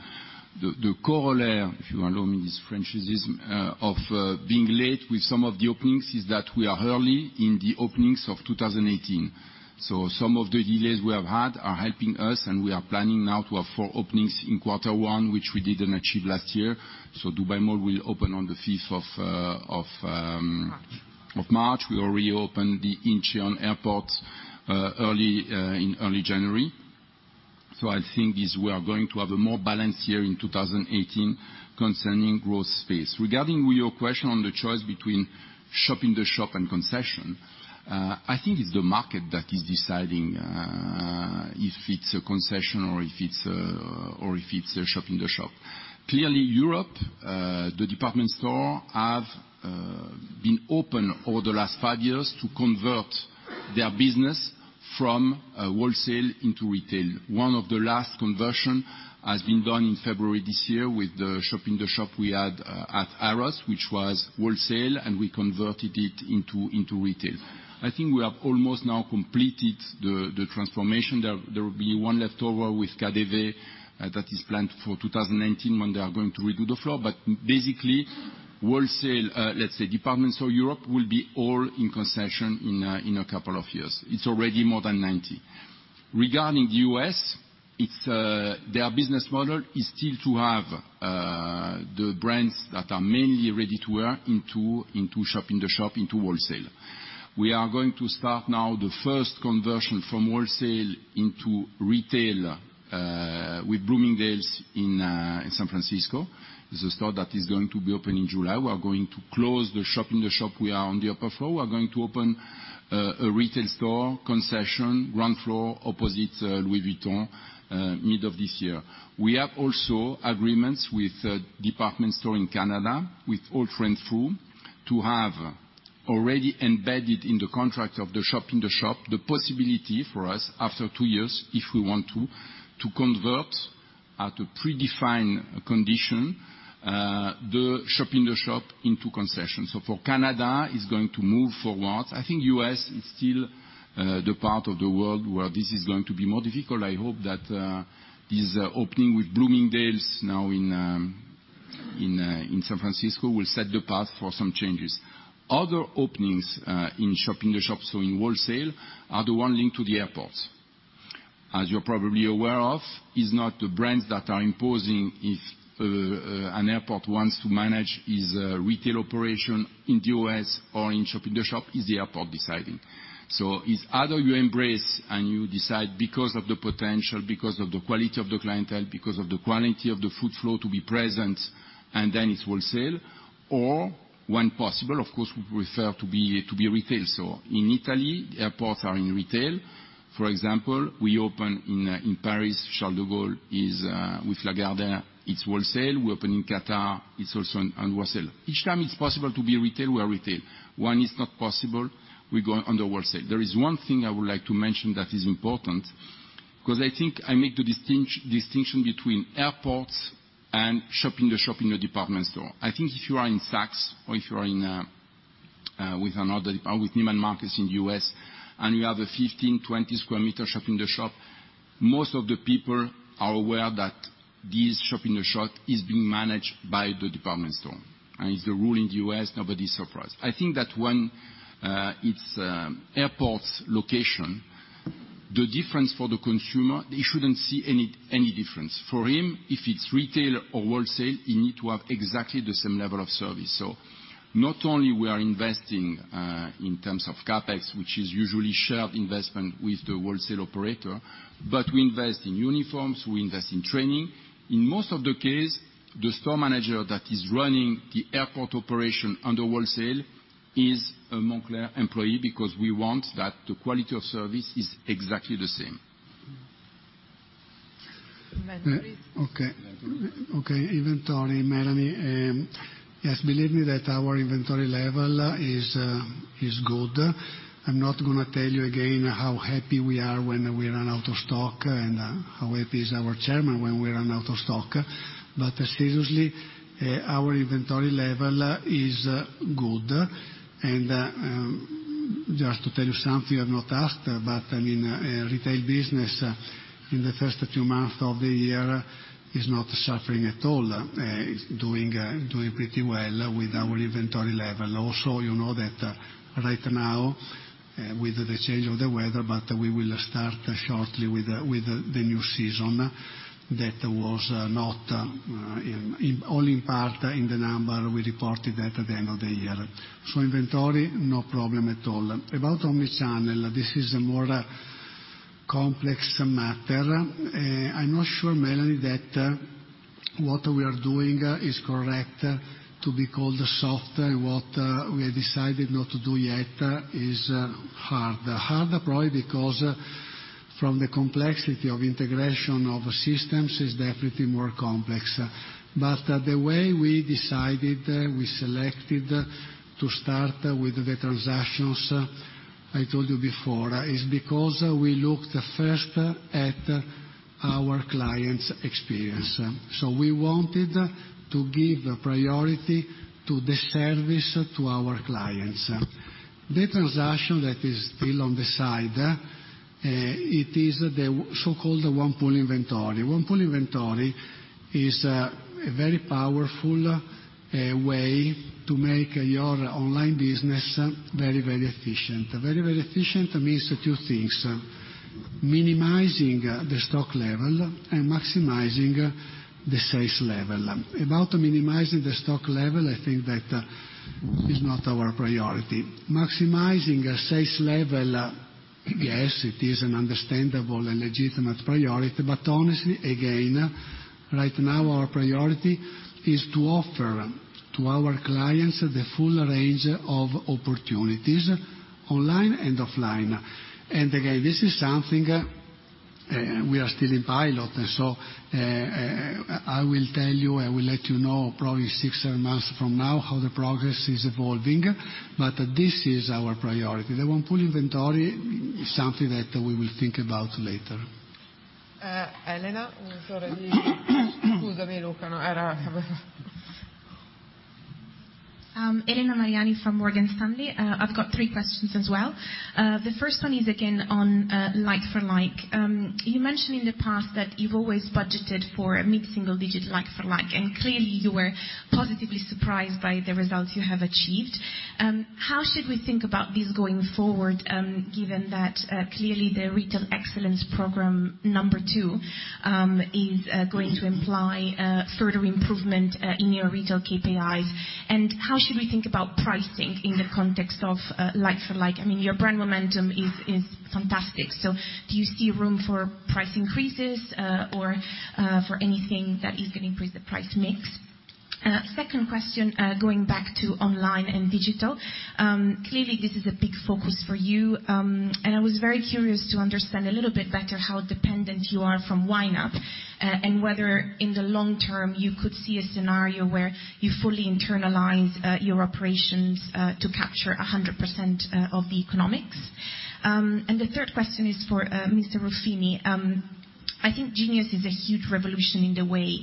The corollary, if you allow me this Frenchism, of being late with some of the openings is that we are early in the openings of 2018. Some of the delays we have had are helping us, and we are planning now to have four openings in Q1, which we didn't achieve last year. Dubai Mall will open on the 5th of. March of March. We will reopen the Incheon Airport in early January. I think we are going to have a more balanced year in 2018 concerning growth space. Regarding your question on the choice between shop-in-shop and concession, I think it's the market that is deciding if it's a concession or if it's a shop-in-shop. Clearly, in Europe, department stores have been open over the last five years to convert their business from wholesale into retail. One of the last conversions has been done in February this year with the shop-in-shop we had at Harrods, which was wholesale, and we converted it into retail. I think we have almost now completed the transformation. There will be one left over with KaDeWe that is planned for 2019 when they are going to redo the floor. Basically, department store Europe will be all in concession in a couple of years. It is already more than 90%. Regarding the U.S., their business model is still to have the brands that are mainly ready-to-wear into shop-in-the-shop, into wholesale. We are going to start now the first conversion from wholesale into retail with Bloomingdale's in San Francisco. It is a store that is going to be open in July. We are going to close the shop-in-the-shop we are on the upper floor. We are going to open a retail store concession, ground floor, opposite Louis Vuitton, end of this year. We have also agreements with a department store in Canada with Holt Renfrew to have already embedded in the contract of the shop-in-the-shop, the possibility for us after two years if we want to convert at a predefined condition, the shop-in-the-shop into concession. For Canada, it is going to move forward. I think U.S. is still the part of the world where this is going to be more difficult. I hope that this opening with Bloomingdale's now in San Francisco will set the path for some changes. Other openings in shop-in-the-shop, so in wholesale, are the one linked to the airports. As you are probably aware of, it is not the brands that are imposing if an airport wants to manage its retail operation in the U.S. or in shop-in-the-shop, it is the airport deciding. It is either you embrace and you decide because of the potential, because of the quality of the clientele, because of the quality of the footfall to be present, and then it is wholesale. When possible, of course, we prefer to be retail. In Italy, airports are in retail. For example, we open in Paris, Charles de Gaulle with Lagardère, it is wholesale. We open in Qatar, it is also in wholesale. Each time it is possible to be retail, we are retail. When it is not possible, we go under wholesale. There is one thing I would like to mention that is important because I think I make the distinction between airports and shop-in-the-shop in a department store. I think if you are in Saks or if you are with Neiman Marcus in the U.S. and you have a 15, 20 square meter shop-in-the-shop, most of the people are aware that this shop-in-the-shop is being managed by the department store and it is the rule in the U.S., nobody's surprised. I think that when it is airport location, the difference for the consumer, they shouldn't see any difference. For him, if it is retail or wholesale, you need to have exactly the same level of service. Not only we are investing in terms of CapEx, which is usually shared investment with the wholesale operator, but we invest in uniforms, we invest in training. In most of the case, the store manager that is running the airport operation under wholesale is a Moncler employee because we want that the quality of service is exactly the same. Inventory. Okay. Inventory, Mélanie. Yes, believe me that our inventory level is good. I'm not going to tell you again how happy we are when we run out of stock and how happy is our chairman when we run out of stock. Seriously, our inventory level is good and just to tell you something you have not asked, but in retail business in the first two months of the year is not suffering at all. It's doing pretty well with our inventory level. Also, you know that right now with the change of the weather, but we will start shortly with the new season that was not all in part in the number we reported at the end of the year. Inventory, no problem at all. About omni-channel, this is a more complex matter. I'm not sure, Mélanie, that what we are doing is correct to be called soft, what we have decided not to do yet is hard. Hard probably because from the complexity of integration of systems is definitely more complex. The way we decided, we selected to start with the transactions, I told you before, is because we looked first at our clients' experience. We wanted to give priority to the service to our clients. The transaction that is still on the side, it is the so-called one pool inventory. One pool inventory is a very powerful way to make your online business very, very efficient. Very, very efficient means two things, minimizing the stock level and maximizing the sales level. About minimizing the stock level, I think that is not our priority. Maximizing sales level Yes, it is an understandable and legitimate priority. Honestly, again, right now our priority is to offer to our clients the full range of opportunities online and offline. Again, this is something we are still in pilot. I will tell you, I will let you know, probably six, seven months from now how the progress is evolving, but this is our priority. The one pool inventory is something that we will think about later. Elena. Excuse me, Luca. Elena Mariani from Morgan Stanley. I've got three questions as well. The first one is again on like for like. You mentioned in the past that you've always budgeted for a mid-single digit like for like, and clearly you were positively surprised by the results you have achieved. How should we think about this going forward, given that clearly the Retail Excellence Program number 2, is going to imply further improvement in your retail KPIs? How should we think about pricing in the context of like for like? I mean, your brand momentum is fantastic. Do you see room for price increases, or for anything that is going to increase the price mix? Second question, going back to online and digital. Clearly this is a big focus for you, and I was very curious to understand a little bit better how dependent you are from YNAP, and whether in the long term you could see a scenario where you fully internalize your operations to capture 100% of the economics. The third question is for Mr. Ruffini. I think Genius is a huge revolution in the way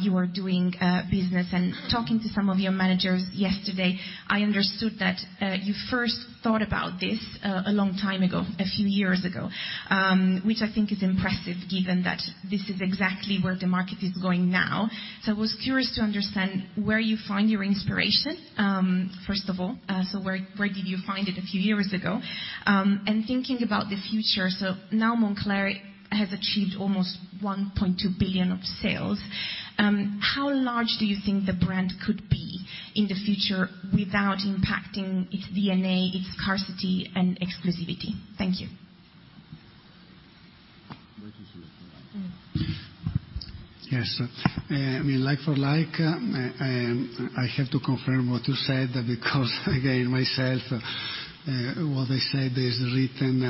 you are doing business, and talking to some of your managers yesterday, I understood that you first thought about this a long time ago, a few years ago. Which I think is impressive given that this is exactly where the market is going now. I was curious to understand where you find your inspiration, first of all, where did you find it a few years ago? Thinking about the future, now Moncler has achieved almost 1.2 billion of sales. How large do you think the brand could be in the future without impacting its DNA, its scarcity and exclusivity? Thank you. Yes. Like for like, I have to confirm what you said because again, myself, what I said is written.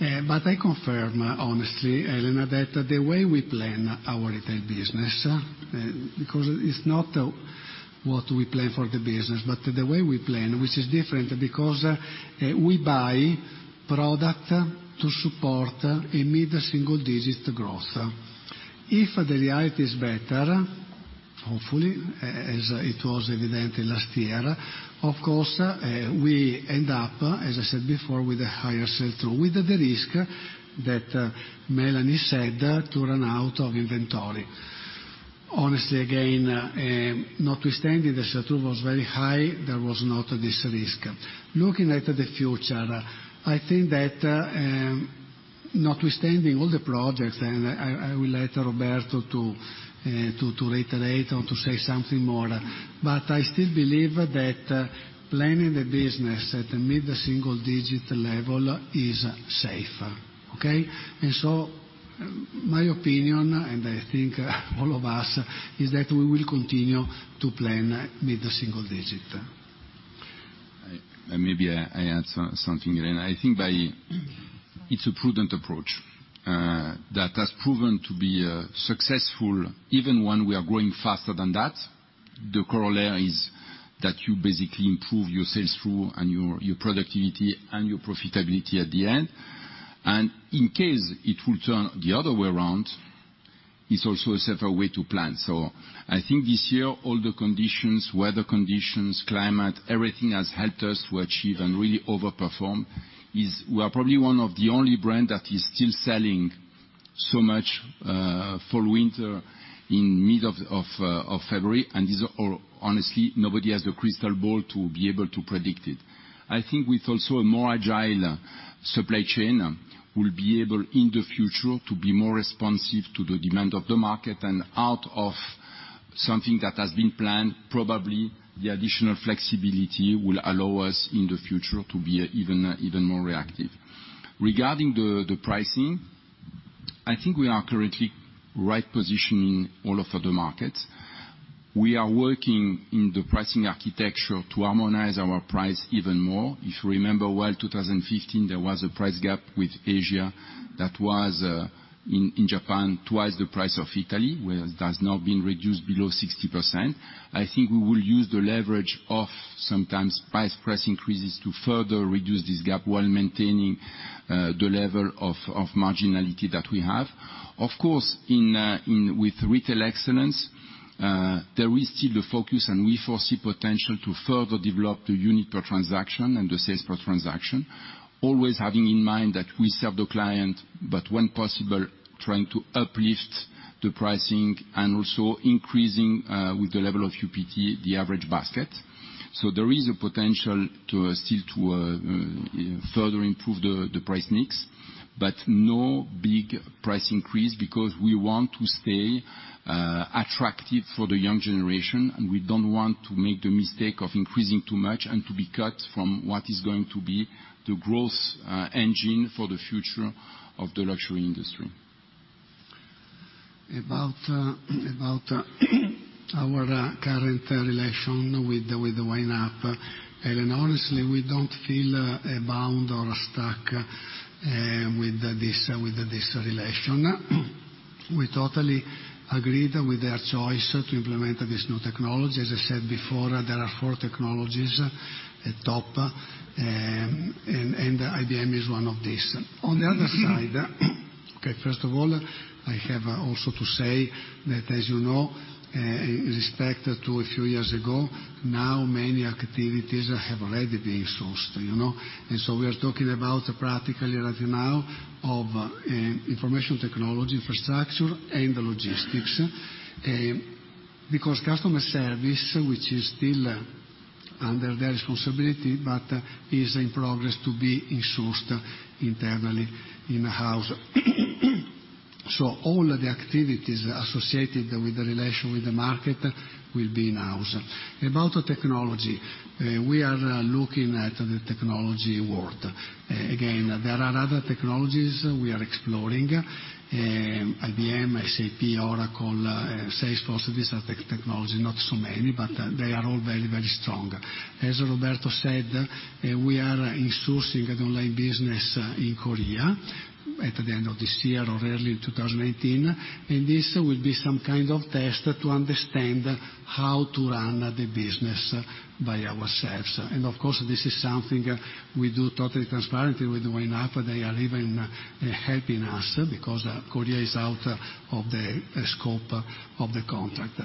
I confirm honestly, Elena, that the way we plan our retail business, because it is not what we plan for the business, but the way we plan, which is different because we buy product to support a mid-single digit growth. If the reality is better, hopefully, as it was evident last year, of course, we end up, as I said before, with a higher sell-through, with the risk that Mélanie said to run out of inventory. Honestly, again, notwithstanding the sell-through was very high, there was not this risk. Looking at the future, I think that notwithstanding all the projects, and I will let Roberto to reiterate or to say something more, but I still believe that planning the business at a mid-single digit level is safer. Okay? My opinion, and I think all of us, is that we will continue to plan mid-single digit. Maybe I add something, Elena. I think it is a prudent approach that has proven to be successful even when we are growing faster than that. The corollary is that you basically improve your sell-through and your productivity and your profitability at the end. In case it will turn the other way around, it is also a safer way to plan. I think this year all the conditions, weather conditions, climate, everything has helped us to achieve and really overperform, is we are probably one of the only brand that is still selling so much for winter in mid of February. Honestly, nobody has a crystal ball to be able to predict it. I think with also a more agile supply chain, we will be able, in the future, to be more responsive to the demand of the market and out of something that has been planned, probably the additional flexibility will allow us in the future to be even more reactive. Regarding the pricing, I think we are currently right positioning all of the markets. We are working in the pricing architecture to harmonize our price even more. If you remember well, 2015, there was a price gap with Asia that was, in Japan, twice the price of Italy, where it has now been reduced below 60%. I think we will use the leverage of sometimes price increases to further reduce this gap while maintaining the level of marginality that we have. Of course with Retail Excellence, there is still the focus and we foresee potential to further develop the unit per transaction and the sales per transaction. Always having in mind that we serve the client, but when possible, trying to uplift the pricing and also increasing, with the level of UPT, the average basket. There is a potential still to further improve the price mix. No big price increase because we want to stay attractive for the young generation, and we don't want to make the mistake of increasing too much and to be cut from what is going to be the growth engine for the future of the luxury industry. About our current relation with the YNAP. Honestly, we don't feel bound or stuck with this relation. We totally agreed with their choice to implement this new technology. As I said before, there are four technologies at top, and IBM is one of these. On the other side, first of all, I have also to say that as you know, in respect to a few years ago, now many activities have already been sourced. We are talking about practically as of now of information technology, infrastructure, and the logistics. Because customer service, which is still under their responsibility but is in progress to be in-sourced internally in-house. All of the activities associated with the relation with the market will be in-house. About the technology, we are looking at the technology world. Again, there are other technologies we are exploring. IBM, SAP, Oracle, Salesforce, these are technologies, not so many, but they are all very, very strong. As Roberto said, we are in-sourcing an online business in Korea at the end of this year or early in 2018, and this will be some kind of test to understand how to run the business by ourselves. Of course, this is something we do totally transparently with YNAP. They are even helping us because Korea is out of the scope of the contract.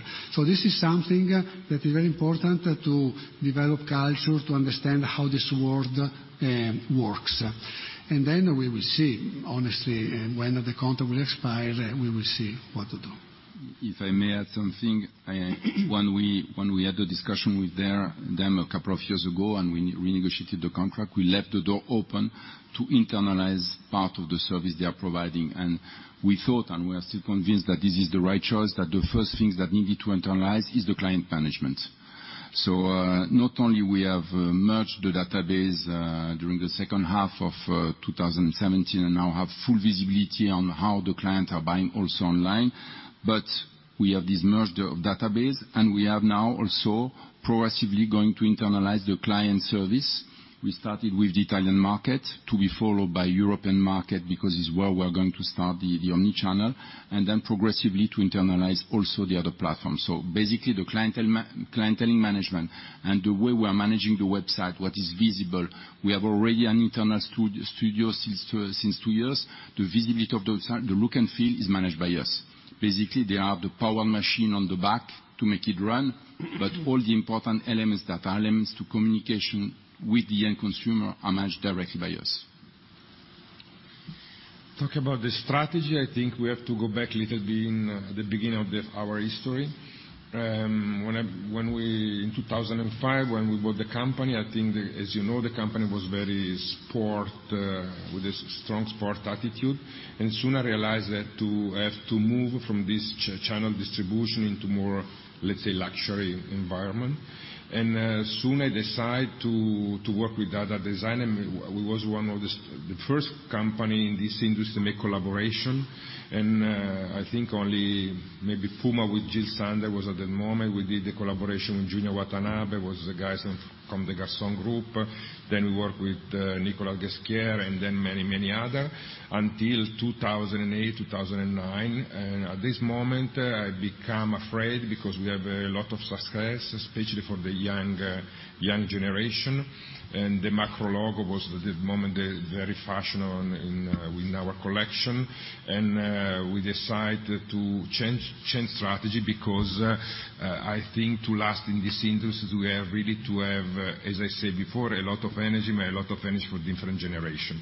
This is something that is very important to develop culture, to understand how this world works. We will see, honestly, when the contract will expire, we will see what to do. If I may add something. When we had the discussion with them a couple of years ago and we renegotiated the contract, we left the door open to internalize part of the service they are providing. We thought, and we are still convinced that this is the right choice, that the first things that needed to internalize is the client management. Not only we have merged the database during the second half of 2017 and now have full visibility on how the clients are buying also online, but we have this merged database, and we are now also progressively going to internalize the client service. We started with the Italian market to be followed by European market, because it's where we are going to start the omni-channel, progressively to internalize also the other platforms. Basically, the clienteling management and the way we are managing the website, what is visible, we have already an internal studio since 2 years. The visibility of the look and feel is managed by us. They are the power machine on the back to make it run, but all the important elements that are elements to communication with the end consumer are managed directly by us. Talk about the strategy, I think we have to go back a little bit in the beginning of our history. In 2005, when we bought the company, I think, as you know, the company was very sport, with a strong sport attitude, soon I realized that I have to move from this channel distribution into more, let's say, luxury environment. Soon I decide to work with other designer. We was one of the first company in this industry to make collaboration, and I think only maybe Puma with Jil Sander was at the moment. We did the collaboration with Junya Watanabe, was the guys from Comme des Garçons group. We worked with Nicolas Ghesquière and then many, many other until 2008, 2009. At this moment, I become afraid because we have a lot of success, especially for the young generation. The macro logo was at that moment very fashionable in our collection. We decide to change strategy because I think to last in this industry, we have really to have, as I said before, a lot of energy, but a lot of energy for different generation.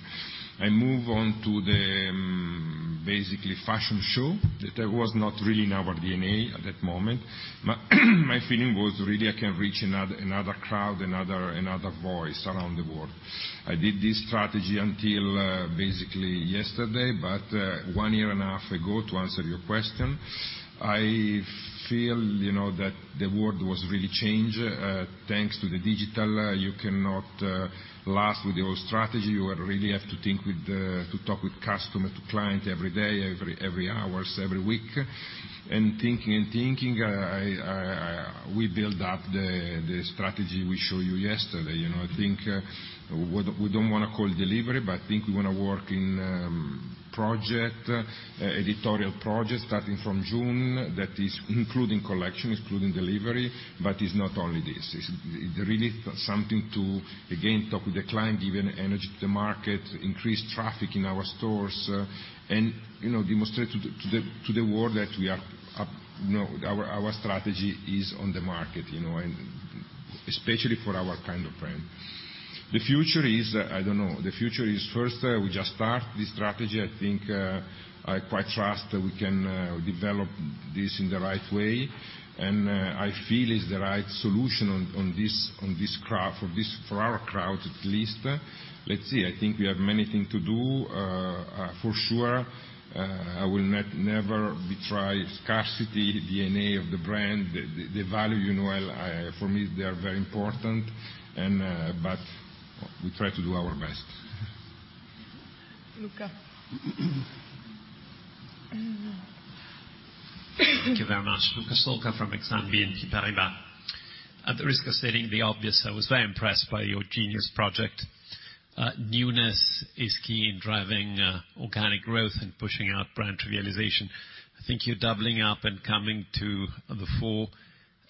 I move on to the, basically, fashion show. That was not really in our DNA at that moment. My feeling was really I can reach another crowd, another voice around the world. I did this strategy until basically yesterday, but one year and a half ago, to answer your question, I feel that the world was really changed. Thanks to the digital, you cannot last with the old strategy. You really have to talk with customer, to client every day, every hours, every week. Thinking and thinking, we build up the strategy we show you yesterday. I think we don't want to call it delivery, I think we want to work in editorial projects starting from June that is including collection, including delivery, but is not only this. It's really something to, again, talk with the client, give energy to the market, increase traffic in our stores, and demonstrate to the world that our strategy is on the market. Especially for our kind of brand. The future is, I don't know. The future is first, we just start the strategy. I think, I quite trust that we can develop this in the right way, and I feel it's the right solution for our crowd at least. Let's see. I think we have many thing to do. For sure, I will never betray scarcity, DNA of the brand, the value. For me, they are very important. We try to do our best. Luca. Thank you very much. Luca Solca from Exane BNP Paribas. At the risk of stating the obvious, I was very impressed by your Genius project. Newness is key in driving organic growth and pushing out brand trivialization. I think you're doubling up and coming to the fore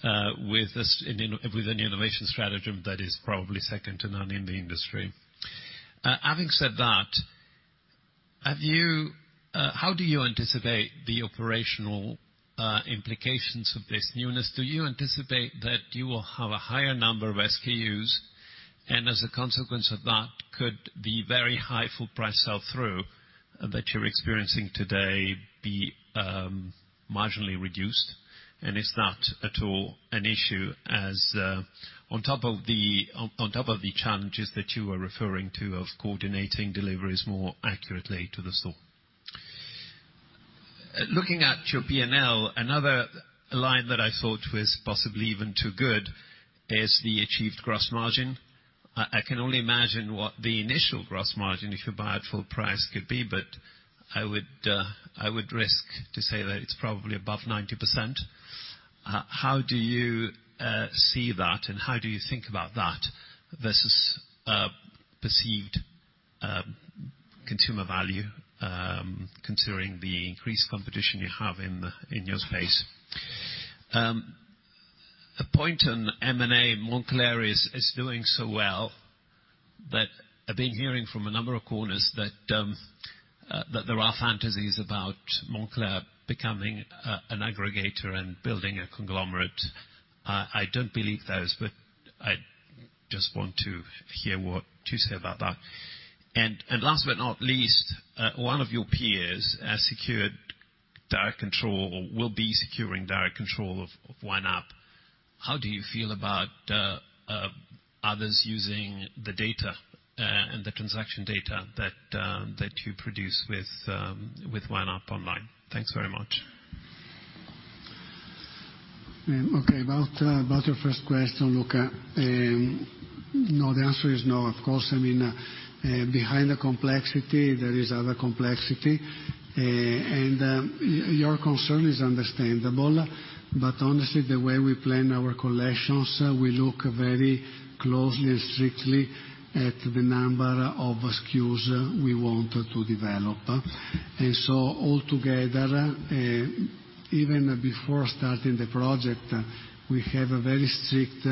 with an innovation strategy that is probably second to none in the industry. Having said that, how do you anticipate the operational implications of this newness? Do you anticipate that you will have a higher number of SKUs, and as a consequence of that, could the very high full price sell-through that you're experiencing today be marginally reduced? Is that at all an issue, on top of the challenges that you were referring to of coordinating deliveries more accurately to the store? Looking at your P&L, another line that I thought was possibly even too good is the achieved gross margin. I can only imagine what the initial gross margin, if you buy at full price, could be, I would risk to say that it's probably above 90%. How do you see that and how do you think about that versus perceived consumer value, considering the increased competition you have in your space? A point on M&A. Moncler is doing so well that I've been hearing from a number of corners that there are fantasies about Moncler becoming an aggregator and building a conglomerate. I don't believe those, I just want to hear what you say about that. Last but not least, one of your peers has secured direct control, or will be securing direct control of YNAP. How do you feel about others using the data and the transaction data that you produce with YNAP online? Thanks very much. Okay, about your first question, Luca. No, the answer is no. Of course, behind the complexity, there is other complexity. Your concern is understandable. Honestly, the way we plan our collections, we look very closely and strictly at the number of SKUs we want to develop. Altogether, even before starting the project, we have a very strict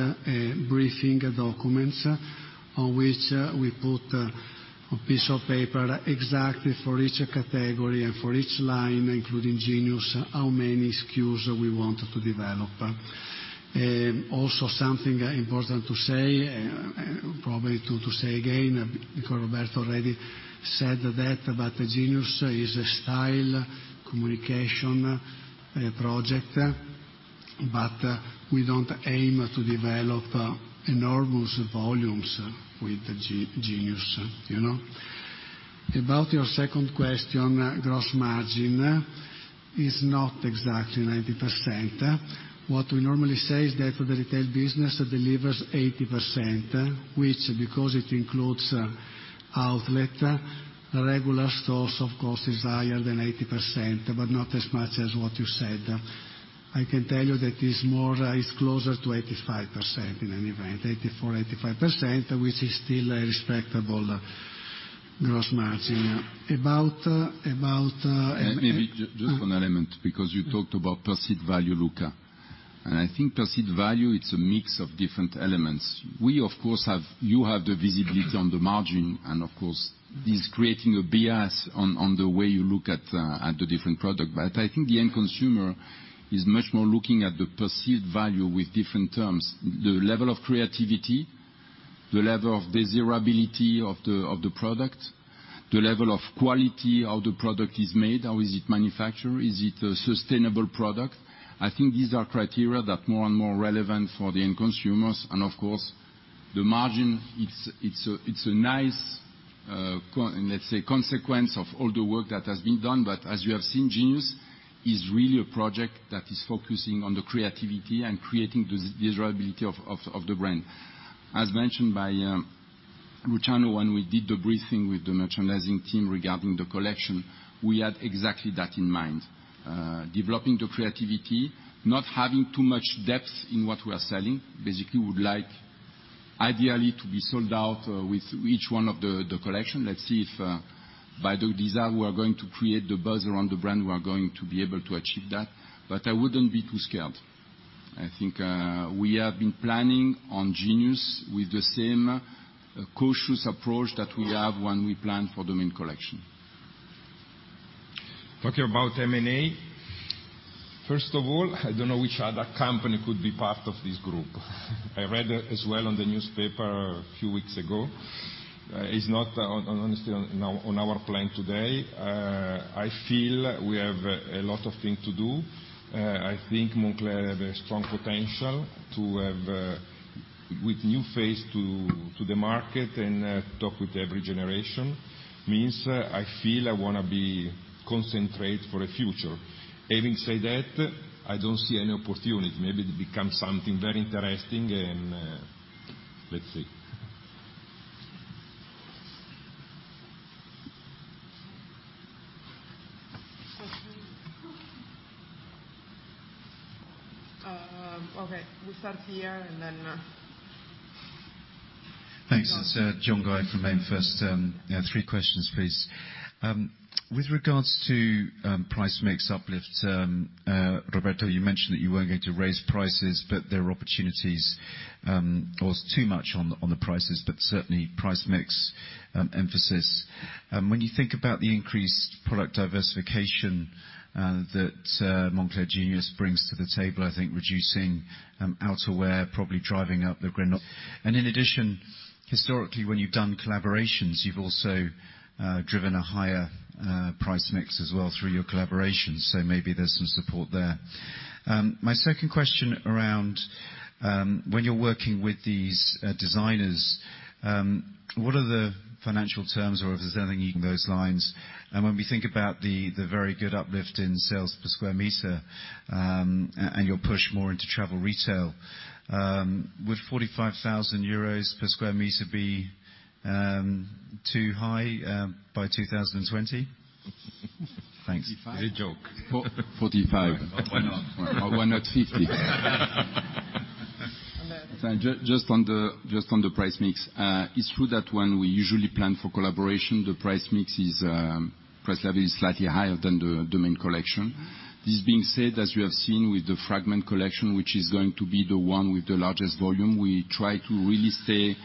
briefing documents on which we put a piece of paper exactly for each category and for each line, including Genius, how many SKUs we want to develop. Also, something important to say, and probably to say again, because Roberto already said that, but Genius is a style communication project. We don't aim to develop enormous volumes with Genius. About your second question, gross margin is not exactly 90%. What we normally say is that the retail business delivers 80%, which, because it includes outlet, regular stores, of course, is higher than 80%, but not as much as what you said. I can tell you that it's closer to 85% in any event. 84%, 85%, which is still a respectable gross margin. Maybe just one element, because you talked about perceived value, Luca. I think perceived value, it's a mix of different elements. You have the visibility on the margin. Of course, it is creating a bias on the way you look at the different product. I think the end consumer is much more looking at the perceived value with different terms. The level of creativity, the level of desirability of the product, the level of quality, how the product is made, how is it manufactured, is it a sustainable product? I think these are criteria that more and more relevant for the end consumers. Of course, the margin, it's a nice, let's say, consequence of all the work that has been done. As you have seen, Genius is really a project that is focusing on the creativity and creating desirability of the brand. As mentioned by Luciano, when we did the briefing with the merchandising team regarding the collection, we had exactly that in mind. Developing the creativity, not having too much depth in what we are selling. Basically, we would like, ideally, to be sold out with each one of the collection. Let's see if by the design, we are going to create the buzz around the brand, we are going to be able to achieve that. I wouldn't be too scared. I think we have been planning on Genius with the same cautious approach that we have when we plan for the main collection. Talking about M&A, first of all, I don't know which other company could be part of this group. I read as well in the newspaper a few weeks ago, it's not honestly on our plan today. I feel we have a lot of things to do. I think Moncler has a strong potential with new face to the market and talk with every generation, means I feel I want to be concentrate for the future. Having said that, I don't see any opportunity. Maybe it becomes something very interesting, let's see. Okay, we start here and then Thanks. It's John Guy from MainFirst. Three questions, please. With regards to price mix uplift, Roberto, you mentioned that you weren't going to raise prices, but there are opportunities, or too much on the prices, but certainly price mix emphasis. When you think about the increased product diversification that Moncler Genius brings to the table, I think reducing outerwear, probably driving up. In addition, historically, when you've done collaborations, you've also driven a higher price mix as well through your collaborations. Maybe there's some support there. My second question around when you're working with these designers, what are the financial terms or if there's anything along those lines? When we think about the very good uplift in sales per square meter, and your push more into travel retail, would 45,000 euros per square meter be too high by 2020? Thanks. Is it a joke? 45. Why not? Why not 50? (Robert) Just on the price mix. It's true that when we usually plan for collaboration, the price level is slightly higher than the main collection. This being said, as you have seen with the Fragment collection, which is going to be the one with the largest volume, we try to really stay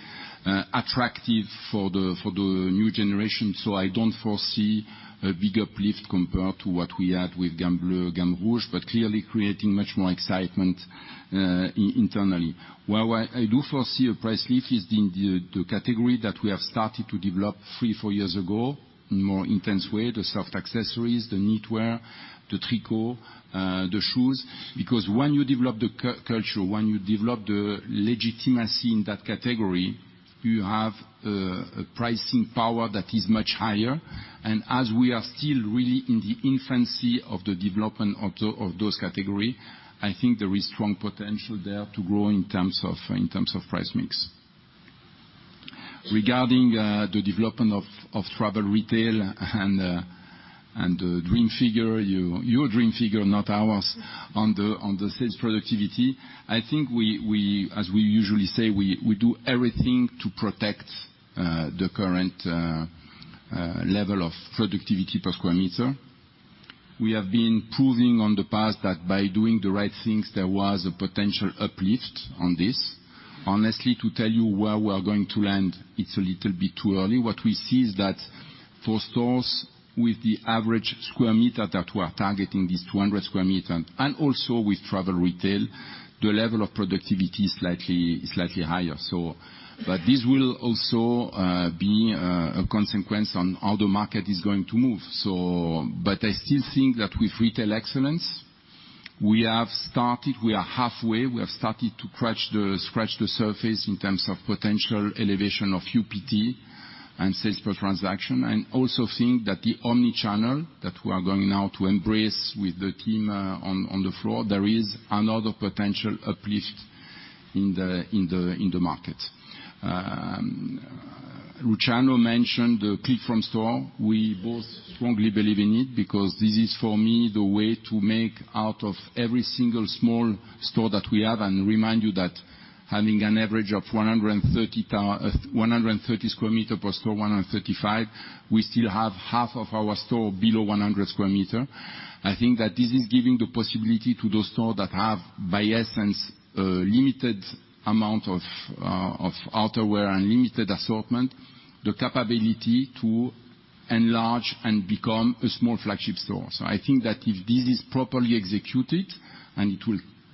attractive for the new generation. I don't foresee a big uplift compared to what we had with Gamme Bleu, Gamme Rouge, but clearly creating much more excitement internally. Where I do foresee a price lift is in the category that we have started to develop three, four years ago in more intense way, the soft accessories, the knitwear, the tricot, the shoes. When you develop the culture, when you develop the legitimacy in that category, you have a pricing power that is much higher. As we are still really in the infancy of the development of those category, I think there is strong potential there to grow in terms of price mix. Regarding the development of travel retail and the dream figure, your dream figure, not ours, on the sales productivity, I think as we usually say, we do everything to protect the current level of productivity per square meter. We have been proving on the past that by doing the right things, there was a potential uplift on this. Honestly, to tell you where we are going to land, it's a little bit too early. What we see is that for stores with the average square meter that we are targeting, this 200 square meter, and also with travel retail, the level of productivity is slightly higher. This will also be a consequence on how the market is going to move. I still think that with Retail Excellence, we have started, we are halfway, we have started to scratch the surface in terms of potential elevation of UPT and sales per transaction. I also think that the omni-channel that we are going now to embrace with the team on the floor, there is another potential uplift in the market. Luciano mentioned the click from store. We both strongly believe in it because this is, for me, the way to make out of every single small store that we have, and remind you that having an average of 130 square meter per store, 135, we still have half of our store below 100 square meter. I think that this is giving the possibility to those stores that have, by essence, a limited amount of outerwear and limited assortment, the capability to enlarge and become a small flagship store. I think that if this is properly executed, and it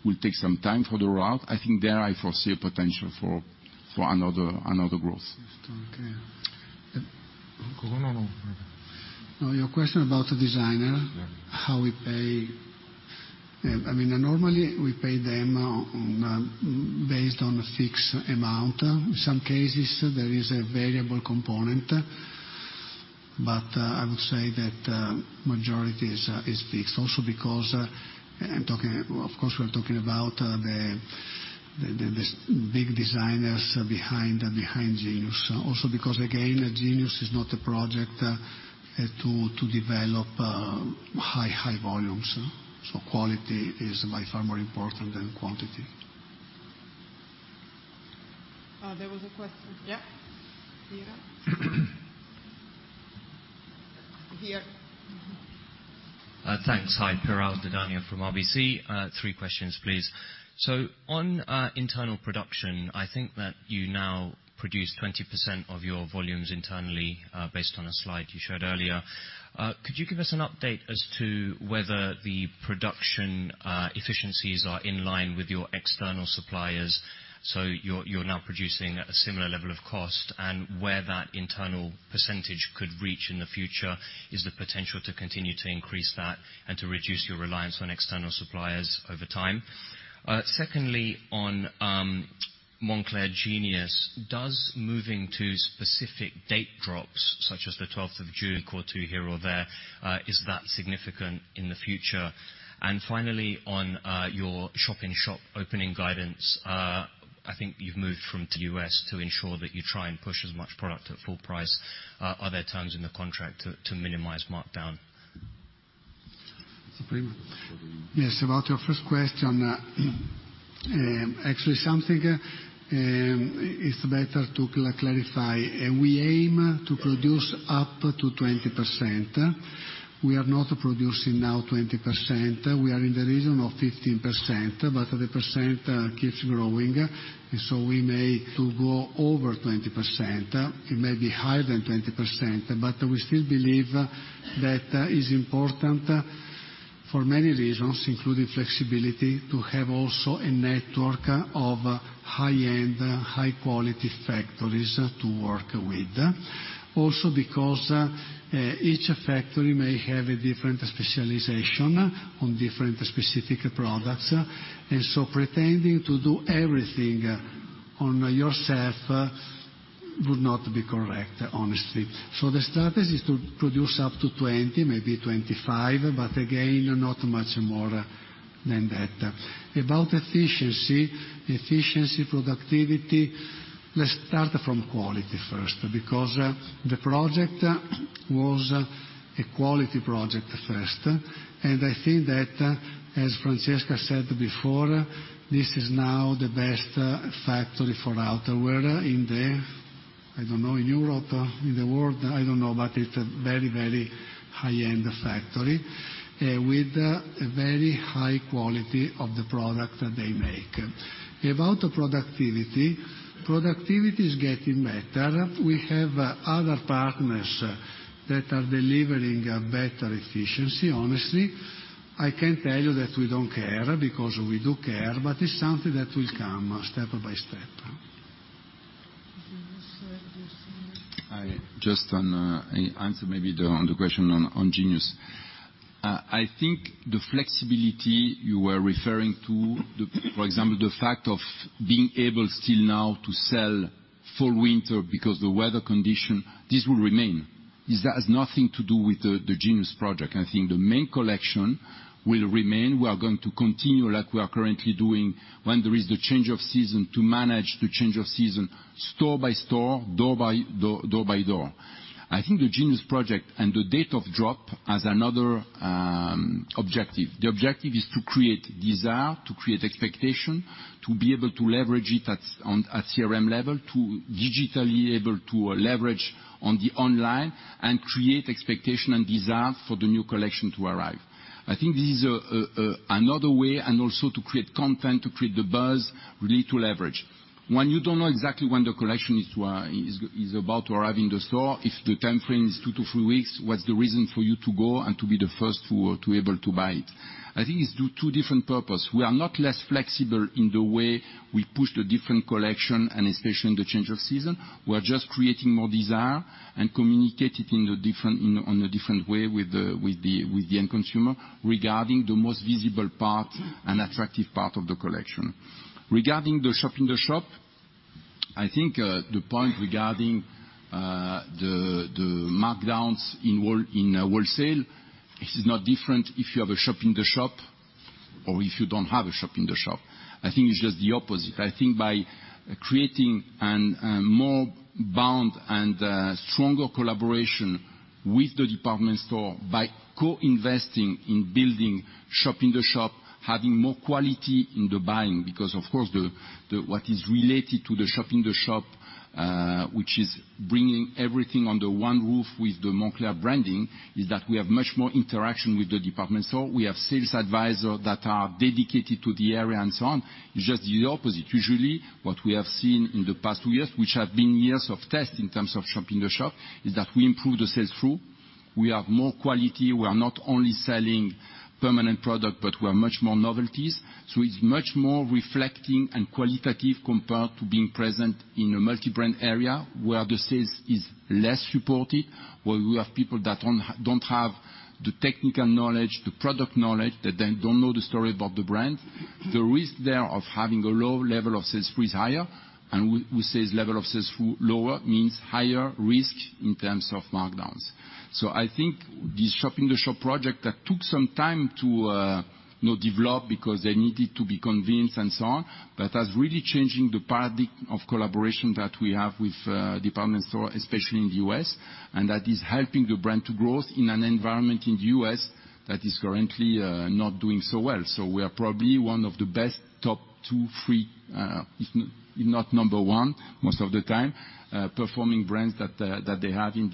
will take some time for the route, I think there I foresee a potential for another growth. Okay. Now your question about the designer- Yeah how we pay. Normally, we pay them based on a fixed amount. In some cases, there is a variable component, but I would say that majority is fixed. Also because, of course, we're talking about the big designers behind Genius. Also because again, Genius is not a project to develop high volumes. Quality is by far more important than quantity. There was a question. Yeah. Here. Here. Thanks. Hi. Piral Dadhania from RBC. Three questions, please. On internal production, I think that you now produce 20% of your volumes internally, based on a slide you showed earlier. Could you give us an update as to whether the production efficiencies are in line with your external suppliers, so you're now producing at a similar level of cost, and where that internal percentage could reach in the future? Is the potential to continue to increase that and to reduce your reliance on external suppliers over time? Secondly, on Moncler Genius. Does moving to specific date drops, such as the 12th of June, quarter here or there, is that significant in the future? Finally, on your shop-in-shop opening guidance, I think you've moved from the U.S. to ensure that you try and push as much product at full price. Are there terms in the contract to minimize markdown? Primo. Yes, about your first question. Actually, something is better to clarify. We aim to produce up to 20%. We are not producing now 20%. We are in the region of 15%, but the percent keeps growing, so we may go over 20%. It may be higher than 20%, but we still believe that it's important for many reasons, including flexibility, to have also a network of high-end, high-quality factories to work with. Also because each factory may have a different specialization on different specific products. Pretending to do everything on yourself would not be correct, honestly. The strategy is to produce up to 20, maybe 25, but again, not much more than that. About efficiency. Efficiency, productivity. Let's start from quality first, because the project was a quality project first. I think that, as Francesca said before, this is now the best factory for outerwear in the I don't know, in Europe, in the world, I don't know, but it's a very high-end factory with a very high quality of the product that they make. About the productivity. Productivity is getting better. We have other partners that are delivering better efficiency, honestly. I can tell you that we don't care because we do care, but it's something that will come step by step. This side. Hi. I answer maybe on the question on Genius. I think the flexibility you were referring to, for example, the fact of being able still now to sell full winter because the weather condition, this will remain. Because that has nothing to do with the Moncler Genius project. I think the main collection will remain. We are going to continue like we are currently doing when there is the change of season, to manage the change of season store by store, door by door. I think the Moncler Genius project and the date of drop has another objective. The objective is to create desire, to create expectation, to be able to leverage it at CRM level, to digitally able to leverage on the online, and create expectation and desire for the new collection to arrive. I think this is another way, and also to create content, to create the buzz related to leverage. When you don't know exactly when the collection is about to arrive in the store, if the timeframe is 2-3 weeks, what's the reason for you to go and to be the first to be able to buy it? I think it's 2 different purpose. We are not less flexible in the way we push the different collection, and especially in the change of season. We are just creating more desire and communicate it in a different way with the end consumer, regarding the most visible part and attractive part of the collection. Regarding the shop in the shop, I think, the point regarding the markdowns in wholesale, it is not different if you have a shop in the shop or if you don't have a shop in the shop. I think it's just the opposite. I think by creating a more bound and stronger collaboration with the department store by co-investing in building shop in the shop, having more quality in the buying, because of course what is related to the shop in the shop, which is bringing everything under one roof with the Moncler branding, is that we have much more interaction with the department store. We have sales advisors that are dedicated to the area and so on. It's just the opposite. Usually, what we have seen in the past two years, which have been years of test in terms of shop in the shop, is that we improve the sell-through. We have more quality. We are not only selling permanent product, but we have much more novelties. It's much more reflecting and qualitative compared to being present in a multi-brand area where the sales is less supported, where we have people that don't have the technical knowledge, the product knowledge, that then don't know the story about the brand. The risk there of having a low level of sell-through is higher. We say level of sell-through lower means higher risk in terms of markdowns. I think this shop in the shop project that took some time to develop because they needed to be convinced and so on, but that's really changing the paradigm of collaboration that we have with department store, especially in the U.S. That is helping the brand to grow in an environment in the U.S. that is currently not doing so well. We are probably one of the best top 2, 3, if not number 1, most of the time, performing brands that they have in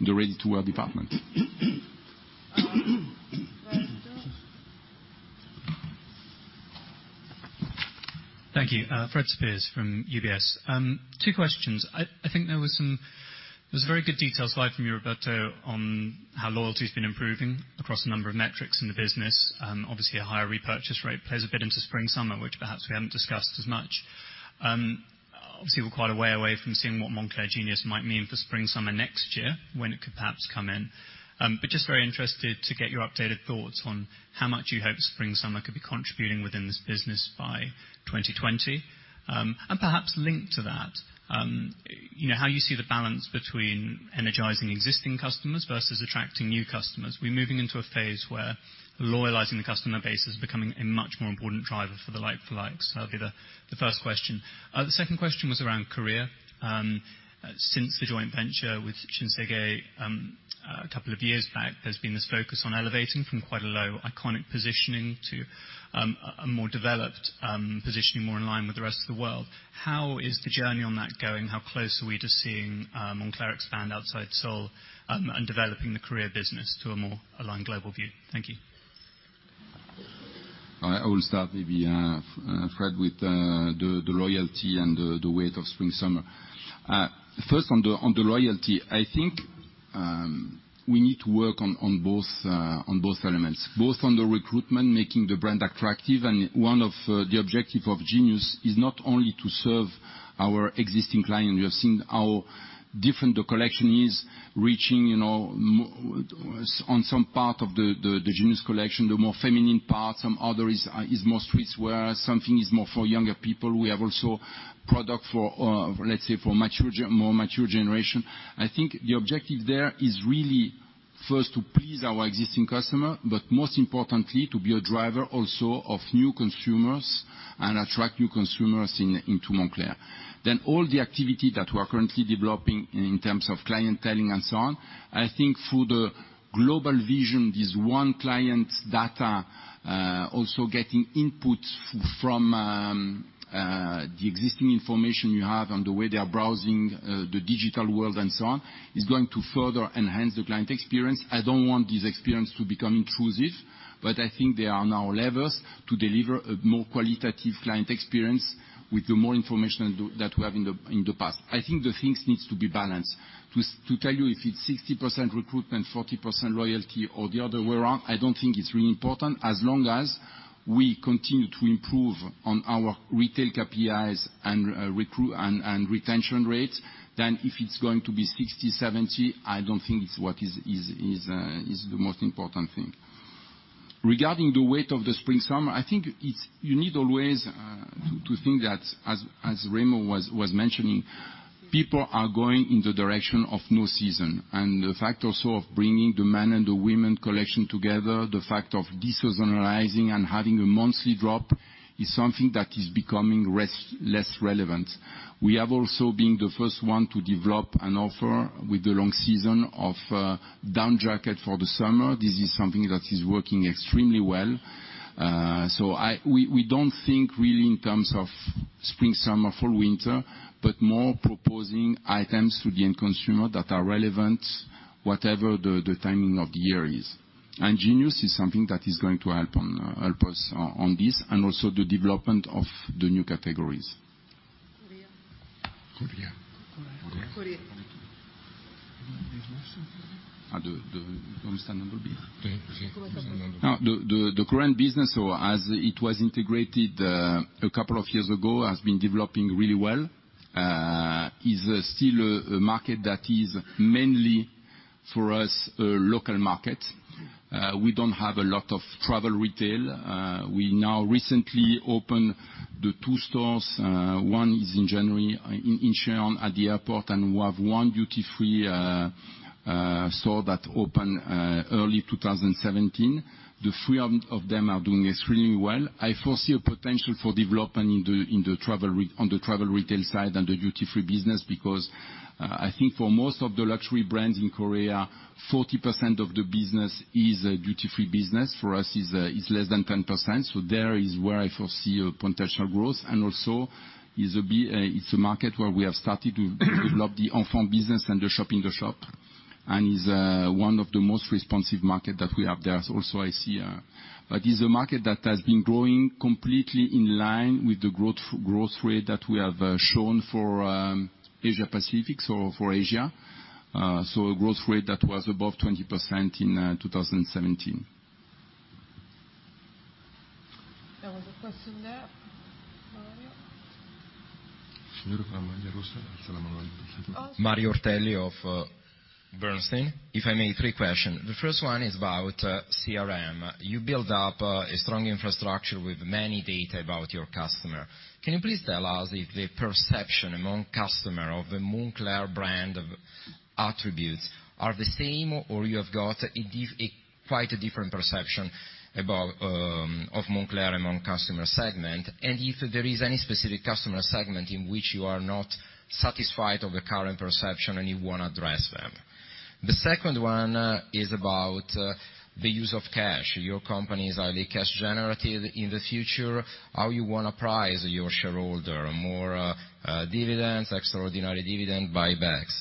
the ready-to-wear department. Last two Thank you. Fred Speirs from UBS. Two questions. I think there was a very good detail slide from you, Roberto, on how loyalty has been improving across a number of metrics in the business. A higher repurchase rate plays a bit into spring-summer, which perhaps we haven't discussed as much. We're quite a way away from seeing what Moncler Genius might mean for spring-summer next year, when it could perhaps come in. Just very interested to get your updated thoughts on how much you hope spring-summer could be contributing within this business by 2020. Perhaps linked to that, how you see the balance between energizing existing customers versus attracting new customers. Are we moving into a phase where loyalizing the customer base is becoming a much more important driver for the like-for-likes? That'll be the first question. The second question was around Korea. Since the joint venture with Shinsegae a couple of years back, there's been this focus on elevating from quite a low, iconic positioning to a more developed positioning, more in line with the rest of the world. How is the journey on that going? How close are we to seeing Moncler expand outside Seoul and developing the Korea business to a more aligned global view? Thank you. I will start maybe, Fred, with the loyalty and the weight of spring-summer. First on the loyalty, I think we need to work on both elements. Both on the recruitment, making the brand attractive, and one of the objective of Genius is not only to serve our existing client. We have seen how different the collection is, reaching on some part of the Genius collection, the more feminine part, some other is more streetwear, something is more for younger people. We have also product for, let's say, more mature generation. I think the objective there is really first to please our existing customer, but most importantly, to be a driver also of new consumers and attract new consumers into Moncler. All the activity that we are currently developing in terms of clienteling and so on, I think through the global vision, this one client data, also getting inputs from the existing information you have on the way they are browsing the digital world and so on, is going to further enhance the client experience. I don't want this experience to become intrusive, but I think there are now levers to deliver a more qualitative client experience with the more information that we have in the past. I think the things needs to be balanced. To tell you if it's 60% recruitment, 40% loyalty or the other way around, I don't think it's really important as long as we continue to improve on our retail KPIs and retention rates. If it's going to be 60%/70%, I don't think it's the most important thing. Regarding the weight of the spring-summer, I think you need always to think that, as Remo was mentioning, people are going in the direction of no season. The fact also of bringing the man and the women collection together, the fact of deseasonalizing and having a monthly drop is something that is becoming less relevant. We have also been the first one to develop an offer with the long season of down jacket for the summer. This is something that is working extremely well. We don't think really in terms of spring-summer, fall-winter, but more proposing items to the end consumer that are relevant, whatever the timing of the year is. Genius is something that is going to help us on this, and also the development of the new categories. Korea. Korea. Korea. The Korean business, as it was integrated a couple of years ago, has been developing really well. It is still a market that is mainly for us, a local market. We don't have a lot of travel retail. We now recently opened the two stores. One is in January in Incheon at the airport, and we have one duty-free store that opened early 2017. The three of them are doing extremely well. I foresee a potential for development on the travel retail side and the duty-free business, because I think for most of the luxury brands in Korea, 40% of the business is a duty-free business. For us, it's less than 10%. There is where I foresee a potential growth. Also it's a market where we have started to develop the Enfant business and the shop in the shop, and is one of the most responsive market that we have there also, I see. It's a market that has been growing completely in line with the growth rate that we have shown for Asia-Pacific, so for Asia. A growth rate that was above 20% in 2017. There was a question there. Mario. Mario Ortelli of Bernstein. If I may, three question. The first one is about CRM. You build up a strong infrastructure with many data about your customer. Can you please tell us if the perception among customer of the Moncler brand of attributes are the same, or you have got quite a different perception of Moncler among customer segment? If there is any specific customer segment in which you are not satisfied of the current perception, and you want to address them. The second one is about the use of cash. Your company is highly cash generative. In the future, how you want to prize your shareholder, more dividends, extraordinary dividend, buybacks?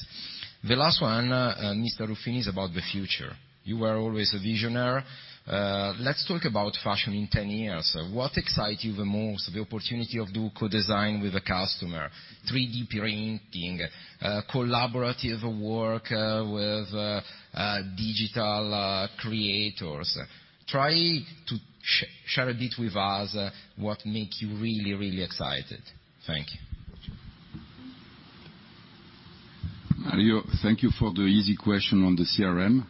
The last one, Mr. Ruffini, is about the future. You are always a visionary. Let's talk about fashion in 10 years. What excites you the most? The opportunity of doing co-design with a customer, 3D printing, collaborative work with digital creators. Try to share a bit with us what makes you really excited. Thank you. Mario, thank you for the easy question on the CRM.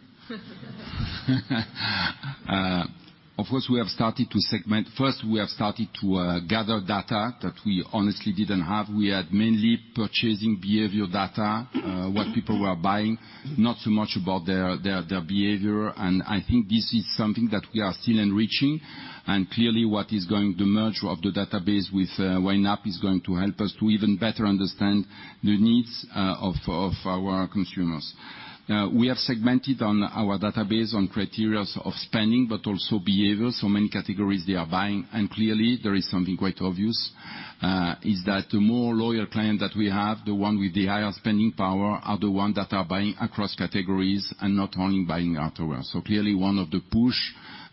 First, we have started to gather data that we honestly didn't have. We had mainly purchasing behavior data, what people were buying, not so much about their behavior. Clearly, the merge of the database with YNAP is going to help us to even better understand the needs of our consumers. Now, we have segmented on our database on criteria of spending, but also behavior. Many categories they are buying, clearly, there is something quite obvious, is that the more loyal client that we have, the one with the higher spending power, are the one that are buying across categories and not only buying outerwear. Clearly, one of the push,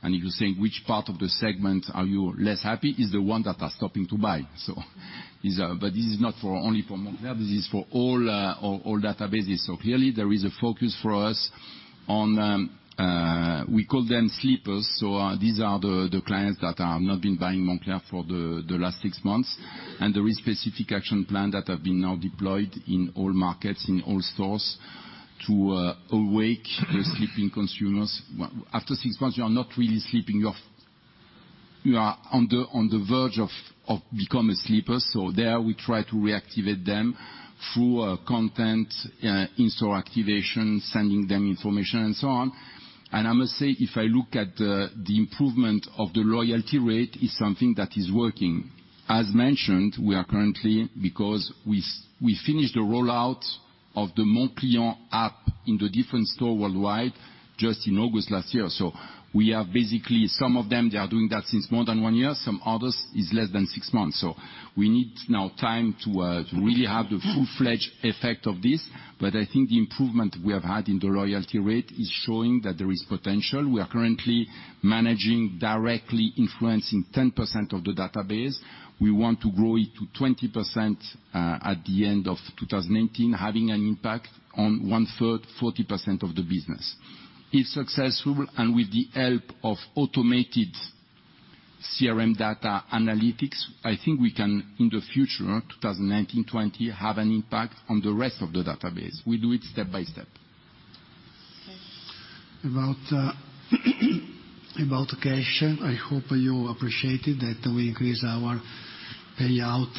and if you think which part of the segment are you less happy, is the one that are stopping to buy. This is not only for Moncler, this is for all databases. Clearly, there is a focus for us on, we call them sleepers. These are the clients that have not been buying Moncler for the last six months, and there is specific action plan that have been now deployed in all markets, in all stores to awake the sleeping consumers. After six months, you are not really sleeping, you are on the verge of become a sleeper. There we try to reactivate them through content, in-store activation, sending them information, and so on. I must say, if I look at the improvement of the loyalty rate, is something that is working. As mentioned, we finished the rollout of the MonClient app in the different store worldwide just in August last year. Basically, some of them, they are doing that since more than one year. Some others, it's less than six months. We need now time to really have the full-fledged effect of this. I think the improvement we have had in the loyalty rate is showing that there is potential. We are currently managing directly influencing 10% of the database. We want to grow it to 20% at the end of 2019, having an impact on one third, 40% of the business. If successful and with the help of automated CRM data analytics, I think we can, in the future, 2019-2020, have an impact on the rest of the database. We do it step by step. About cash, I hope you appreciated that we increase our payout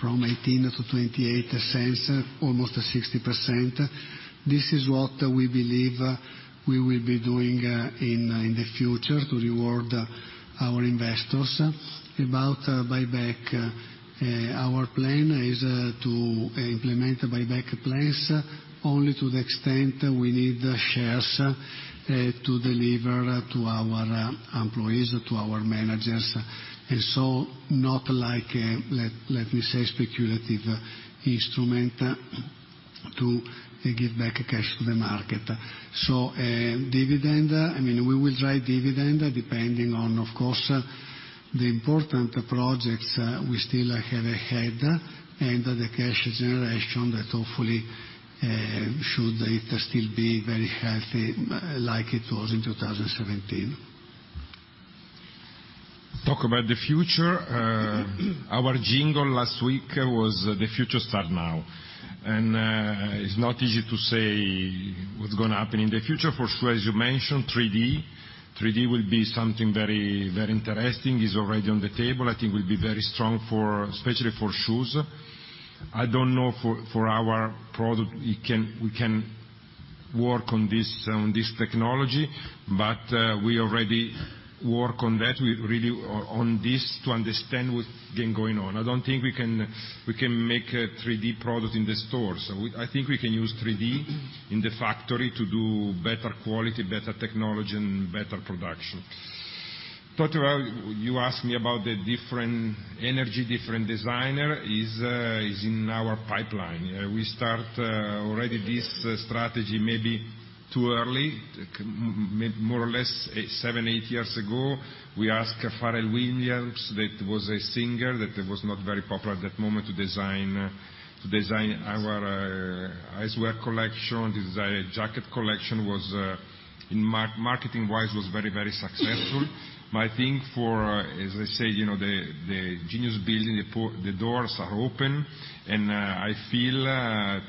from 0.18 to 0.28, almost 60%. This is what we believe we will be doing in the future to reward our investors. About buyback, our plan is to implement buyback plans only to the extent we need shares to deliver to our employees, to our managers. Not like, let me say, speculative instrument to give back cash to the market. Dividend, we will try dividend depending on, of course, the important projects we still have ahead, and the cash generation that hopefully should still be very healthy like it was in 2017. Talk about the future. Our jingle last week was, The Future Start Now. It's not easy to say what's going to happen in the future. For sure, as you mentioned, 3D. 3D will be something very interesting. It's already on the table. I think will be very strong especially for shoes. I don't know, for our product, we can work on this technology, but we already work on that, on this, to understand what's been going on. I don't think we can make a 3D product in the store. I think we can use 3D in the factory to do better quality, better technology, and better production. Total, you asked me about the different energy, different designer is in our pipeline. We start already this strategy maybe too early. More or less seven, eight years ago, we asked Pharrell Williams, that was a singer, that was not very popular at that moment, to design our eyewear collection, design a jacket collection, marketing-wise, was very successful. I think for, as I say, the Genius building, the doors are open, and I feel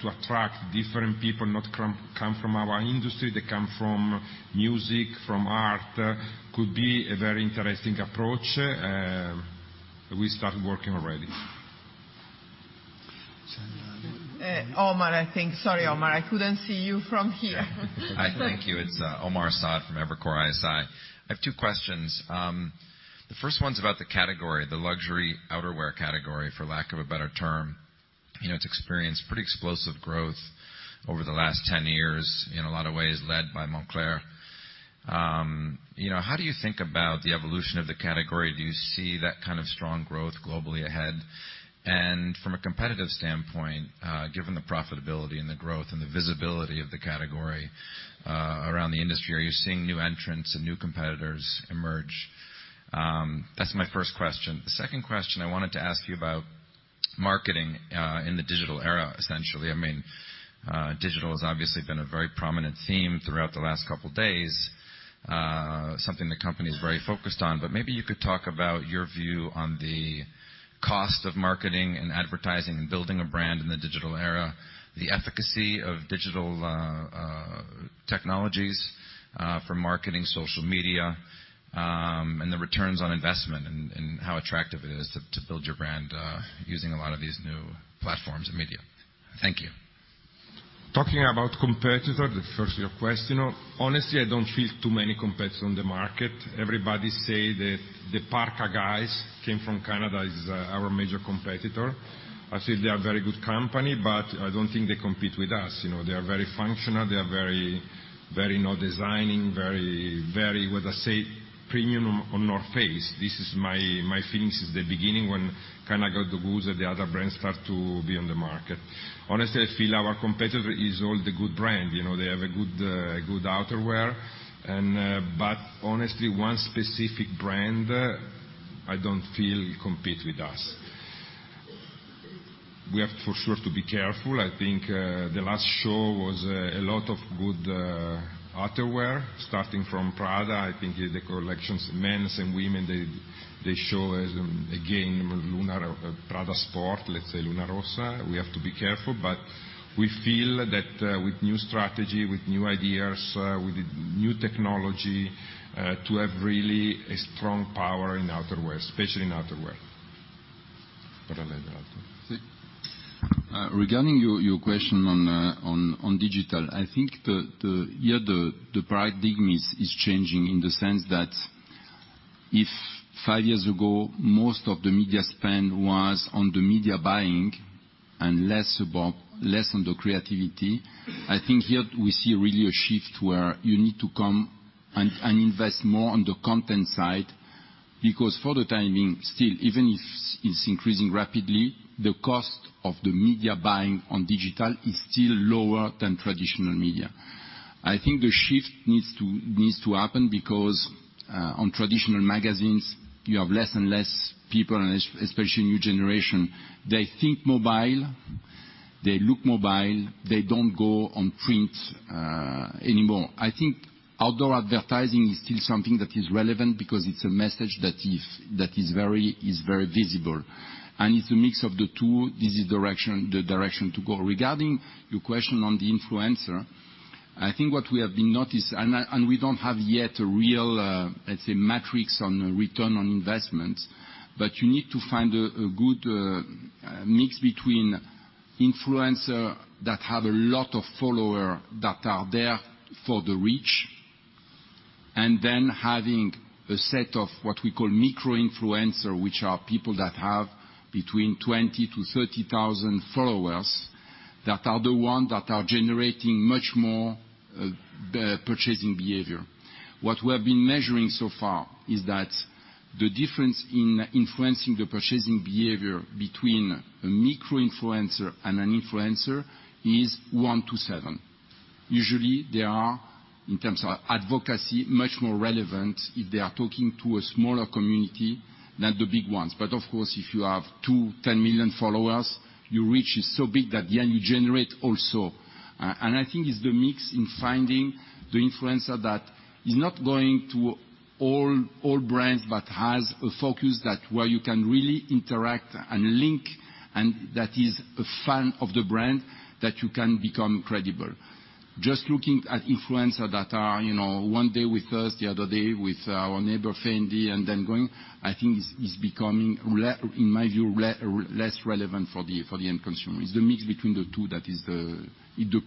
to attract different people, not come from our industry, they come from music, from art, could be a very interesting approach. We start working already. Omar, I think. Sorry, Omar, I couldn't see you from here. Hi. Thank you. It's Omar Saad from Evercore ISI. I have two questions. The first one's about the category, the luxury outerwear category, for lack of a better term. It's experienced pretty explosive growth over the last 10 years in a lot of ways led by Moncler. How do you think about the evolution of the category? Do you see that kind of strong growth globally ahead? From a competitive standpoint, given the profitability and the growth and the visibility of the category around the industry, are you seeing new entrants and new competitors emerge? That's my first question. The second question I wanted to ask you about marketing in the digital era, essentially. Digital has obviously been a very prominent theme throughout the last couple of days, something the company is very focused on. Maybe you could talk about your view on the cost of marketing and advertising and building a brand in the digital era, the efficacy of digital technologies for marketing, social media, and the returns on investment and how attractive it is to build your brand using a lot of these new platforms and media. Thank you. Talking about competitor, the first of your question. Honestly, I don't feel too many competitors on the market. Everybody say that the Parka guys came from Canada is our major competitor. I think they are a very good company, but I don't think they compete with us. They are very functional. They are very no designing, very what I say, premium on North Face. This is my feelings since the beginning when Canada Goose and the other brands start to be on the market. Honestly, I feel our competitor is all the good brand. They have a good outerwear. Honestly, one specific brand, I don't feel compete with us. We have for sure to be careful. I think the last show was a lot of good outerwear, starting from Prada. I think the collections men's and women, they show as again, Prada Sport, let's say Luna Rossa. We have to be careful. We feel that with new strategy, with new ideas, with new technology, to have really a strong power in outerwear, especially in outerwear. Go ahead, Roberto. Regarding your question on digital, I think here the paradigm is changing in the sense that if 5 years ago, most of the media spend was on the media buying and less on the creativity. I think here we see really a shift where you need to come and invest more on the content side because for the time being still, even if it's increasing rapidly, the cost of the media buying on digital is still lower than traditional media. I think the shift needs to happen because on traditional magazines you have less and less people and especially new generation, they think mobile, they look mobile, they don't go on print anymore. I think outdoor advertising is still something that is relevant because it's a message that is very visible and it's a mix of the two. This is the direction to go. Regarding your question on the influencer, I think what we have been noticed and we don't have yet a real, let's say metrics on return on investment, but you need to find a good mix between influencer that have a lot of follower that are there for the reach and then having a set of what we call micro influencer, which are people that have between 20,000 to 30,000 followers that are the one that are generating much more purchasing behavior. What we have been measuring so far is that the difference in influencing the purchasing behavior between a micro influencer and an influencer is one to seven. Usually they are, in terms of advocacy, much more relevant if they are talking to a smaller community than the big ones. Of course, if you have 2, 10 million followers, your reach is so big that in the end you generate also. I think it's the mix in finding the influencer that is not going to all brands but has a focus that where you can really interact and link and that is a fan of the brand that you can become credible. Just looking at influencer that are one day with us, the other day with our neighbor Fendi and then going, I think is becoming, in my view, less relevant for the end consumer. It's the mix between the two that is the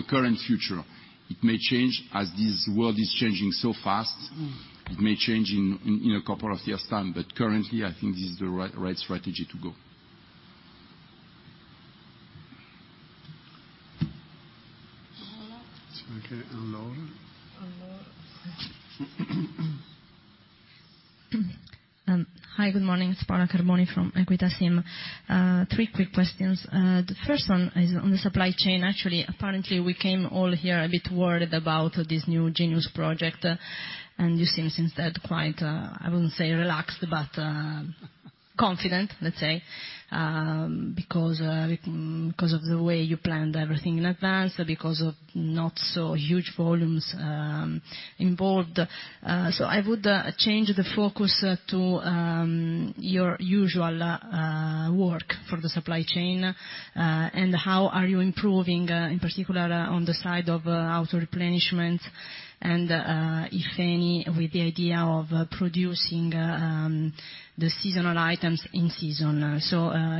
current future. It may change as this world is changing so fast. It may change in a couple of years' time, but currently I think this is the right strategy to go. Okay, Anne-Laure. Alone. Hi, good morning. It's Paola Carboni from Equita SIM. Three quick questions. The first one is on the supply chain. Apparently we came all here a bit worried about this new Genius project and you seem since that quite, I wouldn't say relaxed but confident, let's say, because of the way you planned everything in advance because of not so huge volumes involved. I would change the focus to your usual work for the supply chain and how are you improving in particular on the side of auto-replenishment and if any with the idea of producing the seasonal items in season.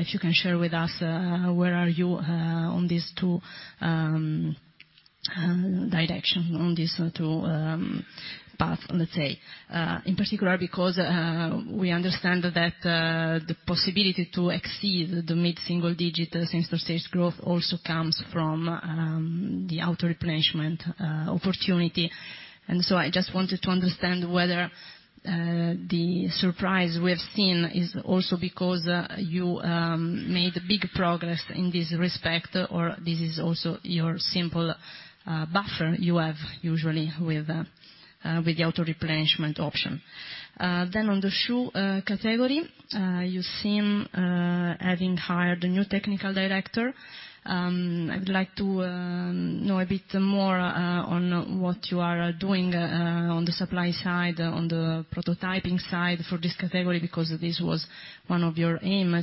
If you can share with us where are you on these two direction on these two path, let's say. In particular, we understand that the possibility to exceed the mid-single digit same-store sales growth also comes from the auto-replenishment opportunity. I just wanted to understand whether the surprise we have seen is also because you made big progress in this respect, or this is also your simple buffer you have usually with the auto-replenishment option. On the shoe category, you seem having hired a new technical director. I would like to know a bit more on what you are doing on the supply side, on the prototyping side for this category, because this was one of your aim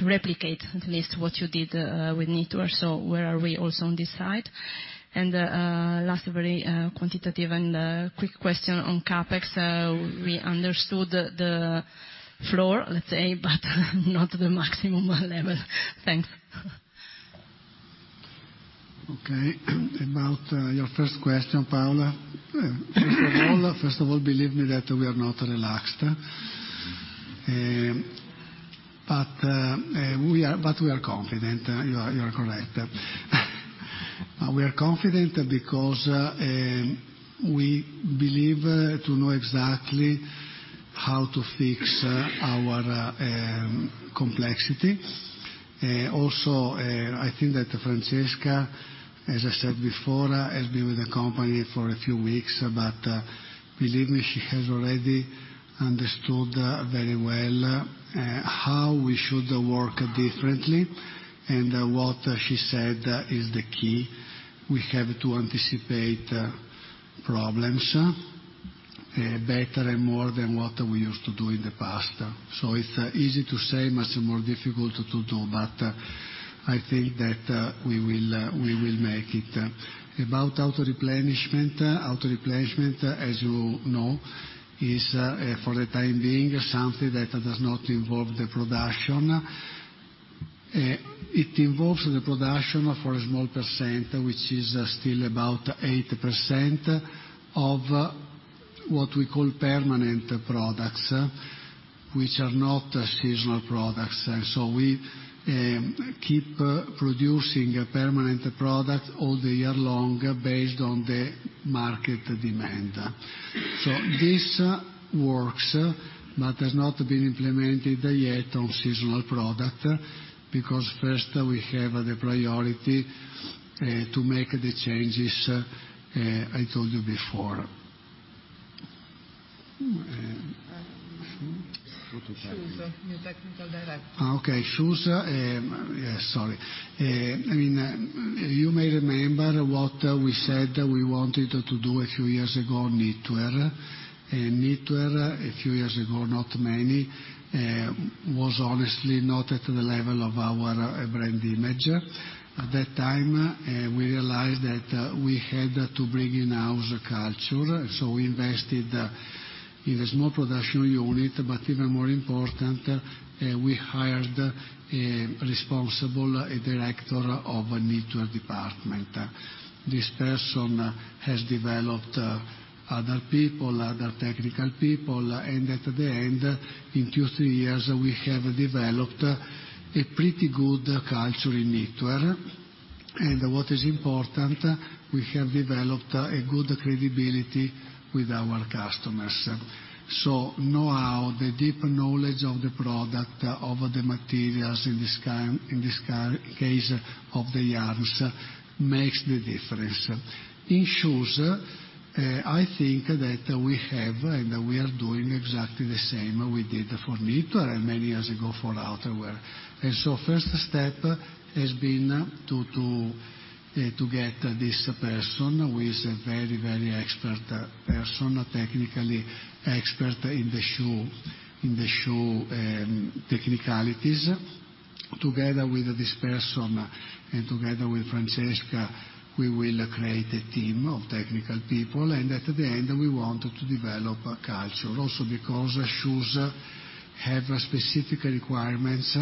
to replicate at least what you did with knitwear. Where are we also on this side? Last, very quantitative and quick question on CapEx. We understood the floor, let's say, but not the maximum level. Thanks. Okay. About your first question, Paola. First of all, believe me that we are not relaxed. We are confident, you are correct. We are confident because we believe to know exactly how to fix our complexity. I think that Francesca, as I said before, has been with the company for a few weeks, but believe me, she has already understood very well how we should work differently. What she said is the key. We have to anticipate problems better and more than what we used to do in the past. It's easy to say, much more difficult to do, but I think that we will make it. About auto-replenishment, as you know, is for the time being something that does not involve the production. It involves the production for a small percent, which is still about 8% of what we call permanent products, which are not seasonal products. We keep producing permanent products all the year long based on the market demand. This works, but has not been implemented yet on seasonal product, because first we have the priority to make the changes I told you before. Shoes, new technical director. Okay, shoes. Yes, sorry. You may remember what we said we wanted to do a few years ago on knitwear. Knitwear a few years ago, not many, was honestly not at the level of our brand image. At that time, we realized that we had to bring in-house culture, so we invested in a small production unit, but even more important, we hired a responsible director of a knitwear department. This person has developed other people, other technical people, and at the end, in two, three years, we have developed a pretty good culture in knitwear. What is important, we have developed a good credibility with our customers. Know-how, the deep knowledge of the product, of the materials, in this case of the yarns, makes the difference. In shoes, I think that we have and we are doing exactly the same we did for knitwear and many years ago for outerwear. First step has been to get this person who is a very expert person, technically expert in the shoe technicalities. Together with this person and together with Francesca, we will create a team of technical people and at the end we want to develop a culture also because shoes have specific requirements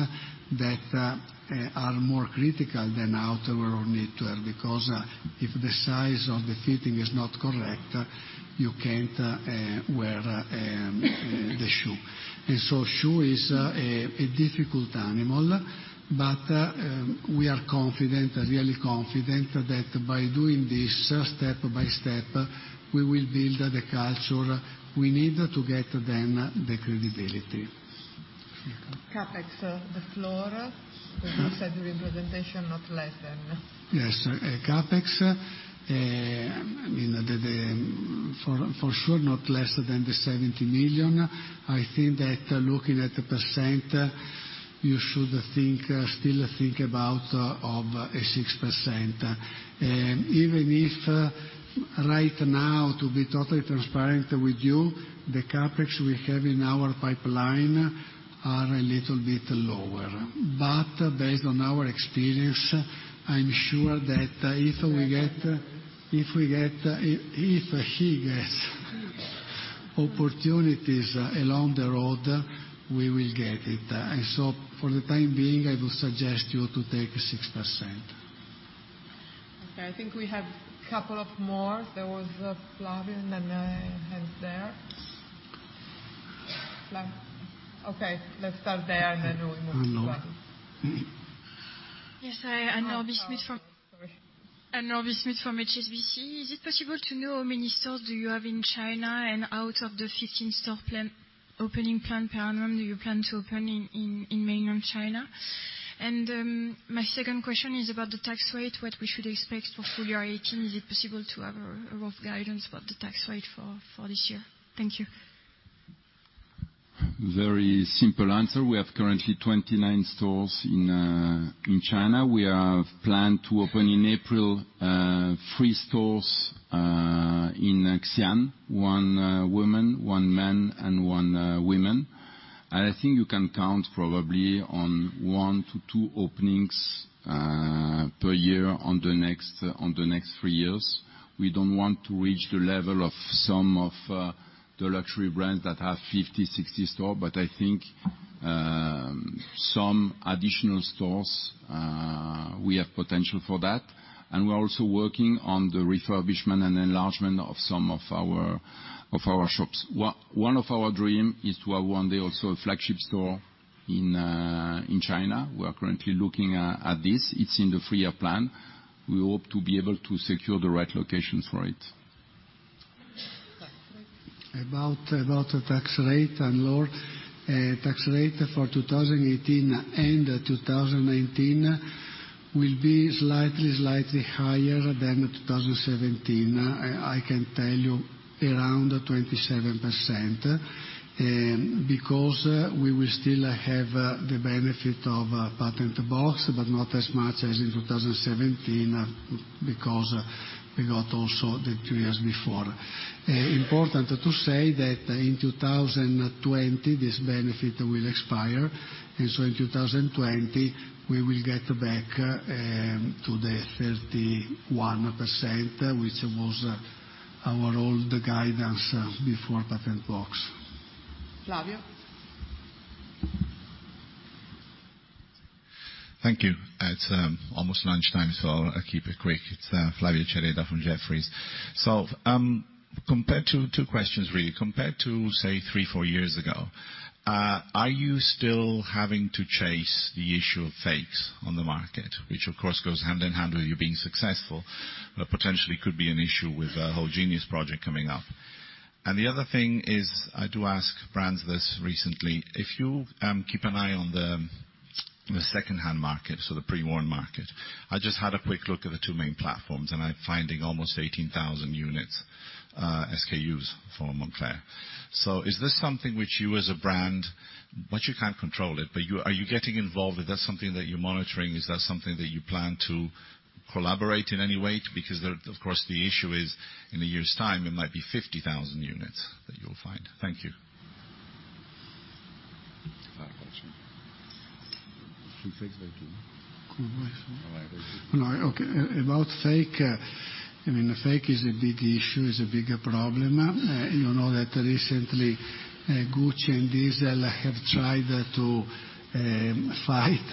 that are more critical than outerwear or knitwear because if the size of the fitting is not correct you can't wear the shoe. Shoe is a difficult animal but we are confident, really confident that by doing this step-by-step we will build the culture we need to get then the credibility. CapEx, the floor because you said the representation not less than. Yes, CapEx. For sure not less than 70 million. I think that looking at the %, you should still think about of a 6%. Even if right now to be totally transparent with you, the CapEx we have in our pipeline are a little bit lower. Based on our experience, I'm sure that if we get opportunities along the road, we will get it. For the time being, I would suggest you to take 6%. I think we have couple of more. There was a Flavio hand there. Flavio. Let's start there and then we move to Flavio. Anne-Laure Bismuth from HSBC. Is it possible to know how many stores do you have in China and out of the 15 store opening plan per annum, do you plan to open in mainland China? My second question is about the tax rate, what we should expect for full year 2018. Is it possible to have a rough guidance about the tax rate for this year? Thank you. Very simple answer. We have currently 29 stores in China. We have planned to open in April three stores in Xi'an, one men and one women. I think you can count probably on one to two openings per year on the next three years. We don't want to reach the level of some of the luxury brands that have 50, 60 store, but I think some additional stores, we have potential for that. We're also working on the refurbishment and enlargement of some of our shops. One of our dream is to have one day also a flagship store in China. We are currently looking at this. It's in the three-year plan. We hope to be able to secure the right locations for it. Flavio. About the tax rate, Anne-Laure. Tax rate for 2018 and 2019 will be slightly higher than 2017. I can tell you around 27%, because we will still have the benefit of patent box, but not as much as in 2017 because we got also the two years before. Important to say that in 2020 this benefit will expire. In 2020 we will get back to the 31%, which was our old guidance before patent box. Flavio. Thank you. It's almost lunchtime, so I keep it quick. It's Flavio Cereda from Jefferies. Two questions really. Compared to, say, three, four years ago, are you still having to chase the issue of fakes on the market, which of course goes hand in hand with you being successful, but potentially could be an issue with the whole Genius project coming up. The other thing is, I do ask brands this recently. If you keep an eye on the secondhand market, so the pre-worn market. I just had a quick look at the two main platforms, and I'm finding almost 18,000 units, SKUs for Moncler. Is this something which you as a brand, but you can't control it, but are you getting involved? Is that something that you're monitoring? Is that something that you plan to collaborate in any way? Of course the issue is in a year's time it might be 50,000 units that you'll find. Thank you. Hard question. To fix that too. About fake. Fake is a big issue, is a bigger problem. You know that recently Gucci and Diesel have tried to fight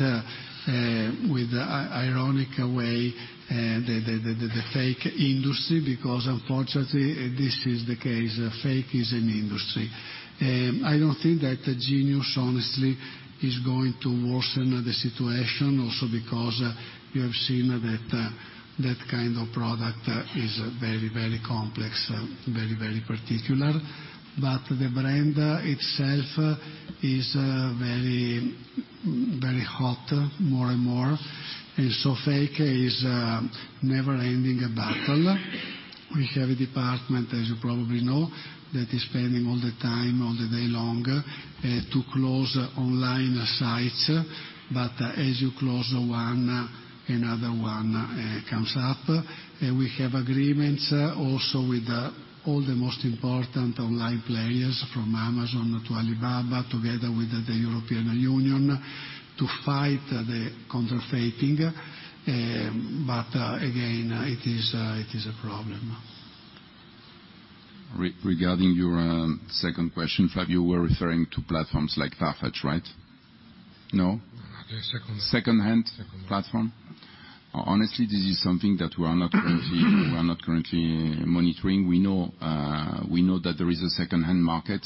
with ironic way the fake industry because unfortunately this is the case. Fake is an industry. I don't think that Genius honestly is going to worsen the situation also because you have seen that that kind of product is very, very complex, very, very particular. The brand itself is very hot more and more. Fake is a never-ending battle. We have a department, as you probably know, that is spending all the time, all the day long, to close online sites. As you close one, another one comes up. We have agreements also with all the most important online players from Amazon to Alibaba, together with the European Union to fight the counterfeiting. Again, it is a problem. Regarding your second question, Flavio, you were referring to platforms like FARFETCH, right? No. The second one. Secondhand platform. Secondhand. Honestly, this is something that we are not currently monitoring. We know that there is a secondhand market,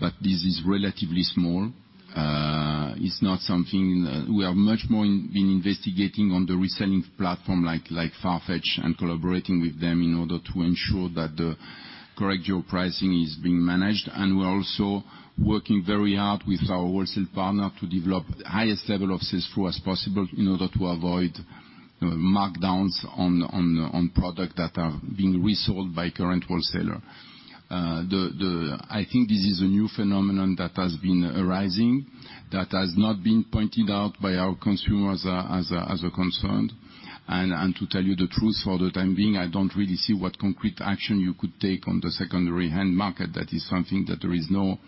but this is relatively small. We have much more been investigating on the reselling platform like FARFETCH and collaborating with them in order to ensure that the correct pricing is being managed. We're also working very hard with our wholesale partner to develop the highest level of sales flow as possible in order to avoid markdowns on product that are being resold by current wholesaler. I think this is a new phenomenon that has been arising that has not been pointed out by our consumers as a concern. To tell you the truth, for the time being, I don't really see what concrete action you could take on the secondhand market. That is something that there is no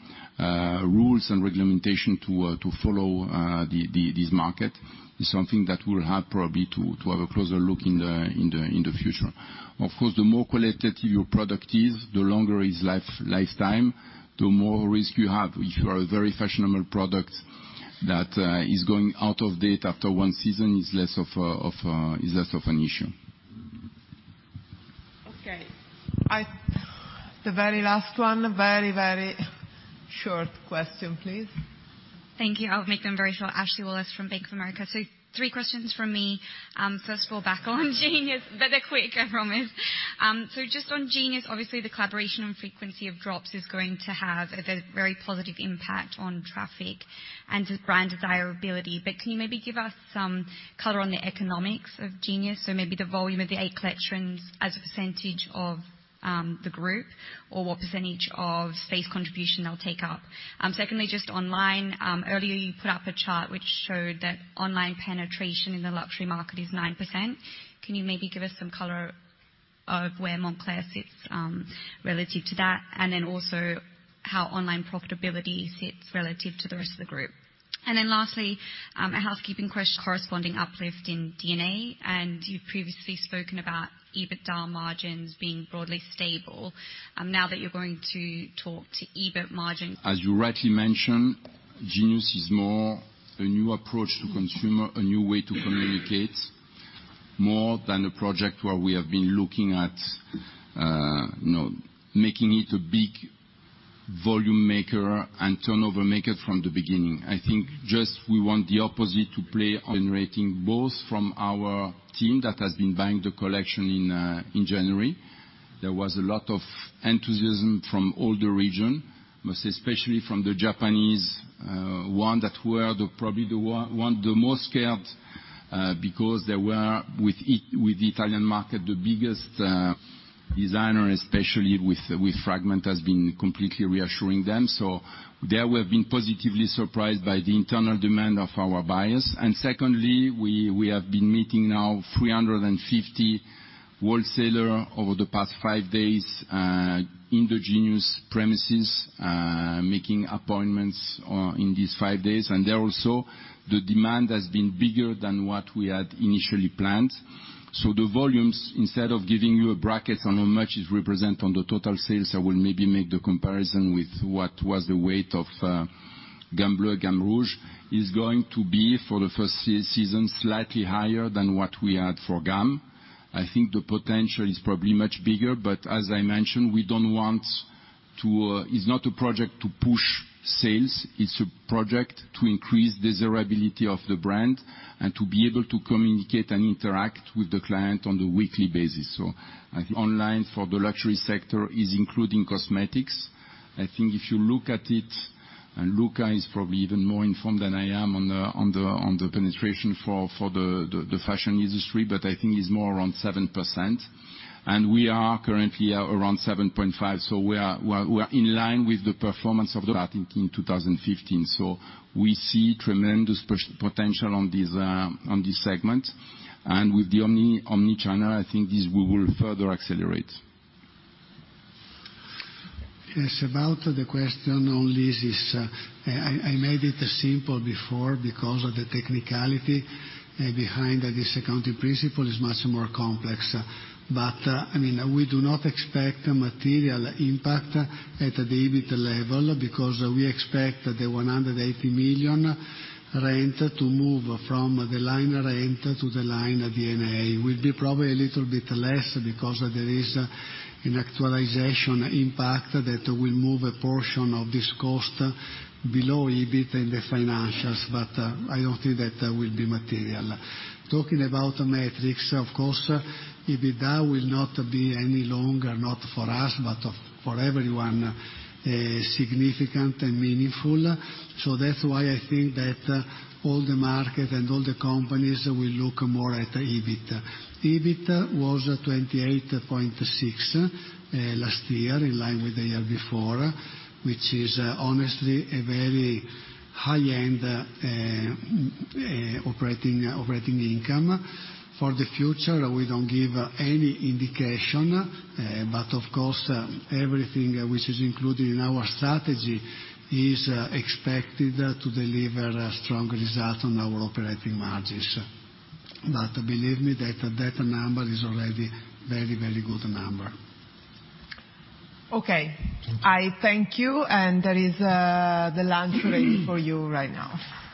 rules and regulation to follow this market. It's something that we'll have probably to have a closer look in the future. Of course, the more collected your product is, the longer its lifetime, the more risk you have. If you are a very fashionable product that is going out of date after one season, it's less of an issue. Okay. The very last one. Very, very short question, please. Thank you. I'll make them very short. Ashley Wallace from Bank of America. Three questions from me. First of all, back on Genius, but they're quick, I promise. Just on Genius, obviously, the collaboration and frequency of drops is going to have a very positive impact on traffic and just brand desirability. Can you maybe give us some color on the economics of Genius? Maybe the volume of the eight collections as a percentage of the group, or what percentage of space contribution they'll take up. Secondly, just online, earlier you put up a chart which showed that online penetration in the luxury market is 9%. Can you maybe give us some color of where Moncler sits relative to that, and then also how online profitability sits relative to the rest of the group. Lastly, a housekeeping question, corresponding uplift in D&A, and you've previously spoken about EBITDA margins being broadly stable. Now that you're going to talk to EBIT margin. As you rightly mentioned, Moncler Genius is more a new approach to consumer, a new way to communicate, more than a project where we have been looking at making it a big volume maker and turnover maker from the beginning. I think just we want the opposite to play on rating, both from our team that has been buying the collection in January. There was a lot of enthusiasm from all the region, most especially from the Japanese one that were probably the one the most scared because they were with the Italian market, the biggest designer, especially with Fragment, has been completely reassuring them. There we have been positively surprised by the internal demand of our buyers. Secondly, we have been meeting now 350 wholesalers over the past 5 days in the Moncler Genius premises, making appointments in these 5 days. There also, the demand has been bigger than what we had initially planned. The volumes, instead of giving you a bracket on how much is represent on the total sales, I will maybe make the comparison with what was the weight of Gamme Bleu, Gamme Rouge, is going to be for the first season, slightly higher than what we had for Gamme. I think the potential is probably much bigger, but as I mentioned, it's not a project to push sales. It's a project to increase desirability of the brand and to be able to communicate and interact with the client on a weekly basis. I think online for the luxury sector is including cosmetics. I think if you look at it, and Luca is probably even more informed than I am on the penetration for the fashion industry, but I think it's more around 7%. We are currently around 7.5%, we are in line with the performance of that in 2015. We see tremendous potential on this segment. With the omni-channel, I think this we will further accelerate. Yes, about the question on leases. I made it simple before because of the technicality behind this accounting principle is much more complex. We do not expect a material impact at the EBIT level because we expect the 180 million rent to move from the line rent to the line DNA. Will be probably a little bit less because there is an actualization impact that will move a portion of this cost below EBIT in the financials. I don't think that will be material. Talking about metrics, of course, EBITDA will not be any longer, not for us, but for everyone, significant and meaningful. That's why I think that all the market and all the companies will look more at EBIT. EBIT was 28.6% last year, in line with the year before, which is honestly a very high-end operating income. For the future, we don't give any indication, but of course, everything which is included in our strategy is expected to deliver a strong result on our operating margins. Believe me that number is already a very good number. Okay. I thank you. There is the lunch ready for you right now.